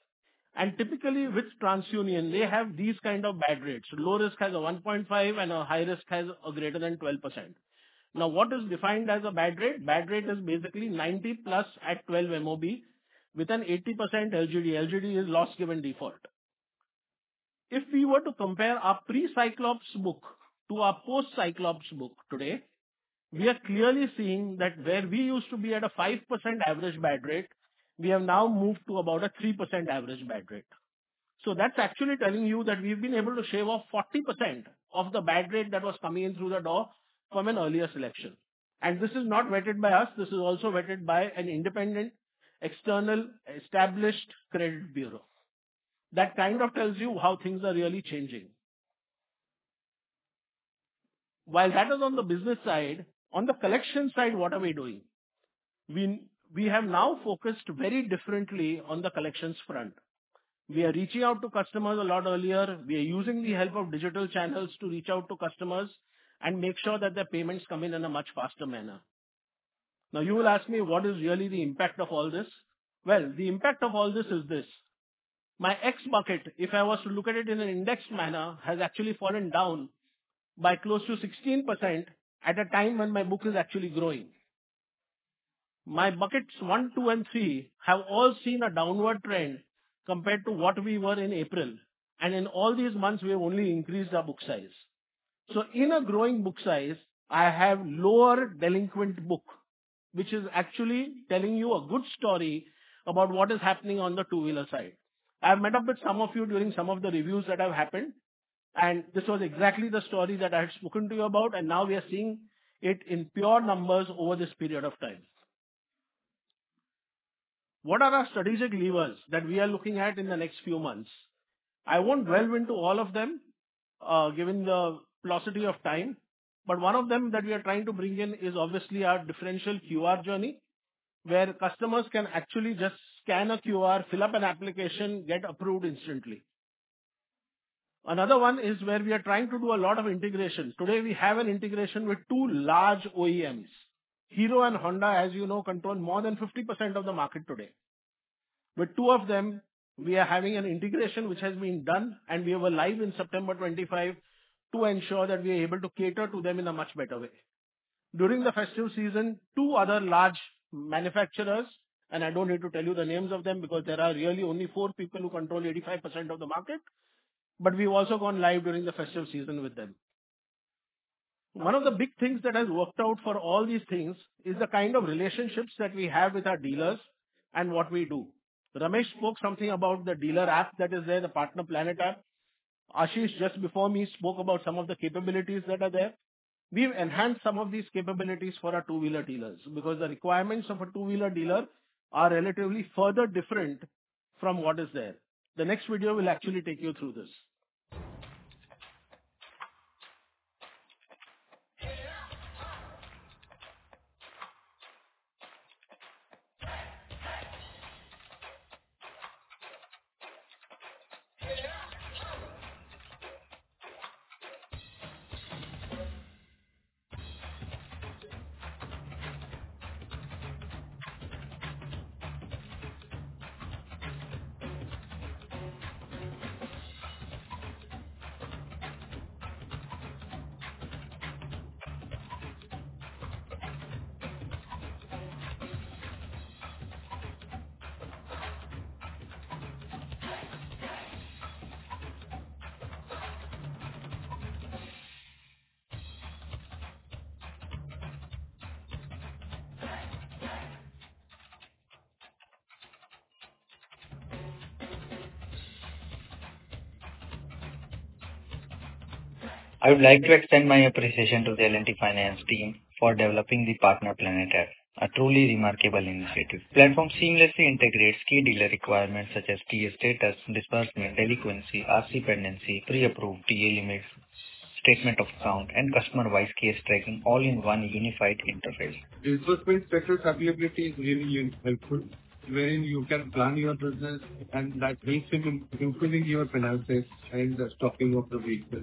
And typically, with TransUnion, they have these kind of bad rates. Low risk has a 1.5%, and high risk has a greater than 12%. Now, what is defined as a bad rate? Bad rate is basically 90+ at 12 MOB with an 80% LGD. LGD is loss given default. If we were to compare our pre-Cyclops book to our post-Cyclops book today, we are clearly seeing that where we used to be at a 5% average bad rate, we have now moved to about a 3% average bad rate. So that's actually telling you that we've been able to shave off 40% of the bad rate that was coming in through the door from an earlier selection. And this is not vetted by us. This is also vetted by an independent external established credit bureau. That kind of tells you how things are really changing. While that is on the business side, on the collection side, what are we doing? We have now focused very differently on the collections front. We are reaching out to customers a lot earlier. We are using the help of digital channels to reach out to customers and make sure that their payments come in in a much faster manner. Now, you will ask me, what is really the impact of all this? Well, the impact of all this is this. My X bucket, if I was to look at it in an indexed manner, has actually fallen down by close to 16% at a time when my book is actually growing. My buckets one, two, and three have all seen a downward trend compared to what we were in April. And in all these months, we have only increased our book size. So in a growing book size, I have lower delinquent book, which is actually telling you a good story about what is happening on the two-wheeler side. I've met up with some of you during some of the reviews that have happened, and this was exactly the story that I had spoken to you about. And now we are seeing it in pure numbers over this period of time. What are our strategic levers that we are looking at in the next few months? I won't delve into all of them given the velocity of time, but one of them that we are trying to bring in is obviously our differential QR journey, where customers can actually just scan a QR, fill up an application, get approved instantly. Another one is where we are trying to do a lot of integration. Today, we have an integration with two large OEMs. Hero and Honda, as you know, control more than 50% of the market today. With two of them, we are having an integration which has been done, and we were live in September 2025 to ensure that we are able to cater to them in a much better way. During the festive season, two other large manufacturers, and I don't need to tell you the names of them because there are really only four people who control 85% of the market, but we've also gone live during the festive season with them. One of the big things that has worked out for all these things is the kind of relationships that we have with our dealers and what we do. Ramesh spoke something about the dealer app that is there, the Partner Planet app. Ashish, just before me, spoke about some of the capabilities that are there. We've enhanced some of these capabilities for our two-wheeler dealers because the requirements of a two-wheeler dealer are relatively further different from what is there. The next video will actually take you through this. I would like to extend my appreciation to the L&T Finance team for developing the Partner Planet app, a truly remarkable initiative. The platform seamlessly integrates key dealer requirements such as TA status, disbursement, delinquency, RC pendency, pre-approved TA limits, statement of account, and customer-wise case tracking all in one unified interface. Disbursement status availability is really helpful, wherein you can plan your business, and that helps in improving your finances and the stocking of the vehicle.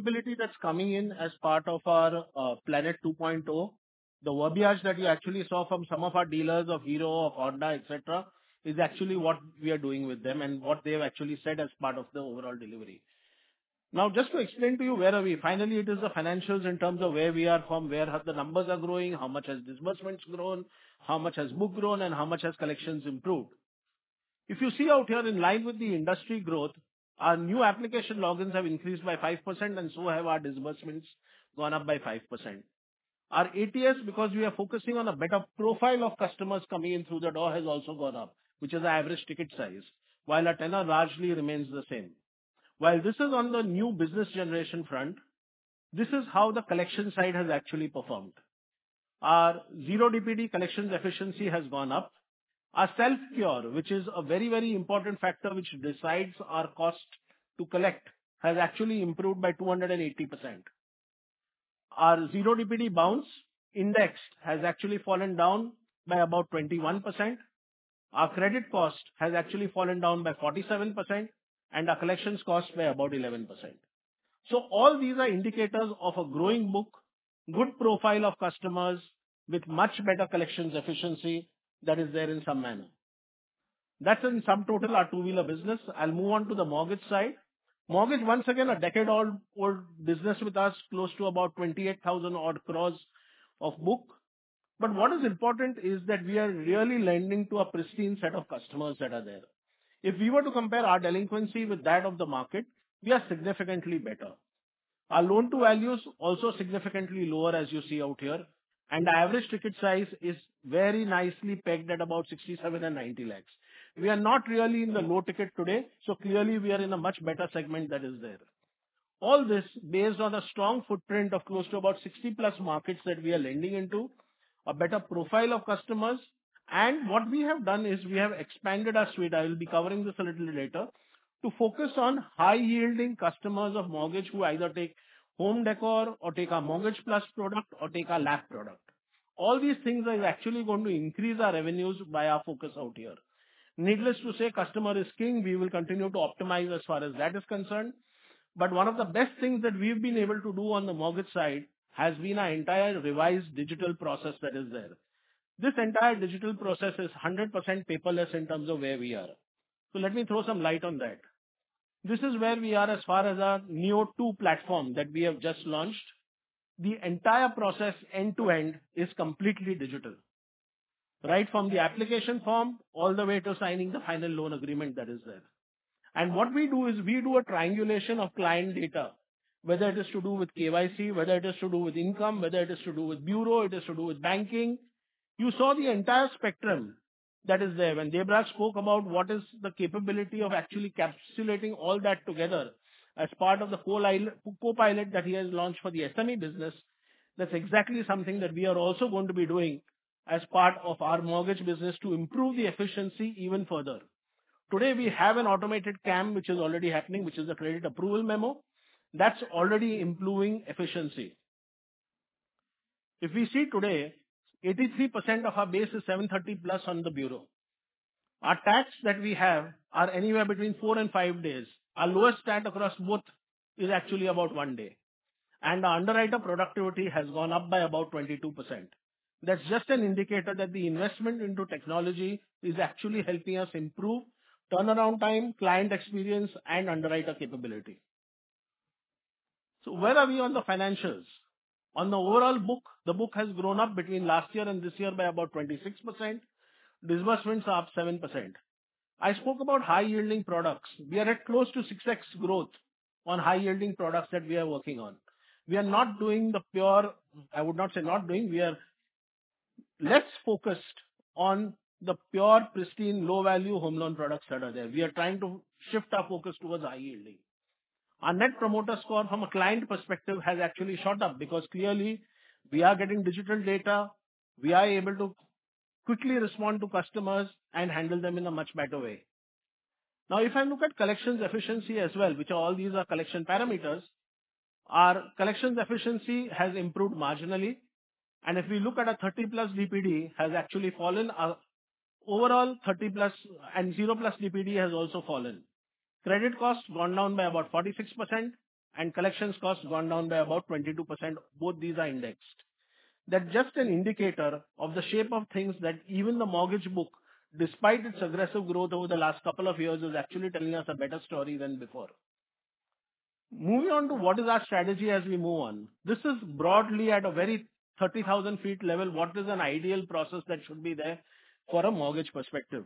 So that's the capability that's coming in as part of our Planet 2.0. The verbiage that you actually saw from some of our dealers of Hero, of Honda, etc., is actually what we are doing with them and what they have actually said as part of the overall delivery. Now, just to explain to you where are we, finally, it is the financials in terms of where we are from, where the numbers are growing, how much has disbursements grown, how much has book grown, and how much has collections improved. If you see out here in line with the industry growth, our new application logins have increased by 5%, and so have our disbursements gone up by 5%. Our ATS, because we are focusing on a better profile of customers coming in through the door, has also gone up, which is our average ticket size, while our tenor largely remains the same. While this is on the new business generation front, this is how the collection side has actually performed. Our zero DPD collections efficiency has gone up. Our self-cure, which is a very, very important factor which decides our cost to collect, has actually improved by 280%. Our zero DPD bounce index has actually fallen down by about 21%. Our credit cost has actually fallen down by 47%, and our collections cost by about 11%. So all these are indicators of a growing book, good profile of customers with much better collections efficiency that is there in some manner. That's in sum total our two-wheeler business. I'll move on to the mortgage side. Mortgage, once again, a decade-old business with us, close to about 28,000 odd crores of book. But what is important is that we are really lending to a pristine set of customers that are there. If we were to compare our delinquency with that of the market, we are significantly better. Our loan-to-value is also significantly lower, as you see out here. And our average ticket size is very nicely pegged at about 67-90 lakhs. We are not really in the low ticket today, so clearly we are in a much better segment that is there. All this based on a strong footprint of close to about 60+ markets that we are lending into, a better profile of customers. And what we have done is we have expanded our suite. I will be covering this a little later to focus on high-yielding customers of mortgage who either take home loan or take our mortgage plus product or take our LAP product. All these things are actually going to increase our revenues by our focus out here. Needless to say, customer is king. We will continue to optimize as far as that is concerned. But one of the best things that we've been able to do on the mortgage side has been our entire revised digital process that is there. This entire digital process is 100% paperless in terms of where we are. So let me throw some light on that. This is where we are as far as our Neo 2 platform that we have just launched. The entire process end-to-end is completely digital, right from the application form all the way to signing the final loan agreement that is there. And what we do is we do a triangulation of client data, whether it is to do with KYC, whether it is to do with income, whether it is to do with bureau, it is to do with banking. You saw the entire spectrum that is there. When Debarag spoke about what is the capability of actually encapsulating all that together as part of the co-pilot that he has launched for the SME business, that's exactly something that we are also going to be doing as part of our mortgage business to improve the efficiency even further. Today, we have an automated CAM, which is already happening, which is a credit approval memo. That's already improving efficiency. If we see today, 83% of our base is 730+ on the bureau. Our TAT that we have are anywhere between four and five days. Our lowest TAT across both is actually about one day. And our underwriter productivity has gone up by about 22%. That's just an indicator that the investment into technology is actually helping us improve turnaround time, client experience, and underwriter capability. So where are we on the financials? On the overall book, the book has grown up between last year and this year by about 26%. Disbursements are up 7%. I spoke about high-yielding products. We are at close to 6x growth on high-yielding products that we are working on. We are not doing the pure, I would not say not doing. We are less focused on the pure, pristine, low-value home loan products that are there. We are trying to shift our focus towards high-yielding. Our net promoter score from a client perspective has actually shot up because clearly we are getting digital data. We are able to quickly respond to customers and handle them in a much better way. Now, if I look at collections efficiency as well, which all these are collection parameters, our collections efficiency has improved marginally, and if we look at our 30+ DPD, it has actually fallen. Overall, 30+ and zero plus DPD has also fallen. Credit costs gone down by about 46% and collections costs gone down by about 22%. Both these are indexed. That's just an indicator of the shape of things that even the mortgage book, despite its aggressive growth over the last couple of years, is actually telling us a better story than before. Moving on to what is our strategy as we move on. This is broadly at a very 30,000 feet level. What is an ideal process that should be there for a mortgage perspective?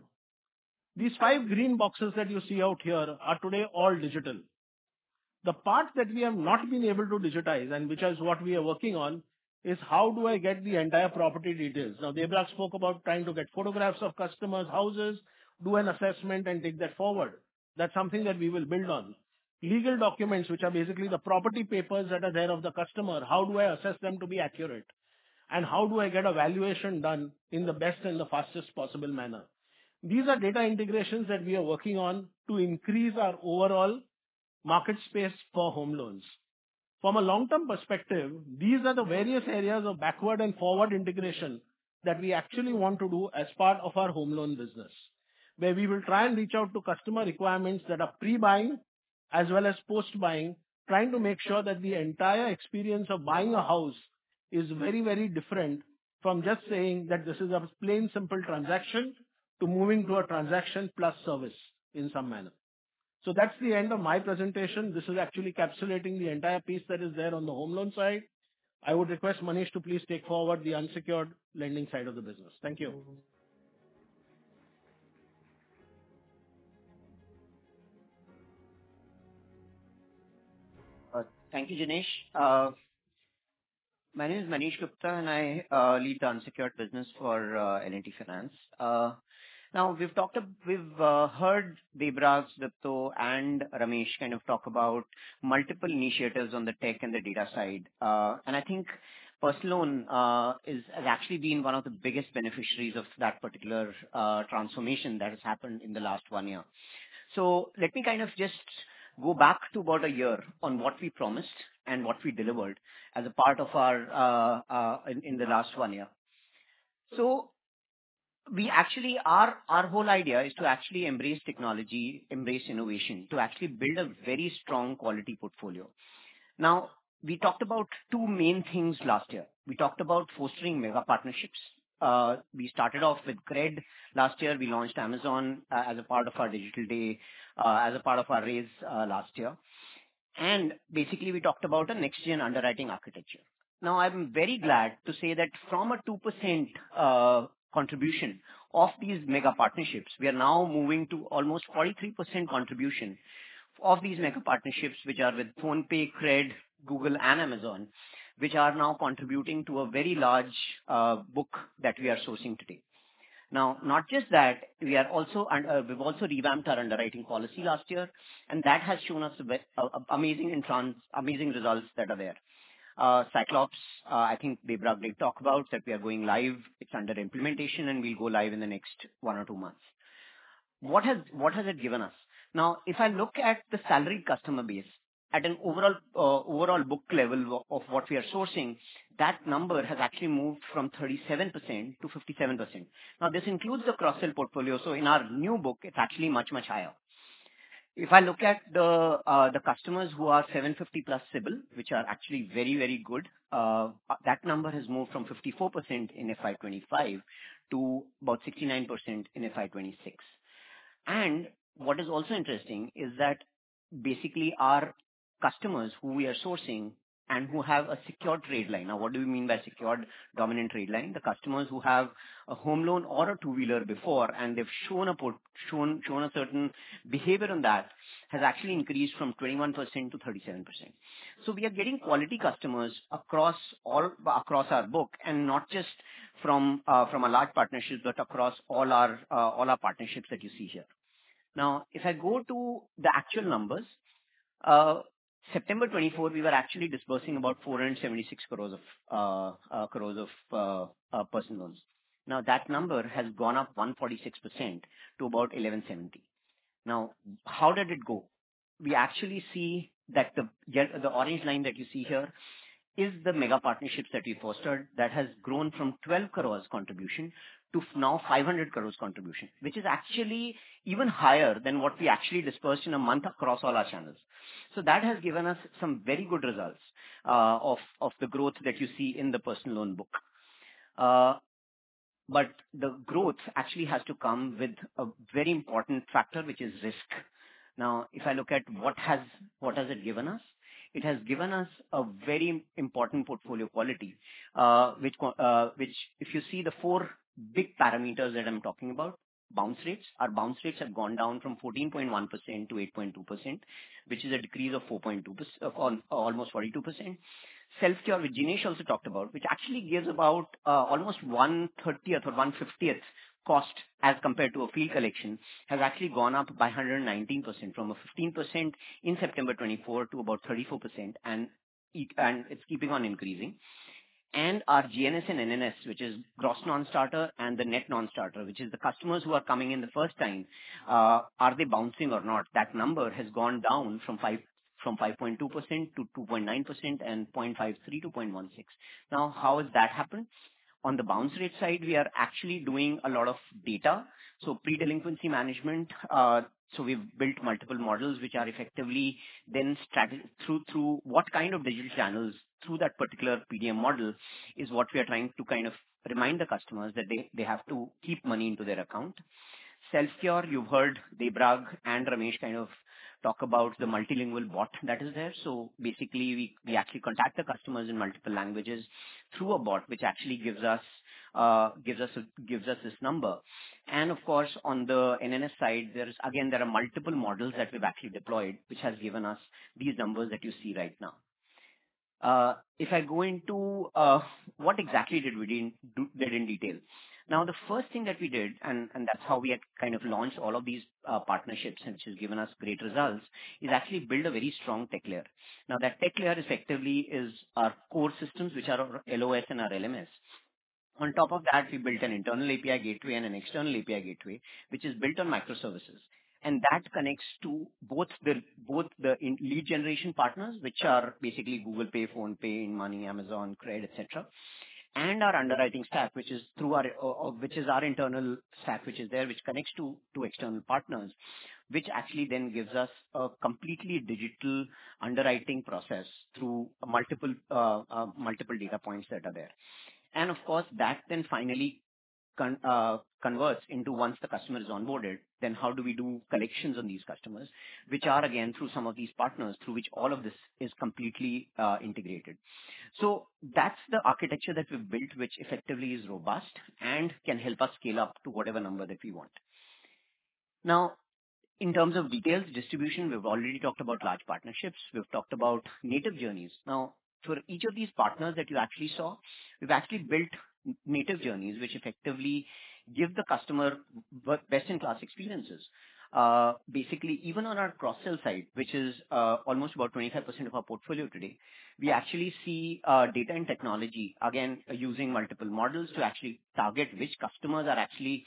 These five green boxes that you see out here are today all digital. The part that we have not been able to digitize and which is what we are working on is how do I get the entire property details? Now, Debarag spoke about trying to get photographs of customers' houses, do an assessment, and take that forward. That's something that we will build on. Legal documents, which are basically the property papers that are there of the customer, how do I assess them to be accurate, and how do I get a valuation done in the best and the fastest possible manner? These are data integrations that we are working on to increase our overall market space for home loans. From a long-term perspective, these are the various areas of backward and forward integration that we actually want to do as part of our home loan business, where we will try and reach out to customer requirements that are pre-buying as well as post-buying, trying to make sure that the entire experience of buying a house is very, very different from just saying that this is a plain simple transaction to moving to a transaction plus service in some manner. So that's the end of my presentation. This is actually encapsulating the entire piece that is there on the home loan side. I would request Manish to please take forward the unsecured lending side of the business. Thank you. Thank you, Ganesh. My name is Manish Gupta, and I lead the unsecured business for L&T Finance. Now, we've heard Debarag, Sudipta, and Ramesh kind of talk about multiple initiatives on the tech and the data side. I think personal loan has actually been one of the biggest beneficiaries of that particular transformation that has happened in the last one year. Let me kind of just go back to about a year on what we promised and what we delivered as a part of our in the last one year. We actually our whole idea is to actually embrace technology, embrace innovation, to actually build a very strong quality portfolio. We talked about two main things last year. We talked about fostering mega partnerships. We started off with CRED last year. We launched Amazon as a part of our digital day, as a part of our RACE last year. Basically, we talked about a next-gen underwriting architecture. Now, I'm very glad to say that from a 2% contribution of these mega partnerships, we are now moving to almost 43% contribution of these mega partnerships, which are with PhonePe, CRED, Google, and Amazon, which are now contributing to a very large book that we are sourcing today. Now, not just that, we've also revamped our underwriting policy last year, and that has shown us amazing results that are there. Cyclops, I think Debarag did talk about that we are going live. It's under implementation, and we'll go live in the next one or two months. What has it given us? Now, if I look at the salaried customer base at an overall book level of what we are sourcing, that number has actually moved from 37%-57%. Now, this includes the cross-sell portfolio. So in our new book, it's actually much, much higher. If I look at the customers who are 750+ CIBIL, which are actually very, very good, that number has moved from 54% in FY25 to about 69% in FY26, and what is also interesting is that basically our customers who we are sourcing and who have a secured tradeline. Now, what do we mean by secured dominant tradeline? The customers who have a home loan or a two-wheeler before, and they've shown a certain behavior on that, has actually increased from 21%-37%. So we are getting quality customers across our book, and not just from a large partnership, but across all our partnerships that you see here. Now, if I go to the actual numbers, September 2024, we were actually disbursing about 476 crores of personal loans. Now, that number has gone up 146% to about 1170. Now, how did it go? We actually see that the orange line that you see here is the mega partnerships that we fostered that has grown from 12 crores contribution to now 500 crores contribution, which is actually even higher than what we actually disbursed in a month across all our channels. So that has given us some very good results of the growth that you see in the personal loan book. But the growth actually has to come with a very important factor, which is risk. Now, if I look at what has it given us, it has given us a very important portfolio quality, which if you see the four big parameters that I'm talking about, bounce rates, our bounce rates have gone down from 14.1%-8.2%, which is a decrease of almost 42%. Self-care, which Ganesh also talked about, which actually gives about almost 1/30th or 1/50th cost as compared to a field collection, has actually gone up by 119% from a 15% in September 2024 to about 34%, and it's keeping on increasing, and our GNS and NNS, which is gross non-starter and the net non-starter, which is the customers who are coming in the first time, are they bouncing or not? That number has gone down from 5.2%-2.9% and 0.53%-0.16%. Now, how has that happened? On the bounce rate side, we are actually doing a lot of data. So pre-delinquency management, so we've built multiple models which are effectively then through what kind of digital channels through that particular PDM model is what we are trying to kind of remind the customers that they have to keep money into their account. care. You've heard Debarag and Ramesh kind of talk about the multilingual bot that is there. So basically, we actually contact the customers in multiple languages through a bot which actually gives us this number. And of course, on the NNS side, again, there are multiple models that we've actually deployed, which has given us these numbers that you see right now. If I go into what exactly did we do there in detail? Now, the first thing that we did, and that's how we had kind of launched all of these partnerships, which has given us great results, is actually build a very strong tech layer. Now, that tech layer effectively is our core systems, which are our LOS and our LMS. On top of that, we built an internal API gateway and an external API gateway, which is built on microservices. And that connects to both the lead generation partners, which are basically Google Pay, PhonePe, INDmoney, Amazon, CRED, etc., and our underwriting staff, which is our internal staff, which is there, which connects to external partners, which actually then gives us a completely digital underwriting process through multiple data points that are there. And of course, that then finally converts into once the customer is onboarded, then how do we do collections on these customers, which are again through some of these partners through which all of this is completely integrated. So that's the architecture that we've built, which effectively is robust and can help us scale up to whatever number that we want. Now, in terms of detailed distribution, we've already talked about large partnerships. We've talked about native journeys. Now, for each of these partners that you actually saw, we've actually built native journeys, which effectively give the customer best-in-class experiences. Basically, even on our cross-sale side, which is almost about 25% of our portfolio today, we actually see data and technology, again, using multiple models to actually target which customers are actually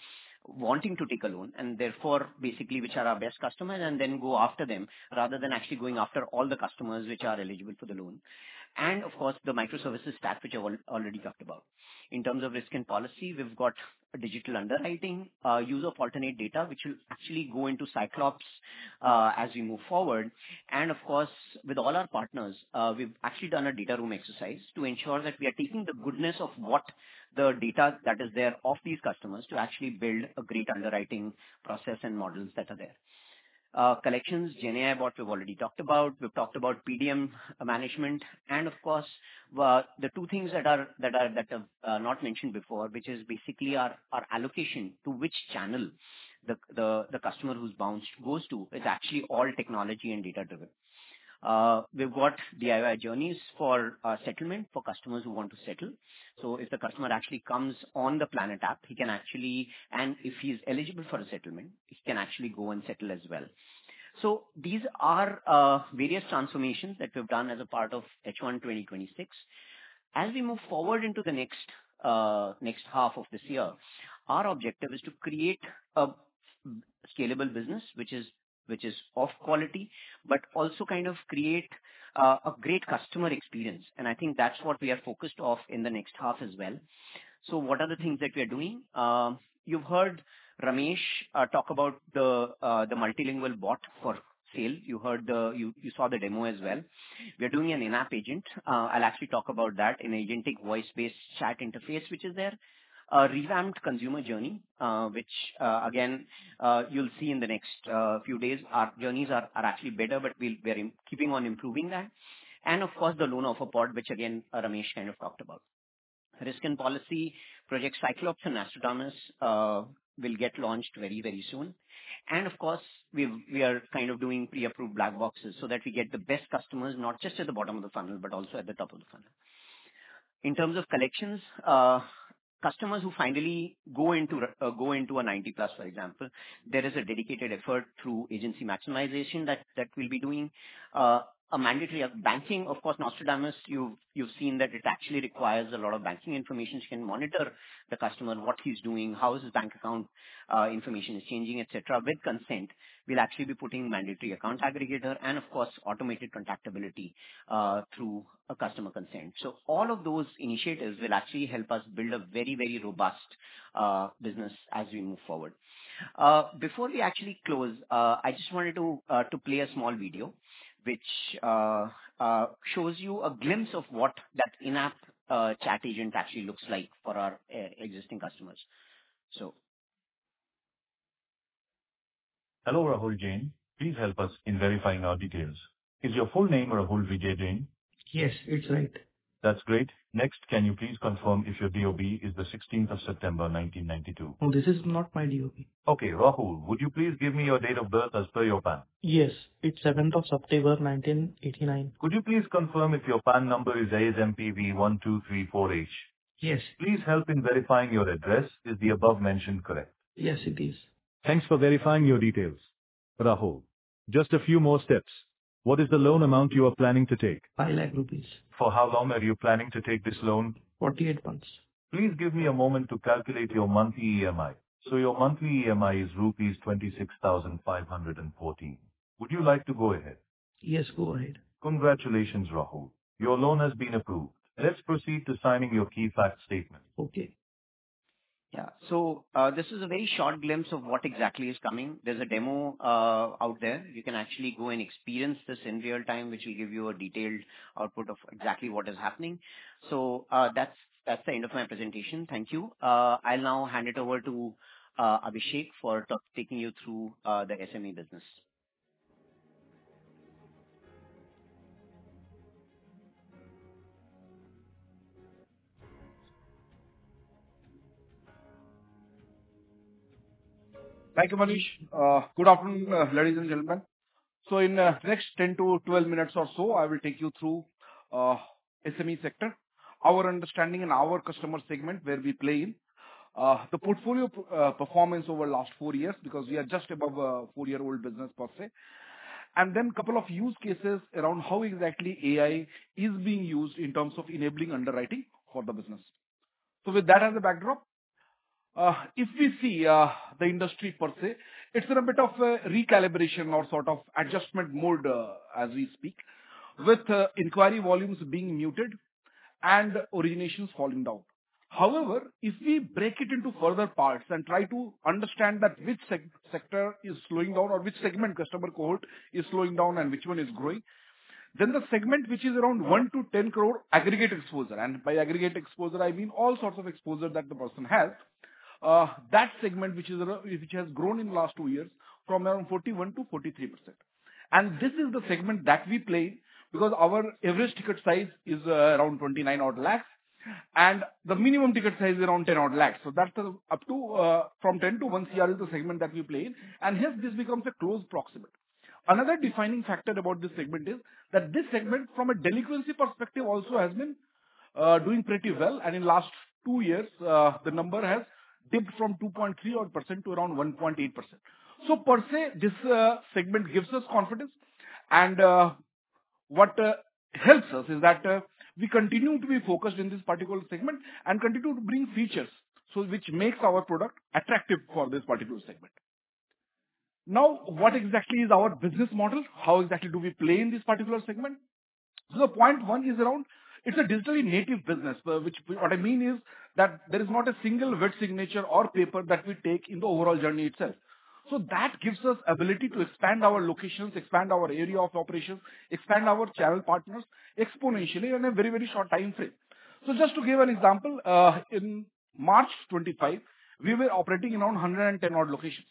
wanting to take a loan and therefore basically which are our best customers and then go after them rather than actually going after all the customers which are eligible for the loan. And of course, the microservices stack, which I've already talked about. In terms of risk and policy, we've got digital underwriting, use of alternate data, which will actually go into Cyclops as we move forward. And of course, with all our partners, we've actually done a data room exercise to ensure that we are taking the goodness of what the data that is there of these customers to actually build a great underwriting process and models that are there. Collections, GenAI bot, we've already talked about. We've talked about PDM management. And of course, the two things that have not mentioned before, which is basically our allocation to which channel the customer who's bounced goes to, is actually all technology and data-driven. We've got DIY journeys for settlement for customers who want to settle. So if the customer actually comes on the Planet app, he can actually, and if he's eligible for a settlement, he can actually go and settle as well. So these are various transformations that we've done as a part of H1 2026. As we move forward into the next half of this year, our objective is to create a scalable business, which is of quality, but also kind of create a great customer experience. And I think that's what we are focused on in the next half as well. So what are the things that we are doing? You've heard Ramesh talk about the multilingual bot for sale. You saw the demo as well. We are doing an in-app agent. I'll actually talk about that in agentic voice-based chat interface, which is there. Revamped consumer journey, which again, you'll see in the next few days, our journeys are actually better, but we're keeping on improving that. And of course, the loan offer pod, which again, Ramesh kind of talked about. Risk and policy Project Cyclops and Nostradamus will get launched very, very soon. And of course, we are kind of doing pre-approved black boxes so that we get the best customers, not just at the bottom of the funnel, but also at the top of the funnel. In terms of collections, customers who finally go into a 90, for example, there is a dedicated effort through agency maximization that we'll be doing. A mandatory banking, of course, in Nostradamus, you've seen that it actually requires a lot of banking information. You can monitor the customer, what he's doing, how his bank account information is changing, etc., with consent. We'll actually be putting mandatory account aggregator and, of course, automated contactability through a customer consent. So all of those initiatives will actually help us build a very, very robust business as we move forward. Before we actually close, I just wanted to play a small video, which shows you a glimpse of what that in-app chat agent actually looks like for our existing customers. So. Hello Rahul Jain. Please help us in verifying our details. Is your full name Rahul Vijay Jain? Yes, it's right. That's great. Next, can you please confirm if your DOB is the 16th of September, 1992? Oh, this is not my DOB. Okay, Rahul, would you please give me your date of birth as per your PAN? Yes, it's 7th of September, 1989. Could you please confirm if your PAN number is ASMPV1234H? Yes. Please help in verifying your address. Is the above-mentioned correct? Yes, it is. Thanks for verifying your details, Rahul. Just a few more steps. What is the loan amount you are planning to take? 500,000 rupees. For how long are you planning to take this loan? 48 months. Please give me a moment to calculate your monthly EMI. So your monthly EMI is rupees 26,514. Would you like to go ahead? Yes, go ahead. Congratulations, Rahul. Your loan has been approved. Let's proceed to signing your key fact statement. Okay. Yeah, so this is a very short glimpse of what exactly is coming. There's a demo out there. You can actually go and experience this in real time, which will give you a detailed output of exactly what is happening. So that's the end of my presentation. Thank you. I'll now hand it over to Abhishek for taking you through the SME business. Thank you, Manish. Good afternoon, ladies and gentlemen. So in the next 10-12 minutes or so, I will take you through SME sector, our understanding and our customer segment where we play in, the portfolio performance over the last four years because we are just above a four-year-old business per se, and then a couple of use cases around how exactly AI is being used in terms of enabling underwriting for the business. So with that as a backdrop, if we see the industry per se, it's in a bit of a recalibration or sort of adjustment mode as we speak, with inquiry volumes being muted and originations falling down. However, if we break it into further parts and try to understand which sector is slowing down or which segment customer cohort is slowing down and which one is growing, then the segment which is around 1-10 crore aggregate exposure, and by aggregate exposure, I mean all sorts of exposure that the person has, that segment which has grown in the last two years from around 41%-43%. This is the segment that we play because our average ticket size is around 29 odd lakhs, and the minimum ticket size is around 10 odd lakhs. That's up to from 10 lakhs-1 crore is the segment that we play. Hence, this becomes a close proxy. Another defining factor about this segment is that this segment, from a delinquency perspective, also has been doing pretty well. And in the last two years, the number has dipped from 2.3% odd to around 1.8%. So per se, this segment gives us confidence. And what helps us is that we continue to be focused in this particular segment and continue to bring features, which makes our product attractive for this particular segment. Now, what exactly is our business model? How exactly do we play in this particular segment? So the point one is around it's a digitally native business, which what I mean is that there is not a single wet signature or paper that we take in the overall journey itself. So that gives us the ability to expand our locations, expand our area of operations, expand our channel partners exponentially in a very, very short time frame. So just to give an example, in March 2025, we were operating in around 110 odd locations.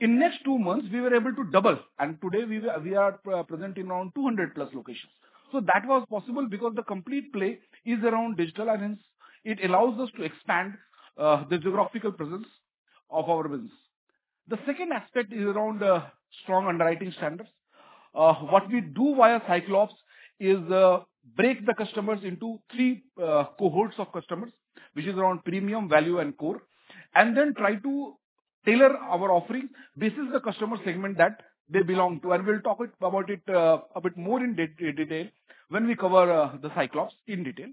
In the next two months, we were able to double, and today, we are present in around 200 plus locations, so that was possible because the complete play is around digital, and it allows us to expand the geographical presence of our business. The second aspect is around strong underwriting standards. What we do via Cyclops is break the customers into three cohorts of customers, which is around premium, value, and core, and then try to tailor our offering based on the customer segment that they belong to, and we'll talk about it a bit more in detail when we cover the Cyclops in detail.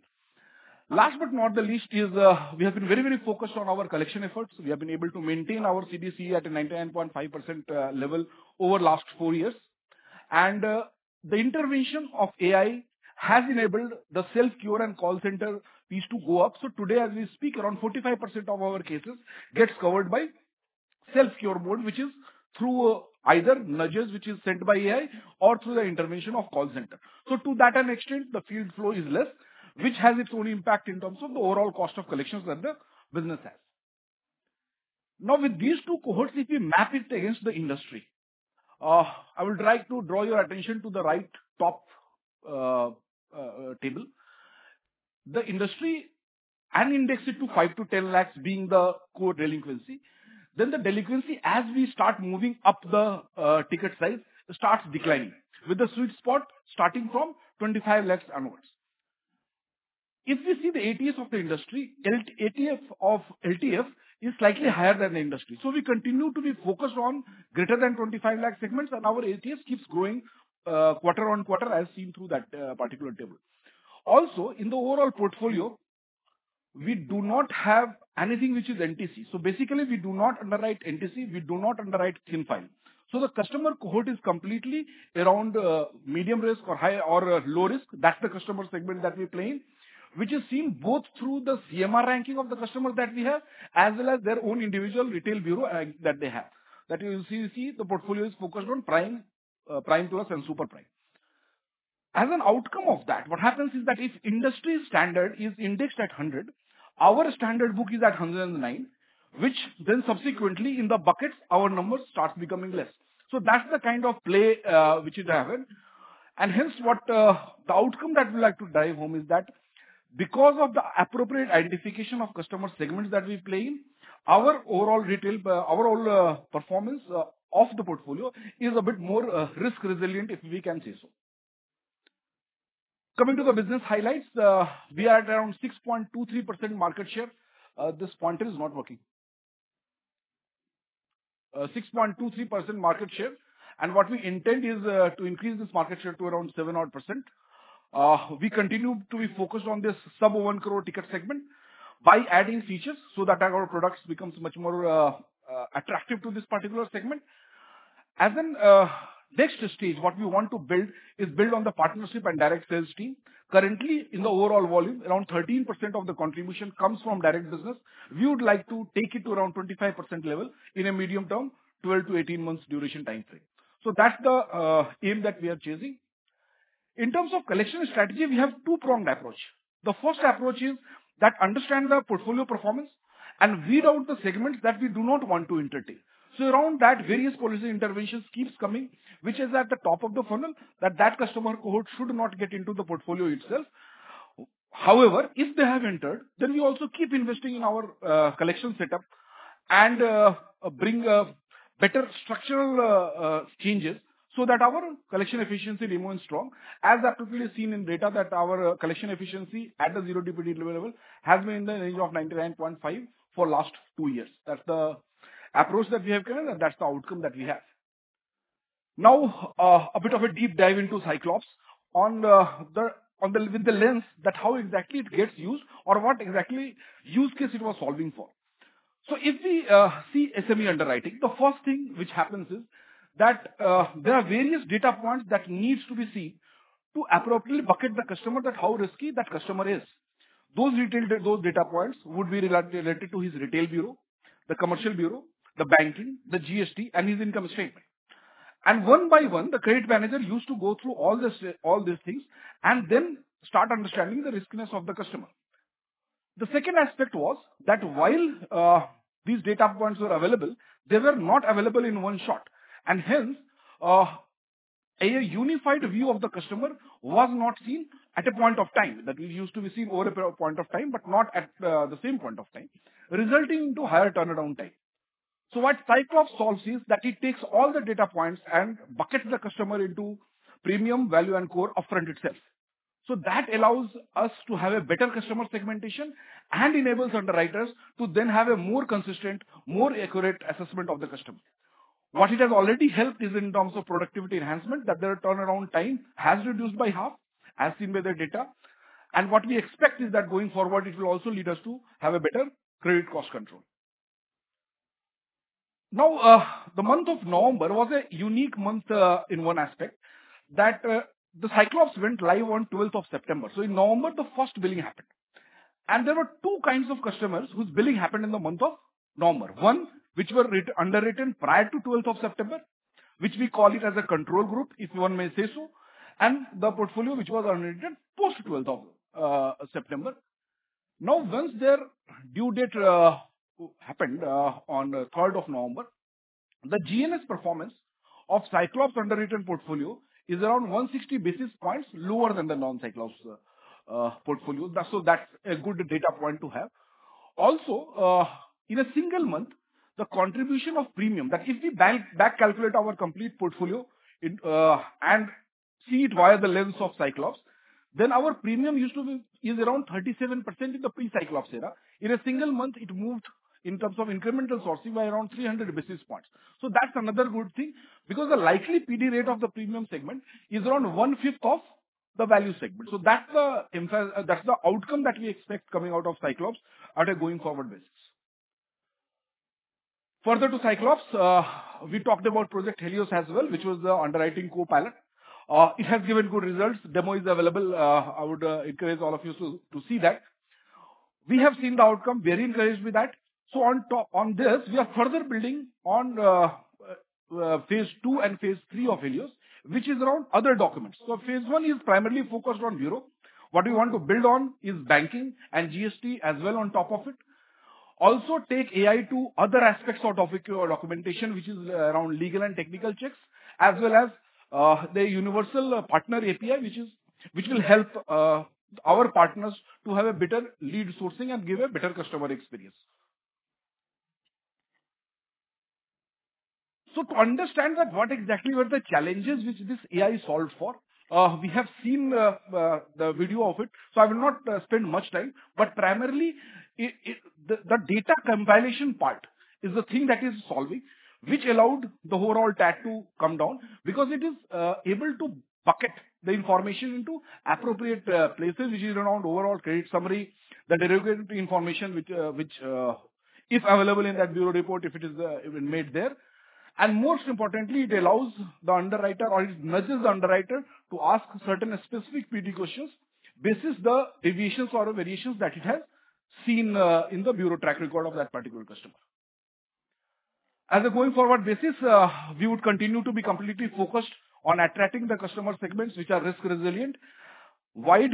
Last but not the least, we have been very, very focused on our collection efforts. We have been able to maintain our CDC at a 99.5% level over the last four years. The intervention of AI has enabled the self-cure and call center fees to go up. So today, as we speak, around 45% of our cases gets covered by self-cure mode, which is through either nudges, which is sent by AI, or through the intervention of call center. So to that an extent, the field flow is less, which has its own impact in terms of the overall cost of collections that the business has. Now, with these two cohorts, if we map it against the industry, I would like to draw your attention to the right top table. The industry is indexed to 5-10 lakhs being the core delinquency. Then the delinquency, as we start moving up the ticket size, starts declining with the sweet spot starting from 25 lakhs onwards. If we see the ATS of the industry, ATS of LTF is slightly higher than the industry. So we continue to be focused on greater than 25 lakh segments, and our ATS keeps growing quarter on quarter, as seen through that particular table. Also, in the overall portfolio, we do not have anything which is NTC. So basically, we do not underwrite NTC. We do not underwrite thin file. So the customer cohort is completely around medium risk or low risk. That's the customer segment that we play, which is seen both through the CMR ranking of the customers that we have, as well as their own individual retail bureau that they have. That you see, the portfolio is focused on prime plus and super prime. As an outcome of that, what happens is that if industry standard is indexed at 100, our standard book is at 109, which then subsequently in the buckets, our number starts becoming less. So that's the kind of play which is happened. And hence, what the outcome that we like to drive home is that because of the appropriate identification of customer segments that we play in, our overall retail, our overall performance of the portfolio is a bit more risk-resilient, if we can say so. Coming to the business highlights, we are at around 6.23% market share. This pointer is not working. 6.23% market share. And what we intend is to increase this market share to around 7 odd %. We continue to be focused on this sub-one crore ticket segment by adding features so that our products become much more attractive to this particular segment. As the next stage, what we want to build is to build on the partnership and direct sales team. Currently, in the overall volume, around 13% of the contribution comes from direct business. We would like to take it to around 25% level in a medium term, 12-18 months duration timeframe. So that's the aim that we are chasing. In terms of collection strategy, we have a two-pronged approach. The first approach is that we understand the portfolio performance and weed out the segments that we do not want to entertain. So around that, various policy interventions keep coming, which is at the top of the funnel that the customer cohort should not get into the portfolio itself. However, if they have entered, then we also keep investing in our collection setup and bring better structural changes so that our collection efficiency remains strong, as applicably seen in data that our collection efficiency at the zero DPD level has been in the range of 99.5% for the last two years. That's the approach that we have given, and that's the outcome that we have. Now, a bit of a deep dive into Cyclops with the lens that how exactly it gets used or what exactly use case it was solving for. So if we see SME underwriting, the first thing which happens is that there are various data points that need to be seen to appropriately bucket the customer that how risky that customer is. Those data points would be related to his retail bureau, the commercial bureau, the banking, the GST, and his income statement. One by one, the credit manager used to go through all these things and then start understanding the riskiness of the customer. The second aspect was that while these data points were available, they were not available in one shot. Hence, a unified view of the customer was not seen at a point of time that we used to be seen over a point of time, but not at the same point of time, resulting in higher turnaround time. What Cyclops solves is that it takes all the data points and buckets the customer into premium, value, and core upfront itself. That allows us to have a better customer segmentation and enables underwriters to then have a more consistent, more accurate assessment of the customer. What it has already helped is in terms of productivity enhancement that their turnaround time has reduced by half, as seen by the data. And what we expect is that going forward, it will also lead us to have a better credit cost control. Now, the month of November was a unique month in one aspect that the Cyclops went live on 12th of September. So in November, the first billing happened. And there were two kinds of customers whose billing happened in the month of November. One, which were underwritten prior to 12th of September, which we call it as a control group, if you want me to say so, and the portfolio which was underwritten post 12th of September. Now, once their due date happened on 3rd of November, the GNS performance of Cyclops underwritten portfolio is around 160 basis points lower than the non-Cyclops portfolio. So that's a good data point to have. Also, in a single month, the contribution of premium that if we back calculate our complete portfolio and see it via the lens of Cyclops, then our premium used to be around 37% in the pre-Cyclops era. In a single month, it moved in terms of incremental sourcing by around 300 basis points. So that's another good thing because the likely PD rate of the premium segment is around one-fifth of the value segment. So that's the outcome that we expect coming out of Cyclops at a going forward basis. Further to Cyclops, we talked about Project Helios as well, which was the underwriting copilot. It has given good results. Demo is available. I would encourage all of you to see that. We have seen the outcome. Very encouraged with that. On this, we are further building on phase II and phase III of Helios, which is around other documents. Phase I is primarily focused on bureau. What we want to build on is banking and GST as well on top of it. Also take AI to other aspects of documentation, which is around legal and technical checks, as well as the universal partner API, which will help our partners to have a better lead sourcing and give a better customer experience. To understand what exactly were the challenges which this AI solved for, we have seen the video of it. I will not spend much time, but primarily, the data compilation part is the thing that is solving, which allowed the overall TAT to come down because it is able to bucket the information into appropriate places, which is around overall credit summary, the derogatory information which is available in that bureau report if it is made there. Most importantly, it allows the underwriter or it nudges the underwriter to ask certain specific PD questions based on the deviations or variations that it has seen in the bureau track record of that particular customer. On a going forward basis, we would continue to be completely focused on attracting the customer segments which are risk-resilient, while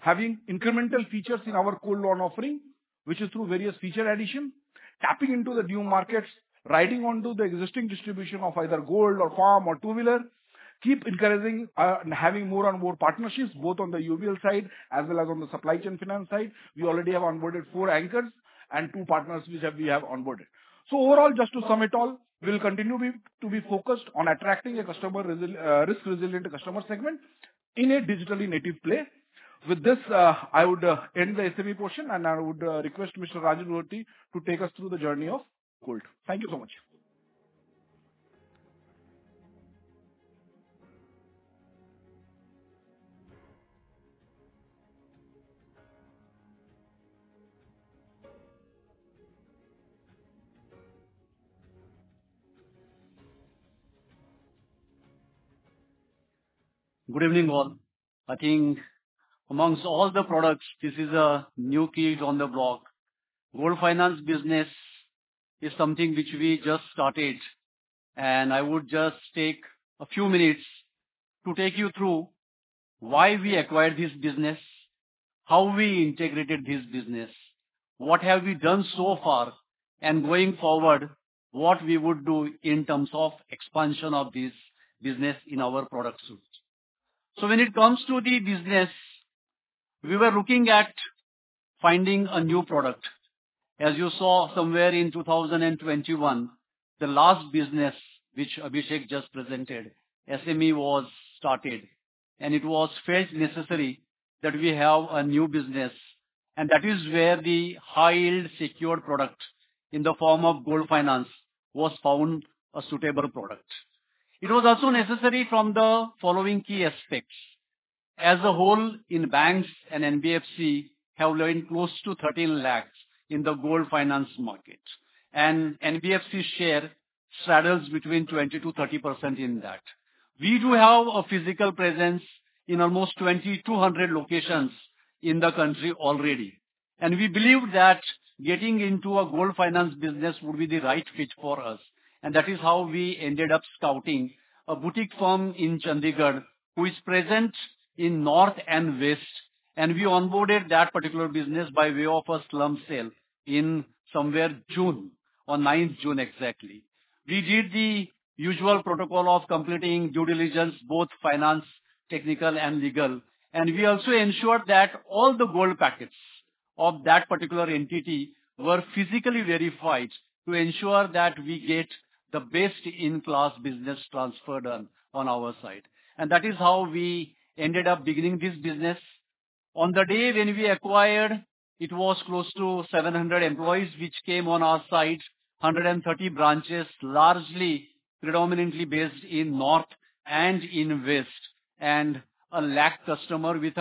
having incremental features in our gold loan offering, which is through various feature addition, tapping into the new markets, riding onto the existing distribution of either gold or farm or two-wheeler, keep encouraging and having more and more partnerships both on the UBL side as well as on the supply chain finance side. We already have onboarded four anchors and two partners which we have onboarded. So overall, just to sum it all, we'll continue to be focused on attracting a risk-resilient customer segment in a digitally native play. With this, I would end the SME portion, and I would request Mr. Raju Dodti to take us through the journey of gold. Thank you so much. Good evening all. I think amongst all the products, this is a new kid on the block. Gold finance business is something which we just started. And I would just take a few minutes to take you through why we acquired this business, how we integrated this business, what have we done so far, and going forward, what we would do in terms of expansion of this business in our product suite. So when it comes to the business, we were looking at finding a new product. As you saw somewhere in 2021, the last business which Abhishek just presented, SME was started. And it was felt necessary that we have a new business. And that is where the high-yield secure product in the form of gold finance was found a suitable product. It was also necessary from the following key aspects. As a whole, banks and NBFCs have lent close to 13 lakhs in the gold finance market. The NBFC share straddles between 20%-30% in that. We do have a physical presence in almost 2,200 locations in the country already. We believe that getting into a gold finance business would be the right fit for us. That is how we ended up scouting a boutique firm in Chandigarh who is present in north and west. We onboarded that particular business by way of a slump sale somewhere on 9th June exactly. We did the usual protocol of completing due diligence, both financial, technical, and legal. We also ensured that all the gold packets of that particular entity were physically verified to ensure that we get the best-in-class business transferred on our side. That is how we ended up beginning this business. On the day when we acquired, it was close to 700 employees which came on our side, 130 branches largely predominantly based in north and in west, and a lakh customer with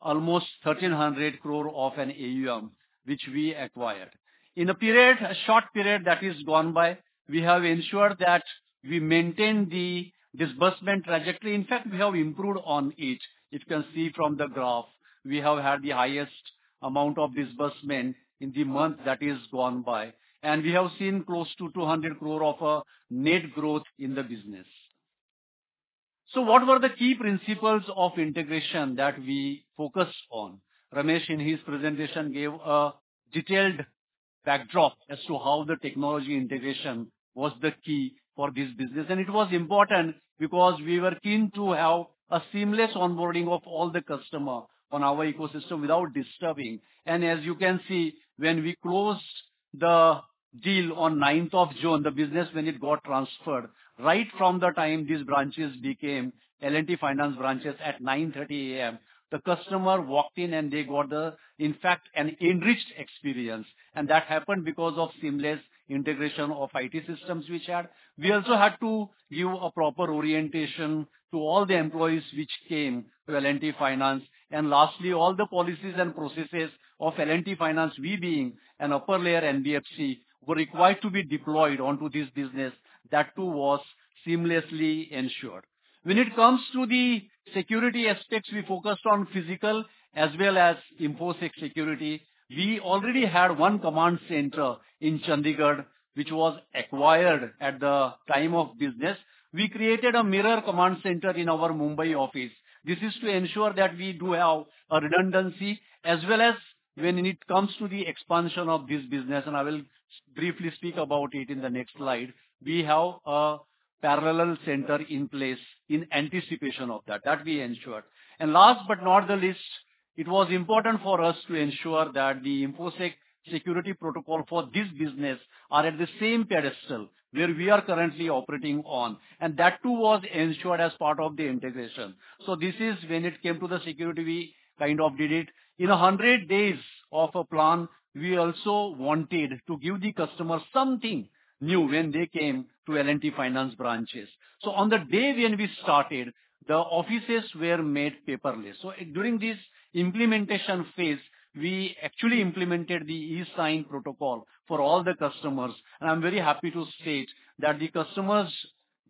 almost 1,300 crore of an AUM which we acquired. In a short period that is gone by, we have ensured that we maintained the disbursement trajectory. In fact, we have improved on it. You can see from the graph, we have had the highest amount of disbursement in the month that is gone by, and we have seen close to 200 crore of a net growth in the business, so what were the key principles of integration that we focused on? Ramesh, in his presentation, gave a detailed backdrop as to how the technology integration was the key for this business. It was important because we were keen to have a seamless onboarding of all the customers on our ecosystem without disturbing. As you can see, when we closed the deal on 9th of June, the business, when it got transferred, right from the time these branches became L&T Finance branches at 9:30 A.M., the customer walked in and they got the, in fact, an enriched experience. That happened because of seamless integration of IT systems we shared. We also had to give a proper orientation to all the employees which came to L&T Finance. Lastly, all the policies and processes of L&T Finance, we being an upper layer NBFC, were required to be deployed onto this business that too was seamlessly ensured. When it comes to the security aspects, we focused on physical as well as InfoSec security. We already had one command center in Chandigarh which was acquired at the time of business. We created a mirror command center in our Mumbai office. This is to ensure that we do have a redundancy as well as when it comes to the expansion of this business. And I will briefly speak about it in the next slide. We have a parallel center in place in anticipation of that. That we ensured. And last but not the least, it was important for us to ensure that the InfoSec security protocol for this business is at the same pedestal where we are currently operating on. And that too was ensured as part of the integration. So this is when it came to the security, we kind of did it. In 100 days of a plan, we also wanted to give the customer something new when they came to L&T Finance branches, so on the day when we started, the offices were made paperless, so during this implementation phase, we actually implemented the e-sign protocol for all the customers, and I'm very happy to state that the customer's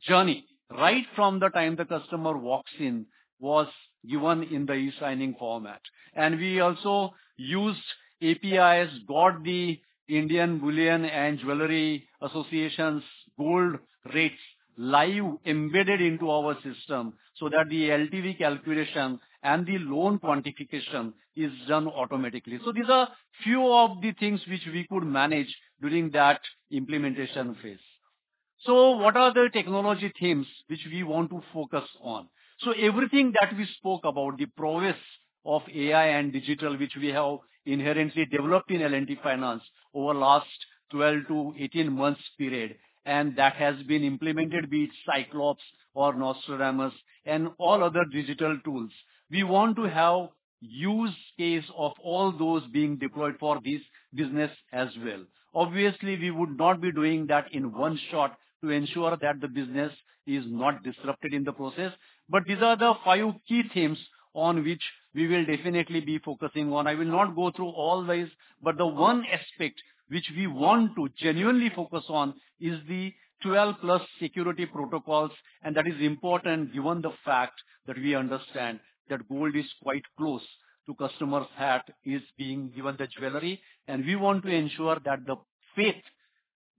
journey right from the time the customer walks in was given in the e-signing format, and we also used APIs, got the Indian Bullion and Jewelry Association's gold rates live embedded into our system so that the LTV calculation and the loan quantification is done automatically, so these are a few of the things which we could manage during that implementation phase, so what are the technology themes which we want to focus on? So everything that we spoke about, the prowess of AI and digital which we have inherently developed in L&T Finance over the last 12-18 months period, and that has been implemented with Cyclops or Nostradamus and all other digital tools. We want to have use case of all those being deployed for this business as well. Obviously, we would not be doing that in one shot to ensure that the business is not disrupted in the process. But these are the five key themes on which we will definitely be focusing on. I will not go through all these, but the one aspect which we want to genuinely focus on is the 12+ security protocols. And that is important given the fact that we understand that gold is quite close to customers' heart is being given the jewelry. We want to ensure that the faith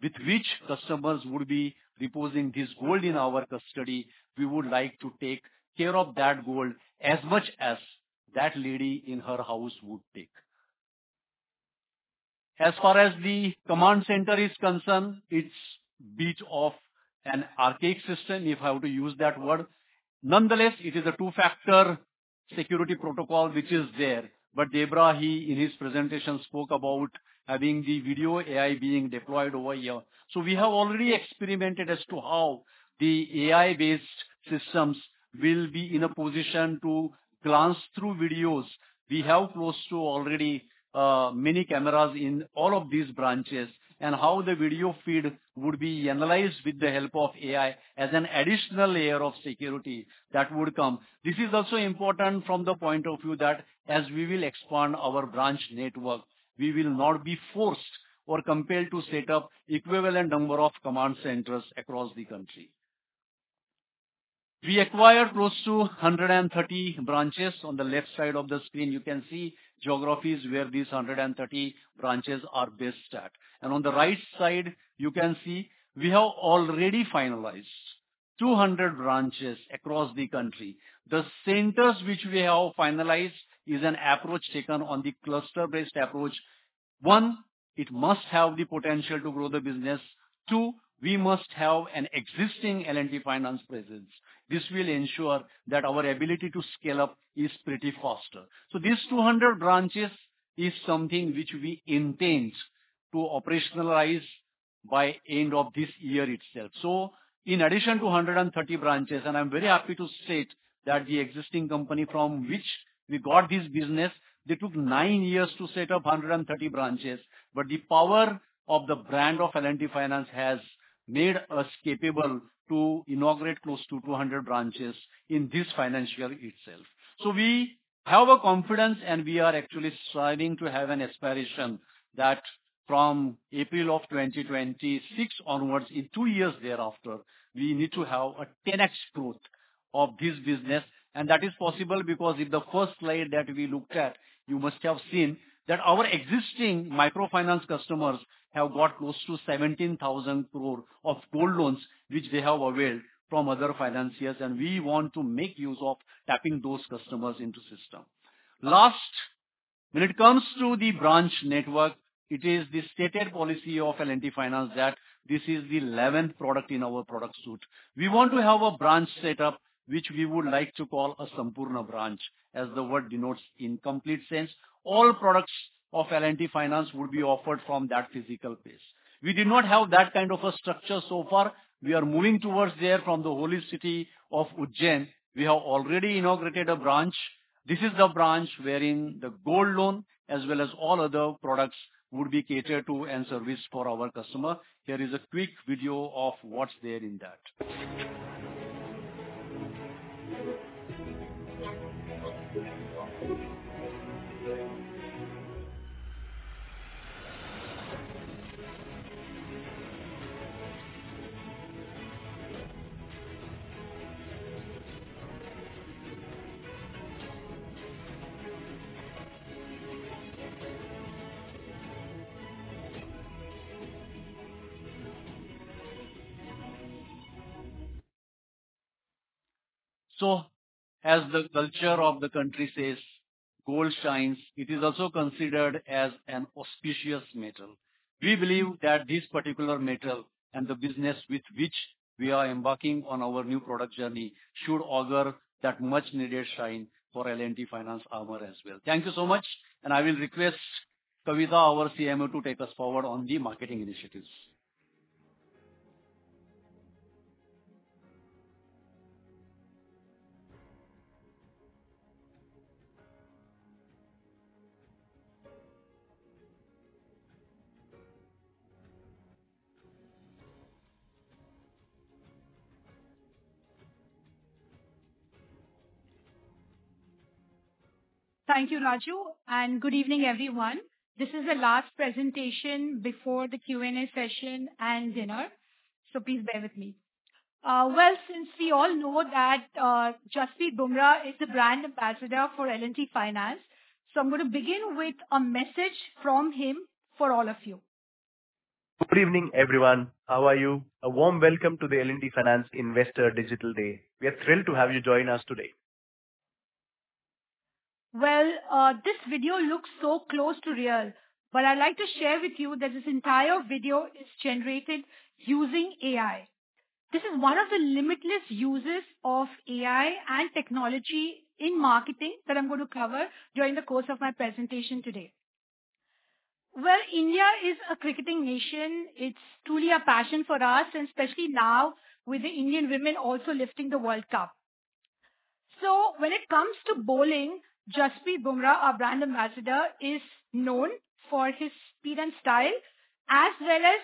with which customers would be depositing this gold in our custody, we would like to take care of that gold as much as that lady in her house would take. As far as the command center is concerned, it's a bit of an archaic system, if I were to use that word. Nonetheless, it is a two-factor security protocol which is there. But Debarag, he in his presentation spoke about having the video AI being deployed over here. So we have already experimented as to how the AI-based systems will be in a position to glance through videos. We have close to already many cameras in all of these branches and how the video feed would be analyzed with the help of AI as an additional layer of security that would come. This is also important from the point of view that as we will expand our branch network, we will not be forced or compelled to set up an equivalent number of command centers across the country. We acquired close to 130 branches. On the left side of the screen, you can see geographies where these 130 branches are based at. And on the right side, you can see we have already finalized 200 branches across the country. The centers which we have finalized is an approach taken on the cluster-based approach. One, it must have the potential to grow the business. Two, we must have an existing L&T Finance presence. This will ensure that our ability to scale up is pretty faster. So these 200 branches is something which we intend to operationalize by the end of this year itself. So, in addition to 130 branches, and I'm very happy to state that the existing company from which we got this business, they took nine years to set up 130 branches. But the power of the brand of L&T Finance has made us capable to inaugurate close to 200 branches in this financial year itself. So we have a confidence and we are actually striving to have an aspiration that from April of 2026 onwards, in two years thereafter, we need to have a 10x growth of this business. And that is possible because in the first slide that we looked at, you must have seen that our existing microfinance customers have got close to 17,000 crore of gold loans which they have availed from other financiers. And we want to make use of tapping those customers into the system. Last, when it comes to the branch network, it is the stated policy of L&T Finance that this is the 11th product in our product suite. We want to have a branch setup which we would like to call a Sampoorna branch, as the word denotes in complete sense. All products of L&T Finance would be offered from that physical base. We did not have that kind of a structure so far. We are moving towards there from the holy city of Ujjain. We have already inaugurated a branch. This is the branch wherein the Gold Loan as well as all other products would be catered to and serviced for our customer. Here is a quick video of what's there in that. So as the culture of the country says, "Gold shines," it is also considered as an auspicious metal. We believe that this particular metal and the business with which we are embarking on our new product journey should augur that much-needed shine for L&T Finance armor as well. Thank you so much, and I will request Kavita, our CMO, to take us forward on the marketing initiatives. Thank you, Raju. Good evening, everyone. This is the last presentation before the Q&A session and dinner. Please bear with me. Since we all know that Jasprit Bumrah is the brand ambassador for L&T Finance, so I'm going to begin with a message from him for all of you. Good evening, everyone. How are you? A warm welcome to the L&T Finance Investor Digital Day. We are thrilled to have you join us today. This video looks so close to real, but I'd like to share with you that this entire video is generated using AI. This is one of the limitless uses of AI and technology in marketing that I'm going to cover during the course of my presentation today. India is a cricketing nation. It's truly a passion for us, and especially now with the Indian women also lifting the World Cup, so when it comes to bowling, Jasprit Bumrah, our brand ambassador, is known for his speed and style, as well as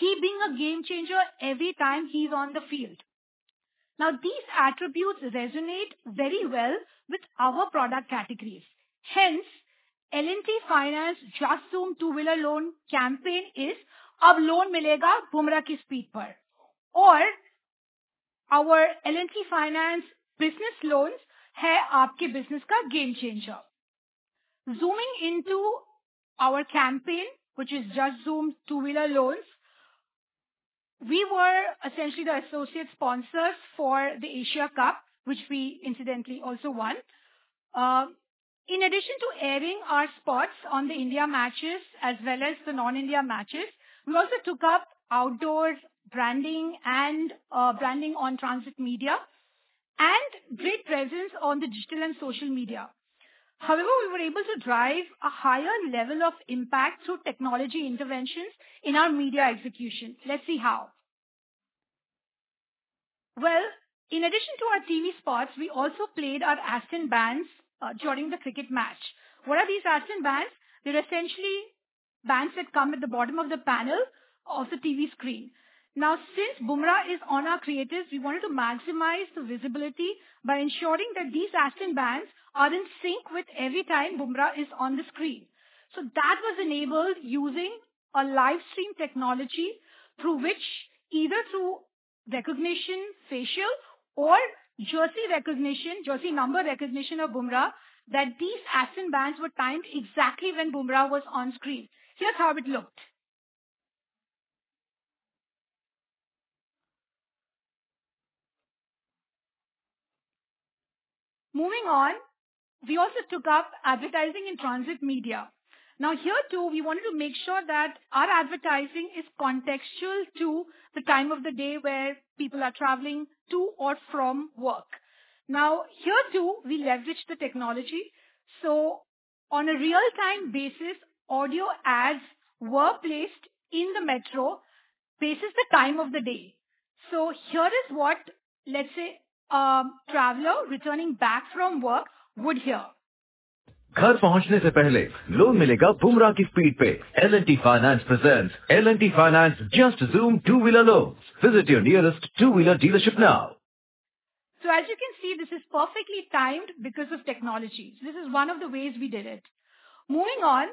him being a game changer every time he's on the field. Now, these attributes resonate very well with our product categories. Hence, L&T Finance Just Zoom Two Wheeler Loan campaign is, "अब loan मिलेगा बुमराह की speed पर," और हमारे L&T Finance business loans हैं आपके business का game changer. Zooming into our campaign, which is Just Zoom Two Wheeler Loans, we were essentially the associate sponsors for the Asia Cup, which we incidentally also won. In addition to airing our spots on the India matches as well as the non-India matches, we also took up outdoor branding and branding on transit media and great presence on the digital and social media. However, we were able to drive a higher level of impact through technology interventions in our media execution. Let's see how. In addition to our TV spots, we also played our Aston bands during the cricket match. What are these Aston bands? They're essentially bands that come at the bottom of the panel of the TV screen. Now, since Bumrah is on our creatives, we wanted to maximize the visibility by ensuring that these Aston bands are in sync with every time Bumrah is on the screen. So that was enabled using a live stream technology through which, either through recognition, facial, or jersey recognition, jersey number recognition of Bumrah, that these Aston bands were timed exactly when Bumrah was on screen. Here's how it looked. Moving on, we also took up advertising in transit media. Now, here too, we wanted to make sure that our advertising is contextual to the time of the day where people are traveling to or from work. Now, here too, we leveraged the technology. So on a real-time basis, audio ads were placed in the metro based on the time of the day. So here is what, let's say, a traveler returning back from work would hear. घर पहुंचने से पहले loan मिलेगा बुमराह की speed पे। L&T Finance presents L&T Finance Just Zoom Two-Wheeler Loans. Visit your nearest Two-Wheeler dealership now. So as you can see, this is perfectly timed because of technology. So this is one of the ways we did it. Moving on,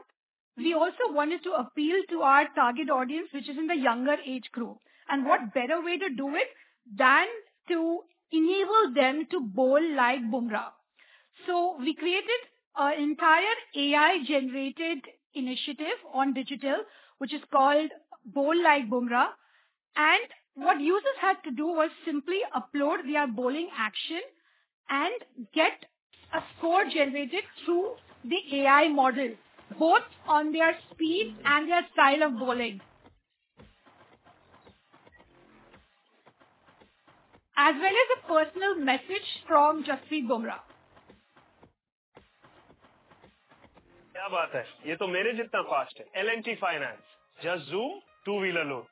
we also wanted to appeal to our target audience, which is in the younger age group. And what better way to do it than to enable them to bowl like Bumrah? So we created an entire AI-generated initiative on digital, which is called Bowl Like Bumrah. And what users had to do was simply upload their bowling action and get a score generated through the AI model, both on their speed and their style of bowling, as well as a personal message from Jasprit Bumrah. क्या बात है, ये तो मेरे जितना fast है। L&T Finance Just Zoom Two-Wheeler Loans.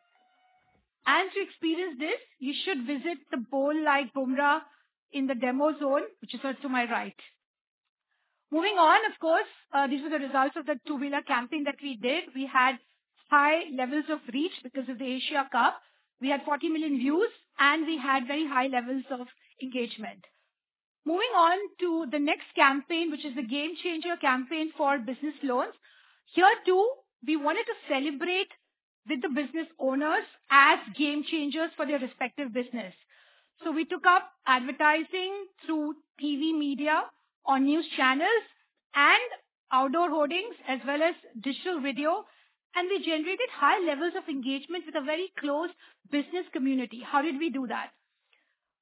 To experience this, you should visit the Bowl Like Bumrah in the demo zone, which is to my right. Moving on, of course, these were the results of the T20 campaign that we did. We had high levels of reach because of the Asia Cup. We had 40 million views, and we had very high levels of engagement. Moving on to the next campaign, which is the game changer campaign for business loans. Here too, we wanted to celebrate with the business owners as game changers for their respective business. We took up advertising through TV media on news channels and outdoor hoardings, as well as digital video. We generated high levels of engagement with a very close business community. How did we do that?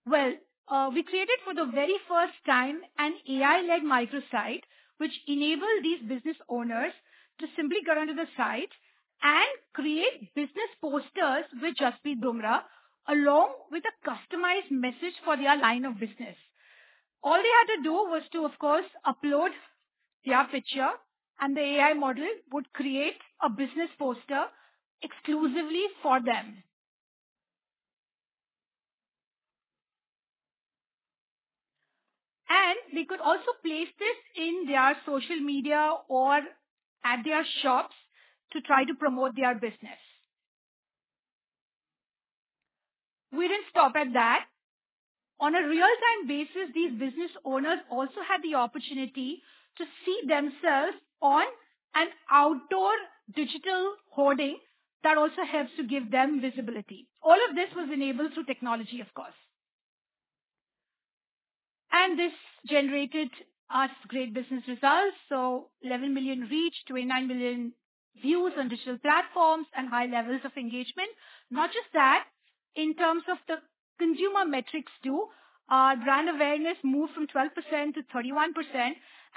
We created for the very first time an AI-led microsite, which enabled these business owners to simply go onto the site and create business posters with Jasprit Bumrah along with a customized message for their line of business. All they had to do was to, of course, upload their picture, and the AI model would create a business poster exclusively for them. They could also place this in their social media or at their shops to try to promote their business. We didn't stop at that. On a real-time basis, these business owners also had the opportunity to see themselves on an outdoor digital hoarding that also helps to give them visibility. All of this was enabled through technology, of course. This generated us great business results. 11 million reach, 29 million views on digital platforms, and high levels of engagement. Not just that, in terms of the consumer metrics too, our brand awareness moved from 12%-31%.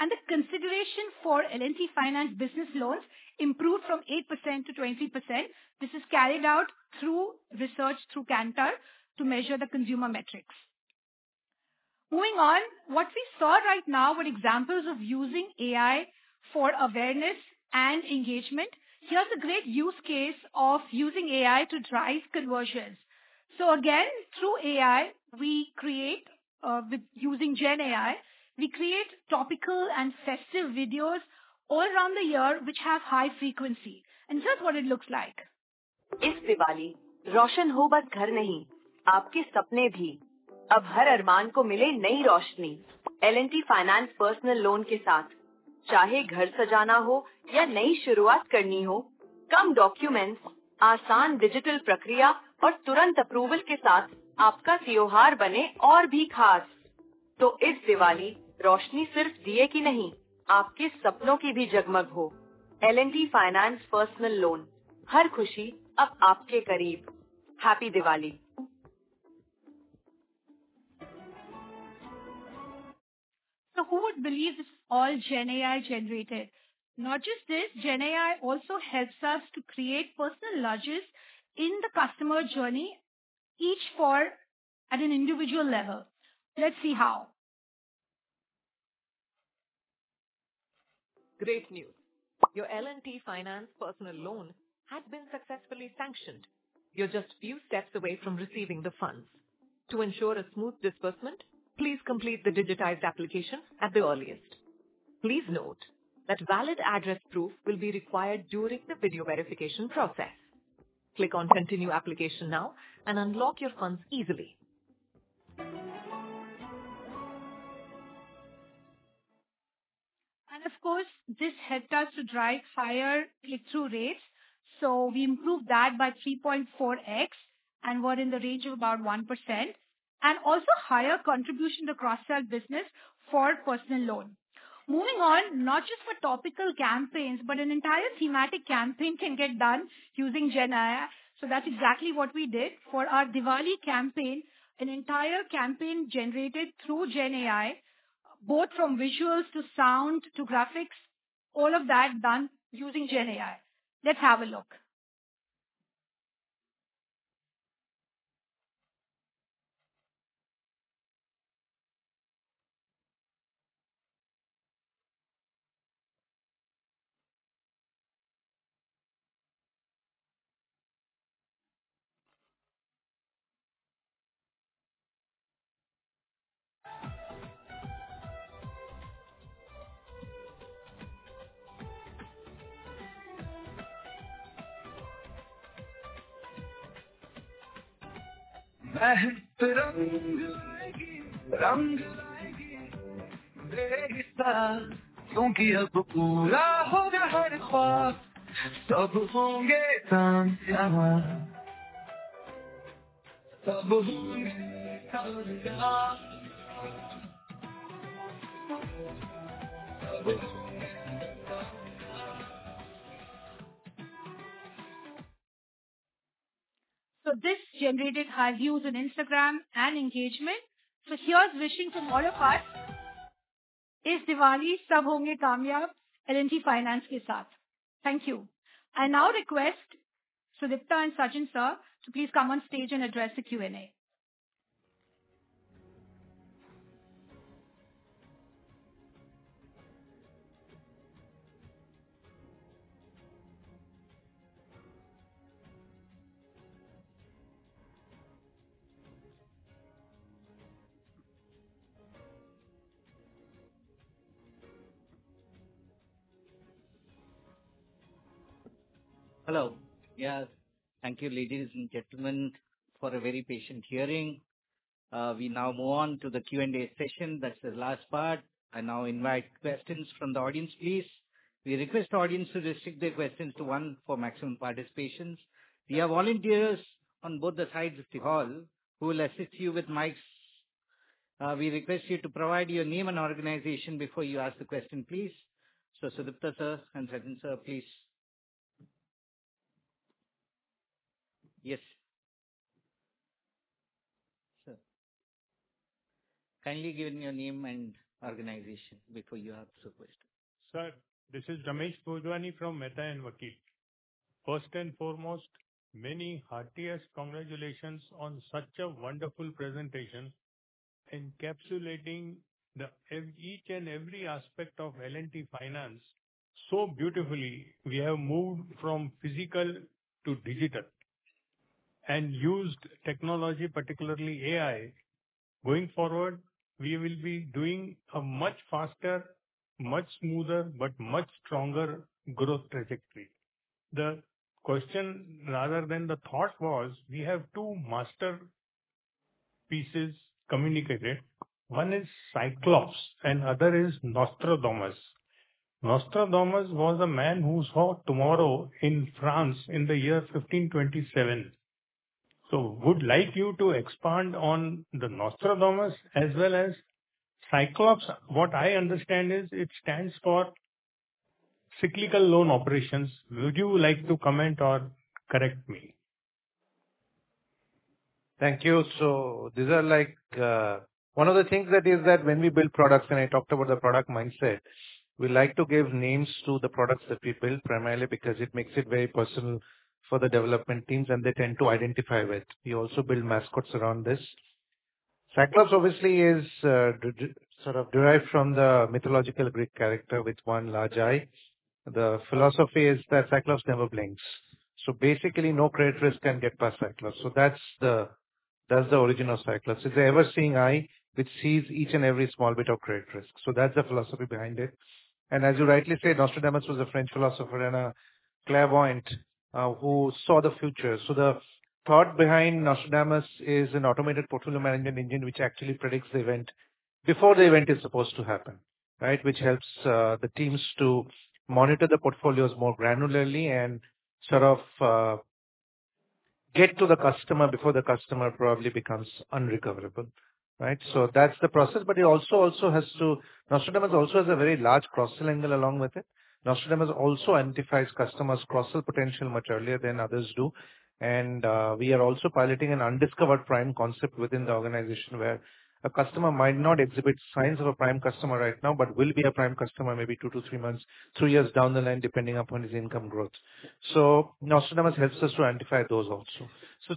And the consideration for L&T Finance business loans improved from 8%-20%. This is carried out through research through Kantar to measure the consumer metrics. Moving on, what we saw right now were examples of using AI for awareness and engagement. Here's a great use case of using AI to drive conversions. So again, through AI, we create, using GenAI, we create topical and festive videos all around the year, which have high frequency. And here's what it looks like. इस दिवाली, रोशन हो बस घर नहीं, आपके सपने भी। अब हर अरमान को मिले Nai Roshni. L&T Finance Personal Loan के साथ, चाहे घर सजाना हो या नई शुरुआत करनी हो, कम डॉक्यूमेंट्स, आसान डिजिटल प्रक्रिया, और तुरंत अप्रूवल के साथ आपका त्योहार बने और भी खास। तो इस दिवाली, रोशनी सिर्फ दिए की नहीं, आपके सपनों की भी जगमग हो। L&T Finance Personal Loan. हर खुशी अब आपके करीब। Happy Diwali. Who would believe this is all GenAI generated? Not just this, GenAI also helps us to create personalized messages in the customer journey, each one at an individual level. Let's see how. Great news. Your L&T Finance Personal Loan has been successfully sanctioned. You're just a few steps away from receiving the funds. To ensure a smooth disbursement, please complete the digitized application at the earliest. Please note that valid address proof will be required during the video verification process. Click on Continue Application now and unlock your funds easily. Of course, this helped us to drive higher click-through rates. So we improved that by 3.4x and were in the range of about 1%, and also higher contribution to cross-sell business for personal loan. Moving on, not just for topical campaigns, but an entire thematic campaign can get done using GenAI. So that's exactly what we did for our Diwali campaign, an entire campaign generated through GenAI, both from visuals to sound to graphics, all of that done using GenAI. Let's have a look. महफ़िल पे रंग लाएगी, रंग लाएगी, बेगिस्ता, क्योंकि अब पूरा होगा हर ख़्वाब, सब होंगे कामयाब, सब होंगे कामयाब, सब होंगे कामयाब। So this generated high views on Instagram and engagement. So here's wishing from all of us, इस दिवाली सब होंगे कामयाब L&T Finance के साथ। Thank you. I now request Sudipta and Sachinn sir to please come on stage and address the Q&A. Hello. Yes. Thank you, ladies and gentlemen, for a very patient hearing. We now move on to the Q&A session. That's the last part. I now invite questions from the audience, please. We request audience to restrict their questions to one for maximum participation. We have volunteers on both the sides of the hall who will assist you with mics. We request you to provide your name and organization before you ask the question, please. So Sudipta sir and Sachinn sir, please. Yes. Sir. Kindly give me your name and organization before you ask the question. Sir, this is Ramesh Bhojwani from Mehta Vakil & Co. First and foremost, many heartiest congratulations on such a wonderful presentation, encapsulating each and every aspect of L&T Finance so beautifully. We have moved from physical to digital and used technology, particularly AI. Going forward, we will be doing a much faster, much smoother, but much stronger growth trajectory. The question, rather than the thought, was we have two masterpieces communicated. One is Cyclops and the other is Nostradamus. Nostradamus was a man who saw tomorrow in France in the year 1527. So would like you to expand on the Nostradamus as well as Cyclops. What I understand is it stands for Cyclical Loan Operations. Would you like to comment or correct me? Thank you. These are like one of the things that when we build products, and I talked about the product mindset, we like to give names to the products that we build primarily because it makes it very personal for the development teams, and they tend to identify with. We also build mascots around this. Cyclops obviously is sort of derived from the mythological Greek character with one large eye. The philosophy is that Cyclops never blinks. So basically, no credit risk can get past Cyclops. So that's the origin of Cyclops. It's the ever-seeing eye which sees each and every small bit of credit risk. So that's the philosophy behind it. And as you rightly say, Nostradamus was a French philosopher and a clairvoyant who saw the future. The thought behind Nostradamus is an automated portfolio management engine which actually predicts the event before the event is supposed to happen, right, which helps the teams to monitor the portfolios more granularly and sort of get to the customer before the customer probably becomes unrecoverable, right? That's the process. But it also has. Nostradamus also has a very large cross-language along with it. Nostradamus also identifies customers' cross-sell potential much earlier than others do. We are also piloting an undiscovered prime concept within the organization where a customer might not exhibit signs of a prime customer right now but will be a prime customer maybe two to three months, three years down the line depending upon his income growth. Nostradamus helps us to identify those also.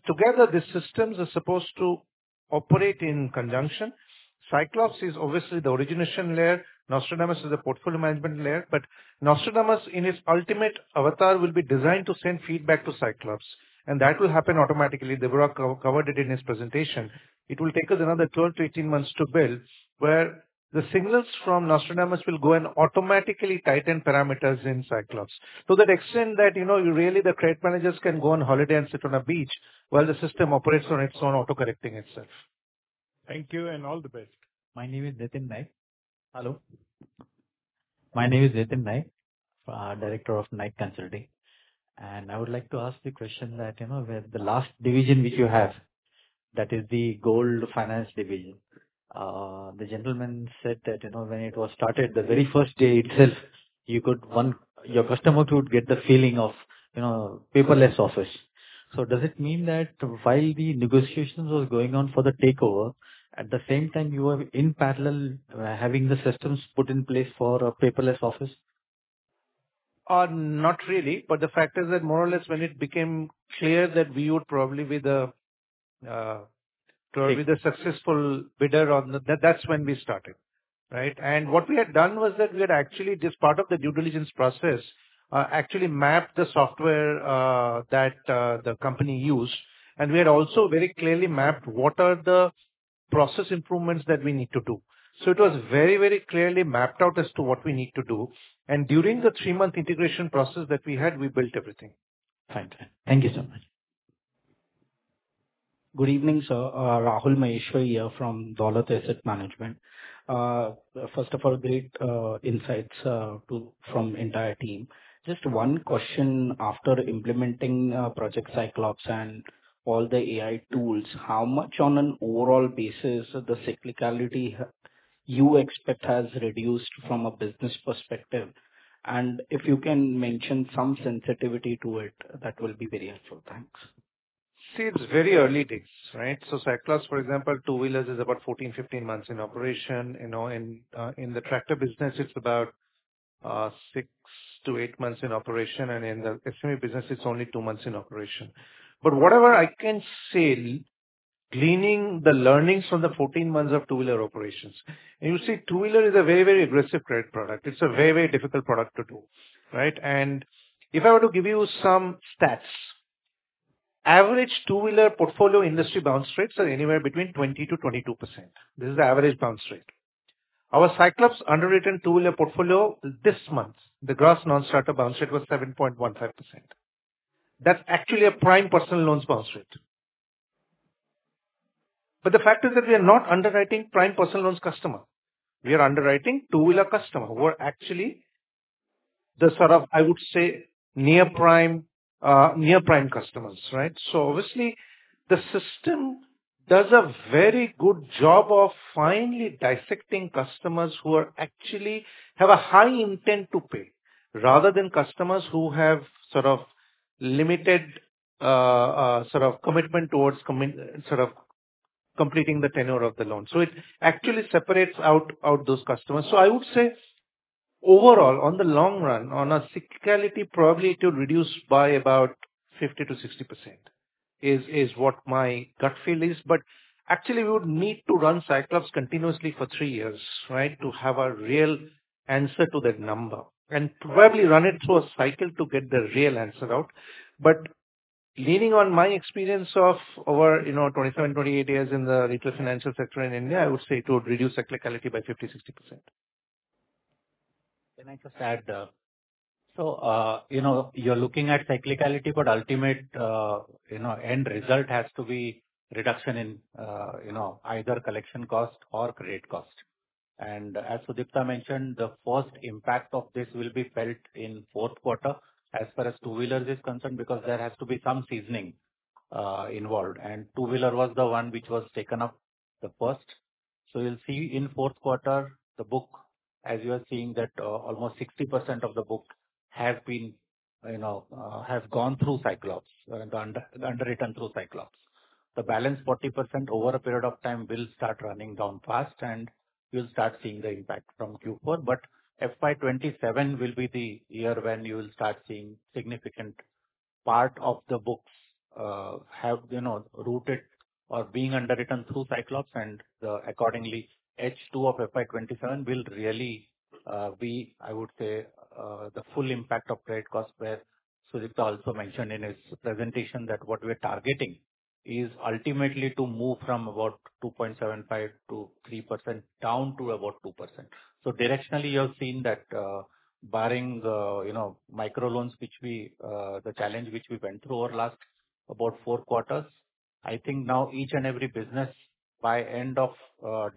Together, these systems are supposed to operate in conjunction. Cyclops is obviously the origination layer. Nostradamus is the portfolio management layer. But Nostradamus, in his ultimate avatar, will be designed to send feedback to Cyclops. And that will happen automatically. Debarag covered it in his presentation. It will take us another 12-18 months to build where the signals from Nostradamus will go and automatically tighten parameters in Cyclops. To that extent that, you know, really the credit managers can go on holiday and sit on a beach while the system operates on its own, auto-correcting itself. Thank you and all the best. My name is Nitin Naik. Hello. My name is Nitin Naik, director of Naik Consulting. And I would like to ask the question that, you know, with the last division which you have, that is the Gold Finance division. The gentleman said that, you know, when it was started, the very first day itself, you could, on day one, your customer could get the feeling of, you know, paperless office. So does it mean that while the negotiations were going on for the takeover, at the same time, you were in parallel having the systems put in place for a paperless office? Not really. But the fact is that more or less when it became clear that we would probably be the successful bidder on that, that's when we started, right? And what we had done was that we had actually this part of the due diligence process actually mapped the software that the company used. And we had also very clearly mapped what are the process improvements that we need to do. So it was very, very clearly mapped out as to what we need to do. And during the three-month integration process that we had, we built everything. Thank you. Thank you so much. Good evening, sir. Rahul Maheshwari here from Dolat Asset Management. First of all, great insights from the entire team. Just one question. After implementing Project Cyclops and all the AI tools, how much on an overall basis the cyclicality you expect has reduced from a business perspective? And if you can mention some sensitivity to it, that will be very helpful. Thanks. See, it's very early days, right? So Cyclops, for example, two-wheelers is about 14, 15 months in operation. You know, in the tractor business, it's about six to eight months in operation, and in the SME business, it's only two months in operation, but whatever I can say, gleaning the learnings from the 14 months of two-wheeler operations, you see, two-wheeler is a very, very aggressive credit product. It's a very, very difficult product to do, right, and if I were to give you some stats, average two-wheeler portfolio industry bounce rates are anywhere between 20%-22%. This is the average bounce rate. Our Cyclops underwritten two-wheeler portfolio this month, the gross non-starter bounce rate was 7.15%. That's actually a prime personal loans bounce rate, but the fact is that we are not underwriting prime personal loans customer. We are underwriting two-wheeler customer, who are actually the sort of, I would say, near prime customers, right? So obviously, the system does a very good job of finely dissecting customers who actually have a high intent to pay, rather than customers who have sort of limited sort of commitment towards sort of completing the tenure of the loan. So it actually separates out those customers. So I would say, overall, on the long run, on a cyclicality, probably it will reduce by about 50%-60% is what my gut feel is. But actually, we would need to run Cyclops continuously for three years, right, to have a real answer to that number and probably run it through a cycle to get the real answer out. But leaning on my experience of over, you know, 27, 28 years in the retail financial sector in India, I would say it would reduce cyclicality by 50%-60%. Can I just add? So, you know, you're looking at cyclicality, but ultimately, you know, end result has to be reduction in, you know, either collection cost or credit cost. And as Sudipta mentioned, the first impact of this will be felt in fourth quarter as far as two-wheelers is concerned because there has to be some seasoning involved. And two-wheeler was the one which was taken up the first. So you'll see in fourth quarter, the book, as you are seeing that almost 60% of the book have been, you know, have gone through Cyclops, underwritten through Cyclops. The balance 40% over a period of time will start running down fast, and you'll start seeing the impact from Q4. But FY27 will be the year when you will start seeing significant part of the books have, you know, routed or being underwritten through Cyclops. Accordingly, H2 of FY27 will really be, I would say, the full impact of credit cost, where Sudipta also mentioned in his presentation that what we are targeting is ultimately to move from about 2.75%- 3% down to about 2%. So directionally, you have seen that barring, you know, microloans, the challenge which we went through over the last about four quarters. I think now each and every business by end of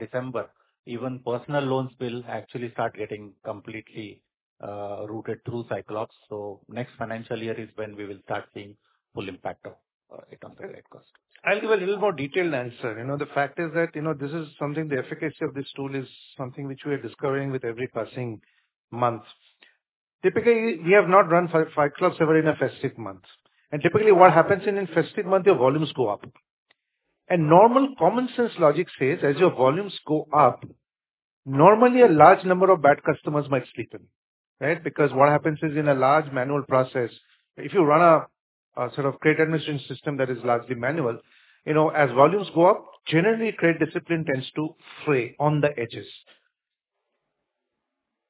December, even personal loans will actually start getting completely routed through Cyclops. So next financial year is when we will start seeing full impact of it on the credit cost. I'll give a little more detailed answer. You know, the fact is that, you know, this is something the efficacy of this tool is something which we are discovering with every passing month. Typically, we have not run Cyclops ever in a festive month. And typically, what happens in festive month, your volumes go up. And normal common sense logic says, as your volumes go up, normally a large number of bad customers might sleep in, right? Because what happens is in a large manual process, if you run a sort of credit administration system that is largely manual, you know, as volumes go up, generally, credit discipline tends to fray on the edges.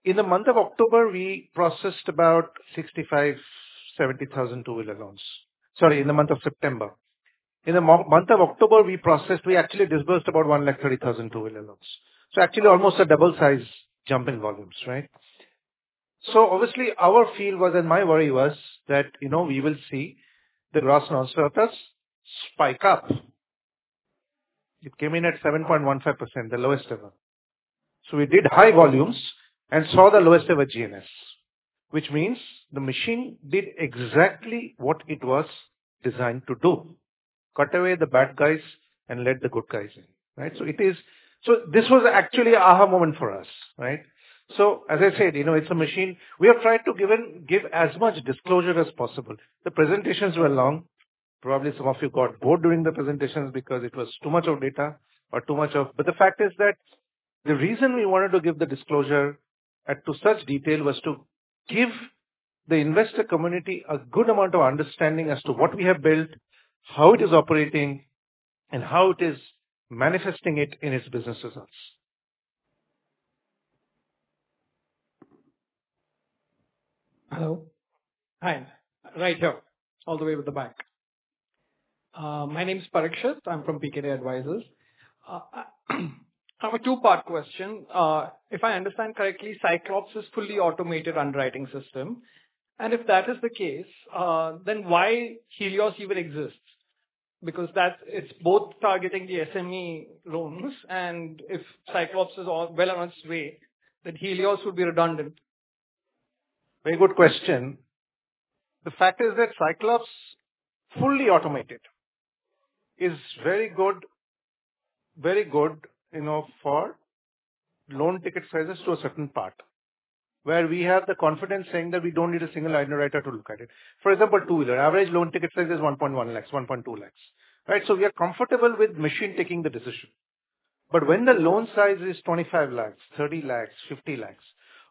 In the month of October, we processed about 65,000-70,000 two-wheeler loans. Sorry, in the month of September. In the month of October, we processed, we actually disbursed about 130,000 two-wheeler loans. So actually, almost a double-size jump in volumes, right? So obviously, our feel was, and my worry was that, you know, we will see the gross non-starters spike up. It came in at 7.15%, the lowest ever. So we did high volumes and saw the lowest ever GNS, which means the machine did exactly what it was designed to do, cut away the bad guys and let the good guys in, right? So it is so this was actually an aha moment for us, right? So as I said, you know, it's a machine. We have tried to give as much disclosure as possible. The presentations were long. Probably some of you got bored during the presentations because it was too much of data or too much of... The fact is that the reason we wanted to give the disclosure to such detail was to give the investor community a good amount of understanding as to what we have built, how it is operating, and how it is manifesting it in its business results. Hello. Hi. Right here, all the way with the mic. My name is Parikshith. I'm from PKD Advisors. I have a two-part question. If I understand correctly, Cyclops is a fully automated underwriting system. And if that is the case, then why Helios even exists? Because that's, it's both targeting the SME loans. And if Cyclops is well on its way, then Helios would be redundant. Very good question. The fact is that Cyclops is fully automated. It's very good, very good, you know, for loan ticket sizes to a certain part, where we have the confidence saying that we don't need a single underwriter to look at it. For example, two-wheeler, average loan ticket size is 1.1 lakhs, 1.2 lakhs, right? So we are comfortable with the machine taking the decision. But when the loan size is 25 lakhs, 30 lakhs, 50 lakhs,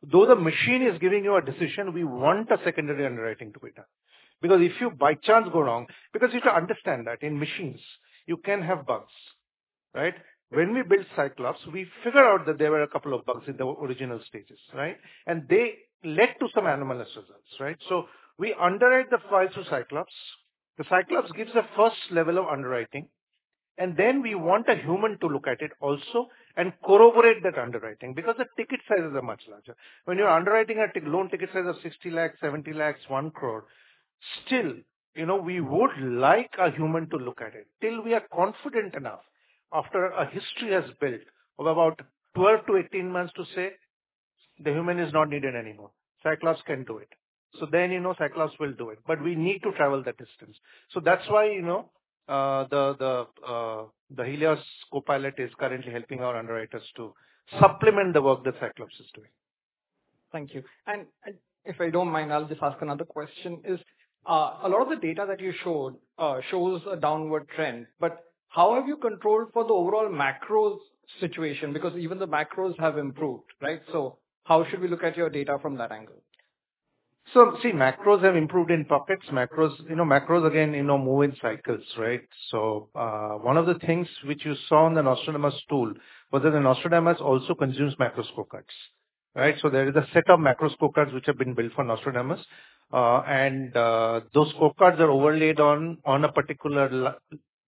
though the machine is giving you a decision, we want a secondary underwriting to be done. Because if you by chance go wrong, because you have to understand that in machines, you can have bugs, right? When we built Cyclops, we figured out that there were a couple of bugs in the original stages, right? And they led to some anomalous results, right? So we underwrite the files through Cyclops. The Cyclops gives the first level of underwriting, and then we want a human to look at it also and corroborate that underwriting because the ticket sizes are much larger. When you're underwriting a loan ticket size of 60 lakhs, 70 lakhs, 1 crore, still, you know, we would like a human to look at it till we are confident enough after a history has built of about 12-18 months to say the human is not needed anymore. Cyclops can do it, so then, you know, Cyclops will do it, but we need to travel that distance, so that's why, you know, the Helios Copilot is currently helping our underwriters to supplement the work that Cyclops is doing. Thank you, and if I don't mind, I'll just ask another question. A lot of the data that you showed shows a downward trend. But how have you controlled for the overall macros situation? Because even the macros have improved, right? So how should we look at your data from that angle? See, macros have improved in pockets. Macros, you know, macros again, you know, move in cycles, right? One of the things which you saw in the Nostradamus tool was that the Nostradamus also consumes macro scorecards, right? There is a set of macro scorecards which have been built for Nostradamus. Those scorecards are overlaid on a particular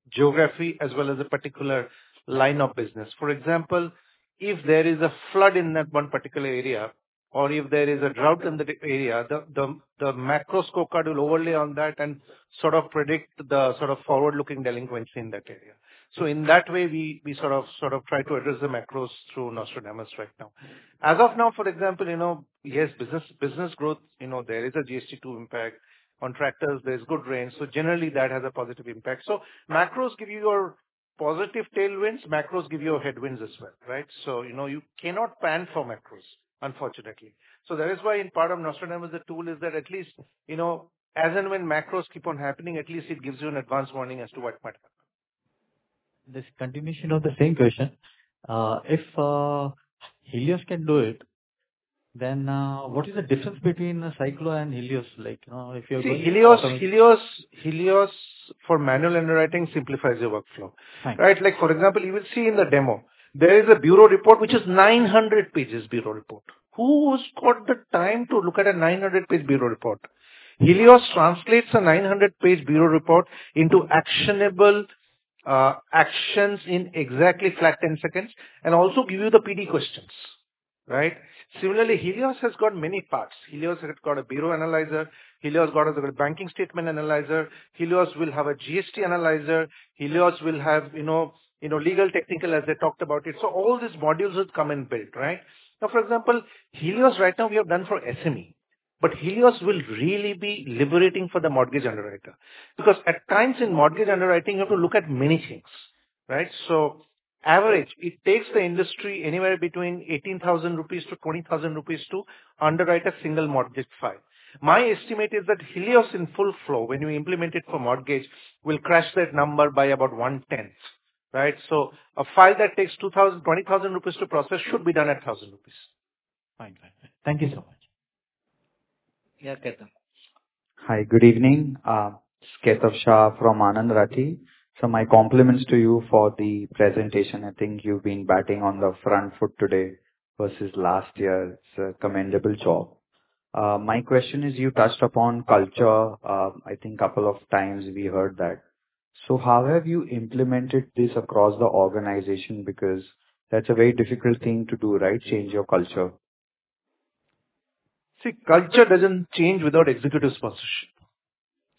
geography as well as a particular line of business. For example, if there is a flood in that one particular area, or if there is a drought in that area, the macro scorecard will overlay on that and sort of predict the sort of forward-looking delinquency in that area. In that way, we sort of try to address the macros through Nostradamus right now. As of now, for example, you know, yes, business growth, you know, there is a GS2 impact on tractors. There's good rain. So generally, that has a positive impact. So macros give you your positive tailwinds. Macros give you headwinds as well, right? So, you know, you cannot plan for macros, unfortunately. So that is why in part of Nostradamus, the tool is that at least, you know, as and when macros keep on happening, at least it gives you an advanced warning as to what might happen. This continuation of the same question, if Helios can do it, then what is the difference between Cyclops and Helios? Like, you know, if you're going to... Helios for manual underwriting simplifies your workflow, right? Like, for example, you will see in the demo, there is a bureau report, which is 900 pages bureau report. Who's got the time to look at a 900-page bureau report? Helios translates a 900-page bureau report into actionable actions in exactly flat 10 seconds and also gives you the PD questions, right? Similarly, Helios has got many parts. Helios has got a bureau analyzer. Helios has got a banking statement analyzer. Helios will have a GST analyzer. Helios will have, you know, legal technical as they talked about it. So all these modules will come and build, right? Now, for example, Helios right now we have done for SME. But Helios will really be liberating for the mortgage underwriter. Because at times in mortgage underwriting, you have to look at many things, right? So average, it takes the industry anywhere between 18,000 rupees to 20,000 rupees to underwrite a single mortgage file. My estimate is that Helios in full flow, when you implement it for mortgage, will crash that number by about one-tenth, right? So a file that takes 20,000 rupees to INR 20,000 to process should be done at 1,000 rupees. Thank you so much. Hi, good evening. It's Kedar Shah from Anand Rathi. So my compliments to you for the presentation. I think you've been batting on the front foot today versus last year. It's a commendable job. My question is, you touched upon culture. I think a couple of times we heard that. So how have you implemented this across the organization? Because that's a very difficult thing to do, right? Change your culture. See, culture doesn't change without executive sponsorship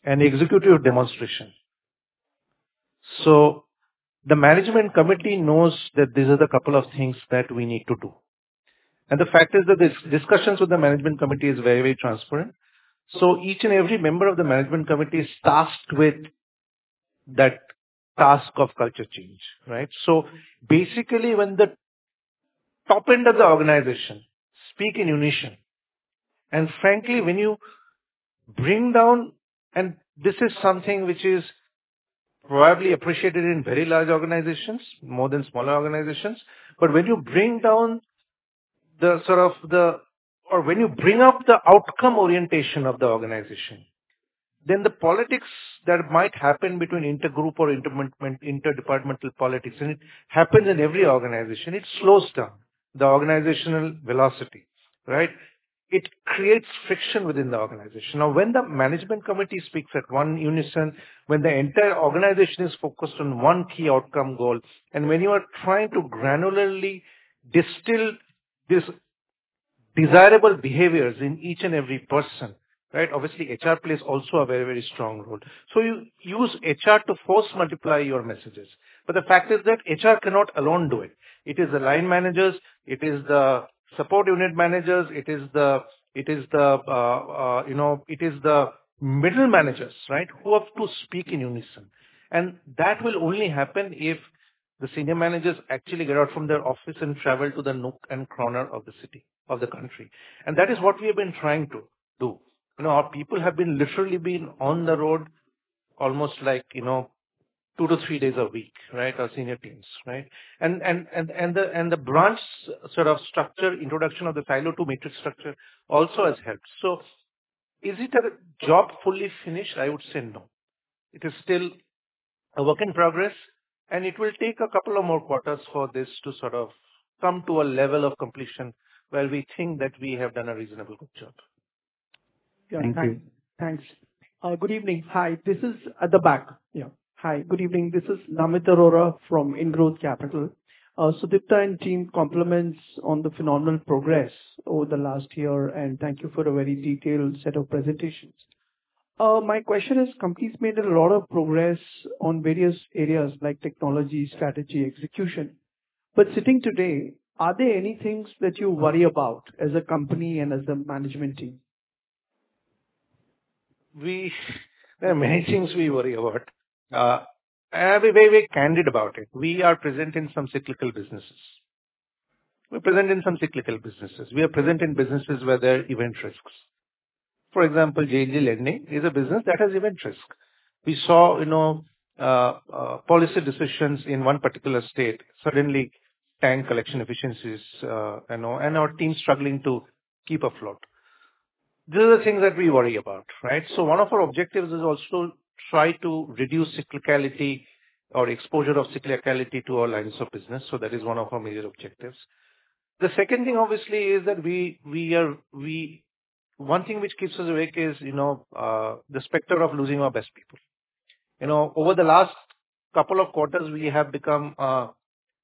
and executive demonstration. So the management committee knows that these are the couple of things that we need to do. And the fact is that the discussions with the management committee are very, very transparent. So each and every member of the management committee is tasked with that task of culture change, right? So basically, when the top end of the organization speaks in unison, and frankly, when you bring down, and this is something which is probably appreciated in very large organizations, more than smaller organizations. But when you bring down, or when you bring up the outcome orientation of the organization, then the politics that might happen between intergroup or interdepartmental politics, and it happens in every organization, it slows down the organizational velocity, right? It creates friction within the organization. Now, when the management committee speaks in unison, when the entire organization is focused on one key outcome goal, and when you are trying to granularly distill these desirable behaviors in each and every person, right? Obviously, HR plays also a very, very strong role. So you use HR to force multiply your messages. But the fact is that HR cannot alone do it. It is the line managers. It is the support unit managers. It is the, you know, it is the middle managers, right, who have to speak in unison. And that will only happen if the senior managers actually get out from their office and travel to the nooks and corners of the country. And that is what we have been trying to do. You know, our people have literally been on the road almost like, you know, two to three days a week, right, our senior teams, right? And the branch sort of structure, introduction of the silo to matrix structure also has helped. So is it a job fully finished? I would say no. It is still a work in progress. And it will take a couple of more quarters for this to sort of come to a level of completion where we think that we have done a reasonable good job. Thank you. Thanks. Good evening. Hi, good evening. This is Namit Arora from IndGrowth Capital. Sudipta and team, compliments on the phenomenal progress over the last year. And thank you for a very detailed set of presentations. My question is, the company has made a lot of progress on various areas like technology, strategy, execution. But sitting today, are there any things that you worry about as a company and as the management team? Well, there are many things we worry about. I'll be very, very candid about it. We are present in some cyclical businesses. We are present in businesses where there are event risks. For example, JLG Lending is a business that has event risk. We saw, you know, policy decisions in one particular state suddenly tank collection efficiencies, you know, and our team struggling to keep afloat. These are the things that we worry about, right? So one of our objectives is also to try to reduce cyclicality or exposure of cyclicality to our lines of business. So that is one of our major objectives. The second thing, obviously, is one thing which keeps us awake is, you know, the specter of losing our best people. You know, over the last couple of quarters, we have become a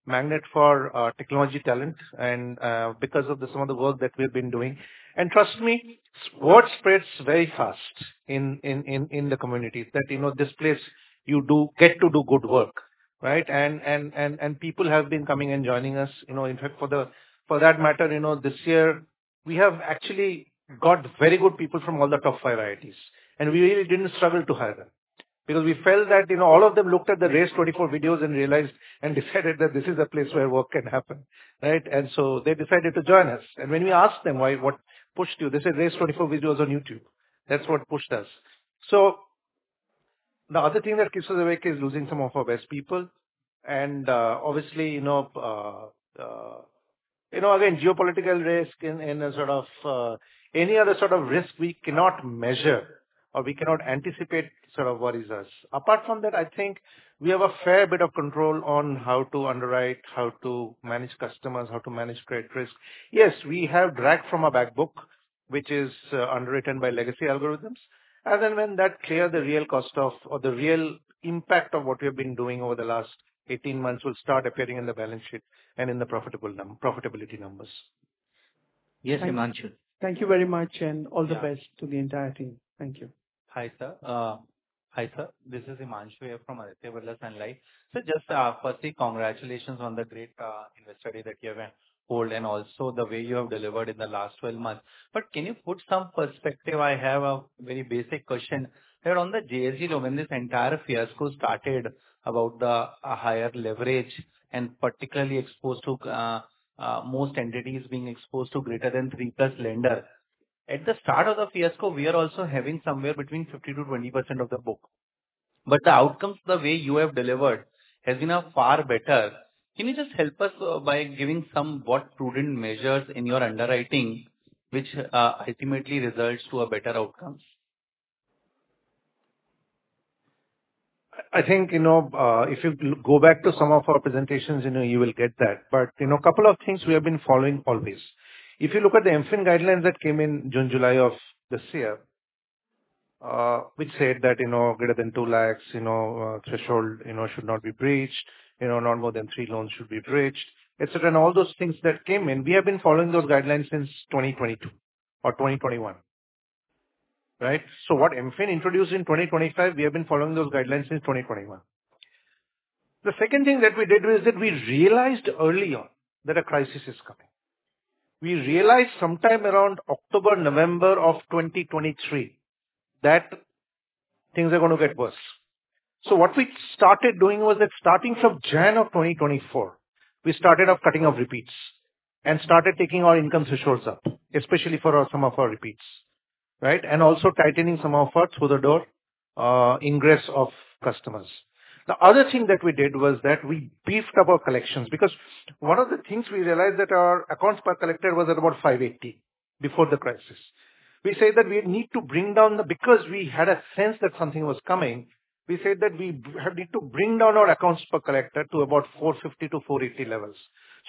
magnet for technology talent because of some of the work that we have been doing. And trust me, word spreads very fast in the community that, you know, this place you do get to do good work, right? And people have been coming and joining us. You know, in fact, for that matter, you know, this year, we have actually got very good people from all the top varsities. And we really didn't struggle to hire them because we felt that, you know, all of them looked at the Race 24 videos and realized and decided that this is a place where work can happen, right? And so they decided to join us. And when we asked them why, what pushed you, they said Race 24 videos on YouTube. That's what pushed us. So the other thing that keeps us awake is losing some of our best people. And obviously, you know, you know, again, geopolitical risk and sort of any other sort of risk we cannot measure or we cannot anticipate sort of worries us. Apart from that, I think we have a fair bit of control on how to underwrite, how to manage customers, how to manage credit risk. Yes, we have dragged from our backbook, which is underwritten by legacy algorithms. And then when that clears, the real cost of or the real impact of what we have been doing over the last 18 months will start appearing in the balance sheet and in the profitability numbers. Yes, Himanshu. Thank you very much and all the best to the entire team. Thank you. Hi, sir. Hi, sir. This is Himanshu here from Aditya Birla Sun Life. So just firstly, congratulations on the great investment study that you have held and also the way you have delivered in the last 12 months. But can you put some perspective? I have a very basic question. Here on the JLG, when this entire fiasco started about the higher leverage and particularly exposed to most entities being exposed to greater than 3+ lender, at the start of the fiasco, we are also having somewhere between 50%-20% of the book. But the outcomes, the way you have delivered has been far better. Can you just help us by giving some prudent measures in your underwriting, which ultimately results in better outcomes? I think, you know, if you go back to some of our presentations, you know, you will get that. But, you know, a couple of things we have been following always. If you look at the MFIN guidelines that came in June, July of this year, which said that, you know, greater than two lakhs, you know, threshold, you know, should not be breached, you know, not more than three loans should be breached, et cetera, and all those things that came in, we have been following those guidelines since 2022 or 2021, right? So what MFIN introduced in 2025, we have been following those guidelines since 2021. The second thing that we did was that we realized early on that a crisis is coming. We realized sometime around October, November of 2023 that things are going to get worse. So what we started doing was that starting from January of 2024, we started off cutting off repeats and started taking our income thresholds up, especially for some of our repeats, right? And also tightening some of our through-the-door ingress of customers. The other thing that we did was that we beefed up our collections because one of the things we realized that our accounts per collector was at about 580 before the crisis. We said that we need to bring down the, because we had a sense that something was coming, we said that we need to bring down our accounts per collector to about 450-480 levels.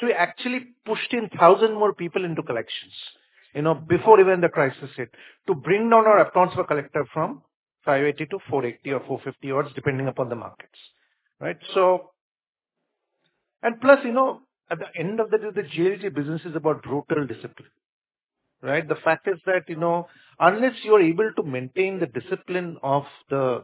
So we actually pushed in 1,000 more people into collections, you know, before even the crisis hit to bring down our accounts per collector from 580-480 or 450 odds, depending upon the markets, right? So, and plus, you know, at the end of the day, the JLG business is about brutal discipline, right? The fact is that, you know, unless you're able to maintain the discipline of the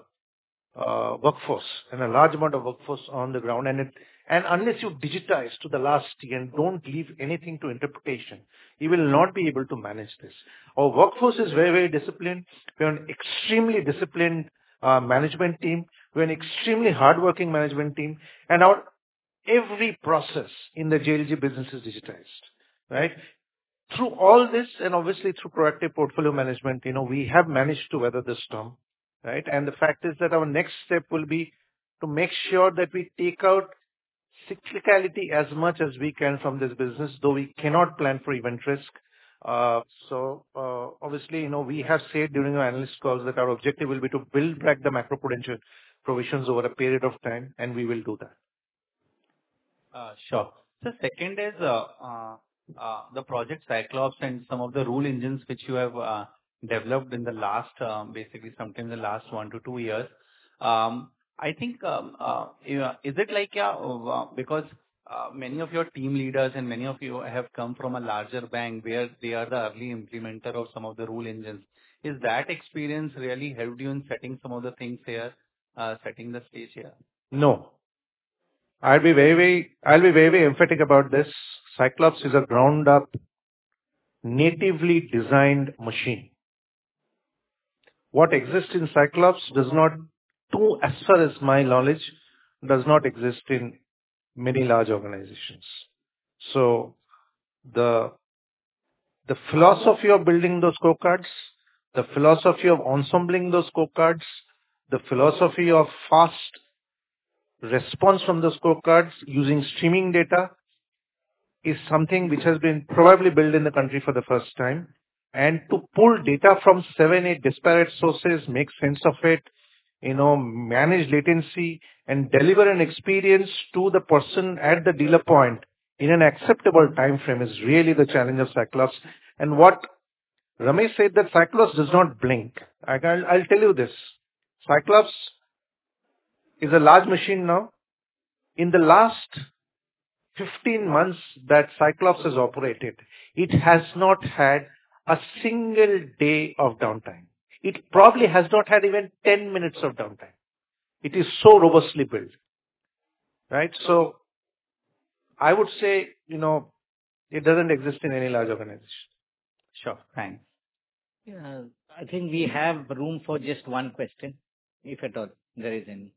workforce and a large amount of workforce on the ground, and unless you digitize to the last tier and don't leave anything to interpretation, you will not be able to manage this. Our workforce is very, very disciplined. We have an extremely disciplined management team. We have an extremely hardworking management team, and our every process in the JLG business is digitized, right? Through all this and obviously through proactive portfolio management, you know, we have managed to weather the storm, right, and the fact is that our next step will be to make sure that we take out cyclicality as much as we can from this business, though we cannot plan for event risk. So obviously, you know, we have said during our analyst calls that our objective will be to build back the macro-prudential provisions over a period of time, and we will do that. Sure. So second is the Project Cyclops and some of the rule engines which you have developed in the last, basically sometimes the last one to two years. I think, is it like, yeah, because many of your team leaders and many of you have come from a larger bank where they are the early implementer of some of the rule engines. Is that experience really helped you in setting some of the things here, setting the stage here? No. I'll be very, very, I'll be very, very emphatic about this. Cyclops is a ground-up, natively designed machine. What exists in Cyclops does not, to as far as my knowledge, does not exist in many large organizations. So the philosophy of building those scorecards, the philosophy of ensembling those scorecards, the philosophy of fast response from those scorecards using streaming data is something which has been probably built in the country for the first time. And to pull data from seven, eight disparate sources, make sense of it, you know, manage latency and deliver an experience to the person at the dealer point in an acceptable time frame is really the challenge of Cyclops. And what Ramesh said, that Cyclops does not blink. I'll tell you this. Cyclops is a large machine now. In the last 15 months that Cyclops has operated, it has not had a single day of downtime. It probably has not had even 10 minutes of downtime. It is so robustly built, right? So I would say, you know, it doesn't exist in any large organization. Sure. Thanks. Yeah. I think we have room for just one question, if at all there is any.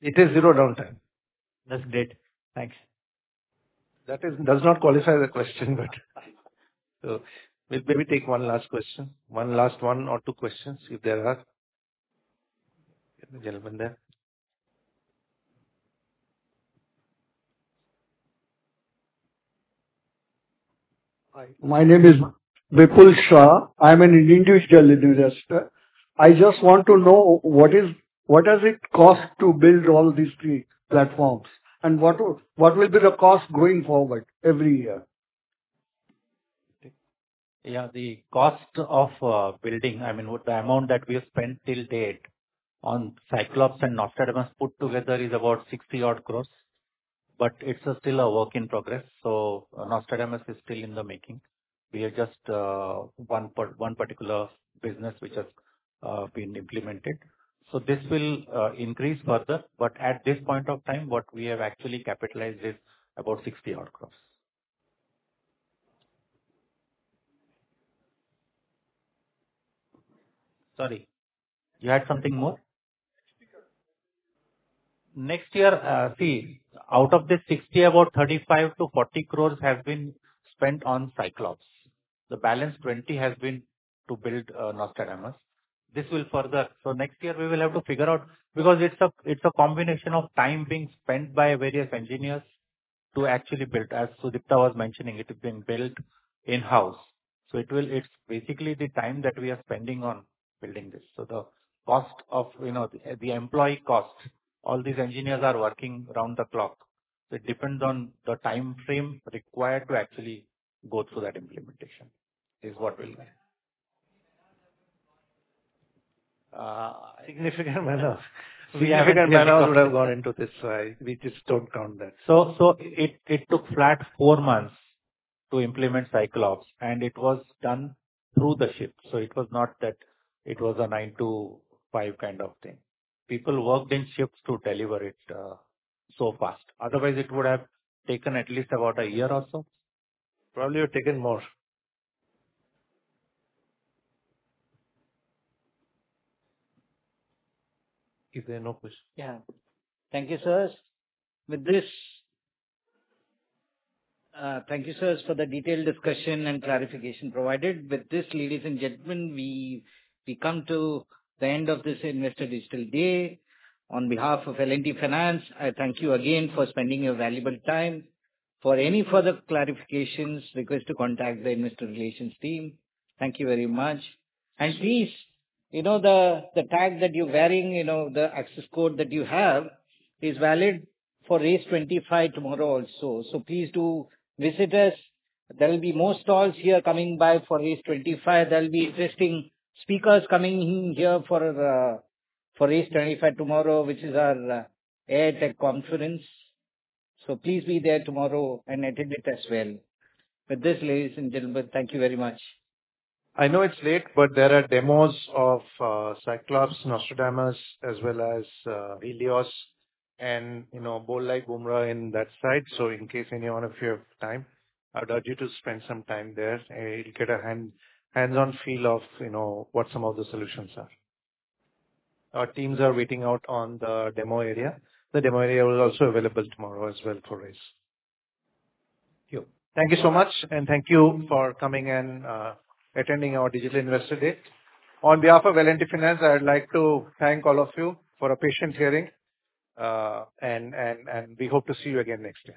It is zero downtime. That's great. Thanks. That does not qualify the question, but so maybe take one last question, one last one or two questions if there are. Gentlemen there. My name is Vipul Shah. I'm an individual investor. I just want to know what does it cost to build all these platforms and what will be the cost going forward every year? Yeah, the cost of building, I mean, the amount that we have spent till date on Cyclops and Nostradamus put together is about 60 crore. But it's still a work in progress. So Nostradamus is still in the making. We are just one particular business which has been implemented. So this will increase further. But at this point of time, what we have actually capitalized is about 60 crore. Sorry. You had something more? Next year, see, out of the 60, about 35-40 crore have been spent on Cyclops. The balance 20 crore has been to build Nostradamus. This will further, so next year we will have to figure out because it's a combination of time being spent by various engineers to actually build, as Sudipta was mentioning, it has been built in-house. So it will, it's basically the time that we are spending on building this. The cost of, you know, the employee cost, all these engineers are working around the clock. It depends on the time frame required to actually go through that implementation, is what will. Significant man hours. Significant man hours would have gone into this. So we just don't count that. So it took flat four months to implement Cyclops, and it was done through the shift. So it was not that it was a nine to five kind of thing. People worked in shifts to deliver it so fast. Otherwise, it would have taken at least about a year or so. Probably it would have taken more. Is there no question? Yeah. Thank you, sir. With this, thank you, sir, for the detailed discussion and clarification provided. With this, ladies and gentlemen, we come to the end of this Investor Digital Day. On behalf of L&T Finance, I thank you again for spending your valuable time. For any further clarifications, request to contact the Investor Relations team. Thank you very much. And please, you know, the tag that you're wearing, you know, the access code that you have is valid for RACE 2025 tomorrow also. So please do visit us. There will be more stalls here coming by for RACE 2025. There'll be interesting speakers coming here for RACE 2025 tomorrow, which is our AI tech conference. So please be there tomorrow and attend it as well. With this, ladies and gentlemen, thank you very much. I know it's late, but there are demos of Cyclops, Nostradamus, as well as Helios and, you know, Bowl Like Bumrah in that side. So in case any one of you have time, I'd urge you to spend some time there. You'll get a hands-on feel of, you know, what some of the solutions are. Our teams are waiting out on the demo area. The demo area will also be available tomorrow as well for RACE. Thank you so much, and thank you for coming and attending our Digital Investor Day. On behalf of L&T Finance, I'd like to thank all of you for a patient hearing, and we hope to see you again next year.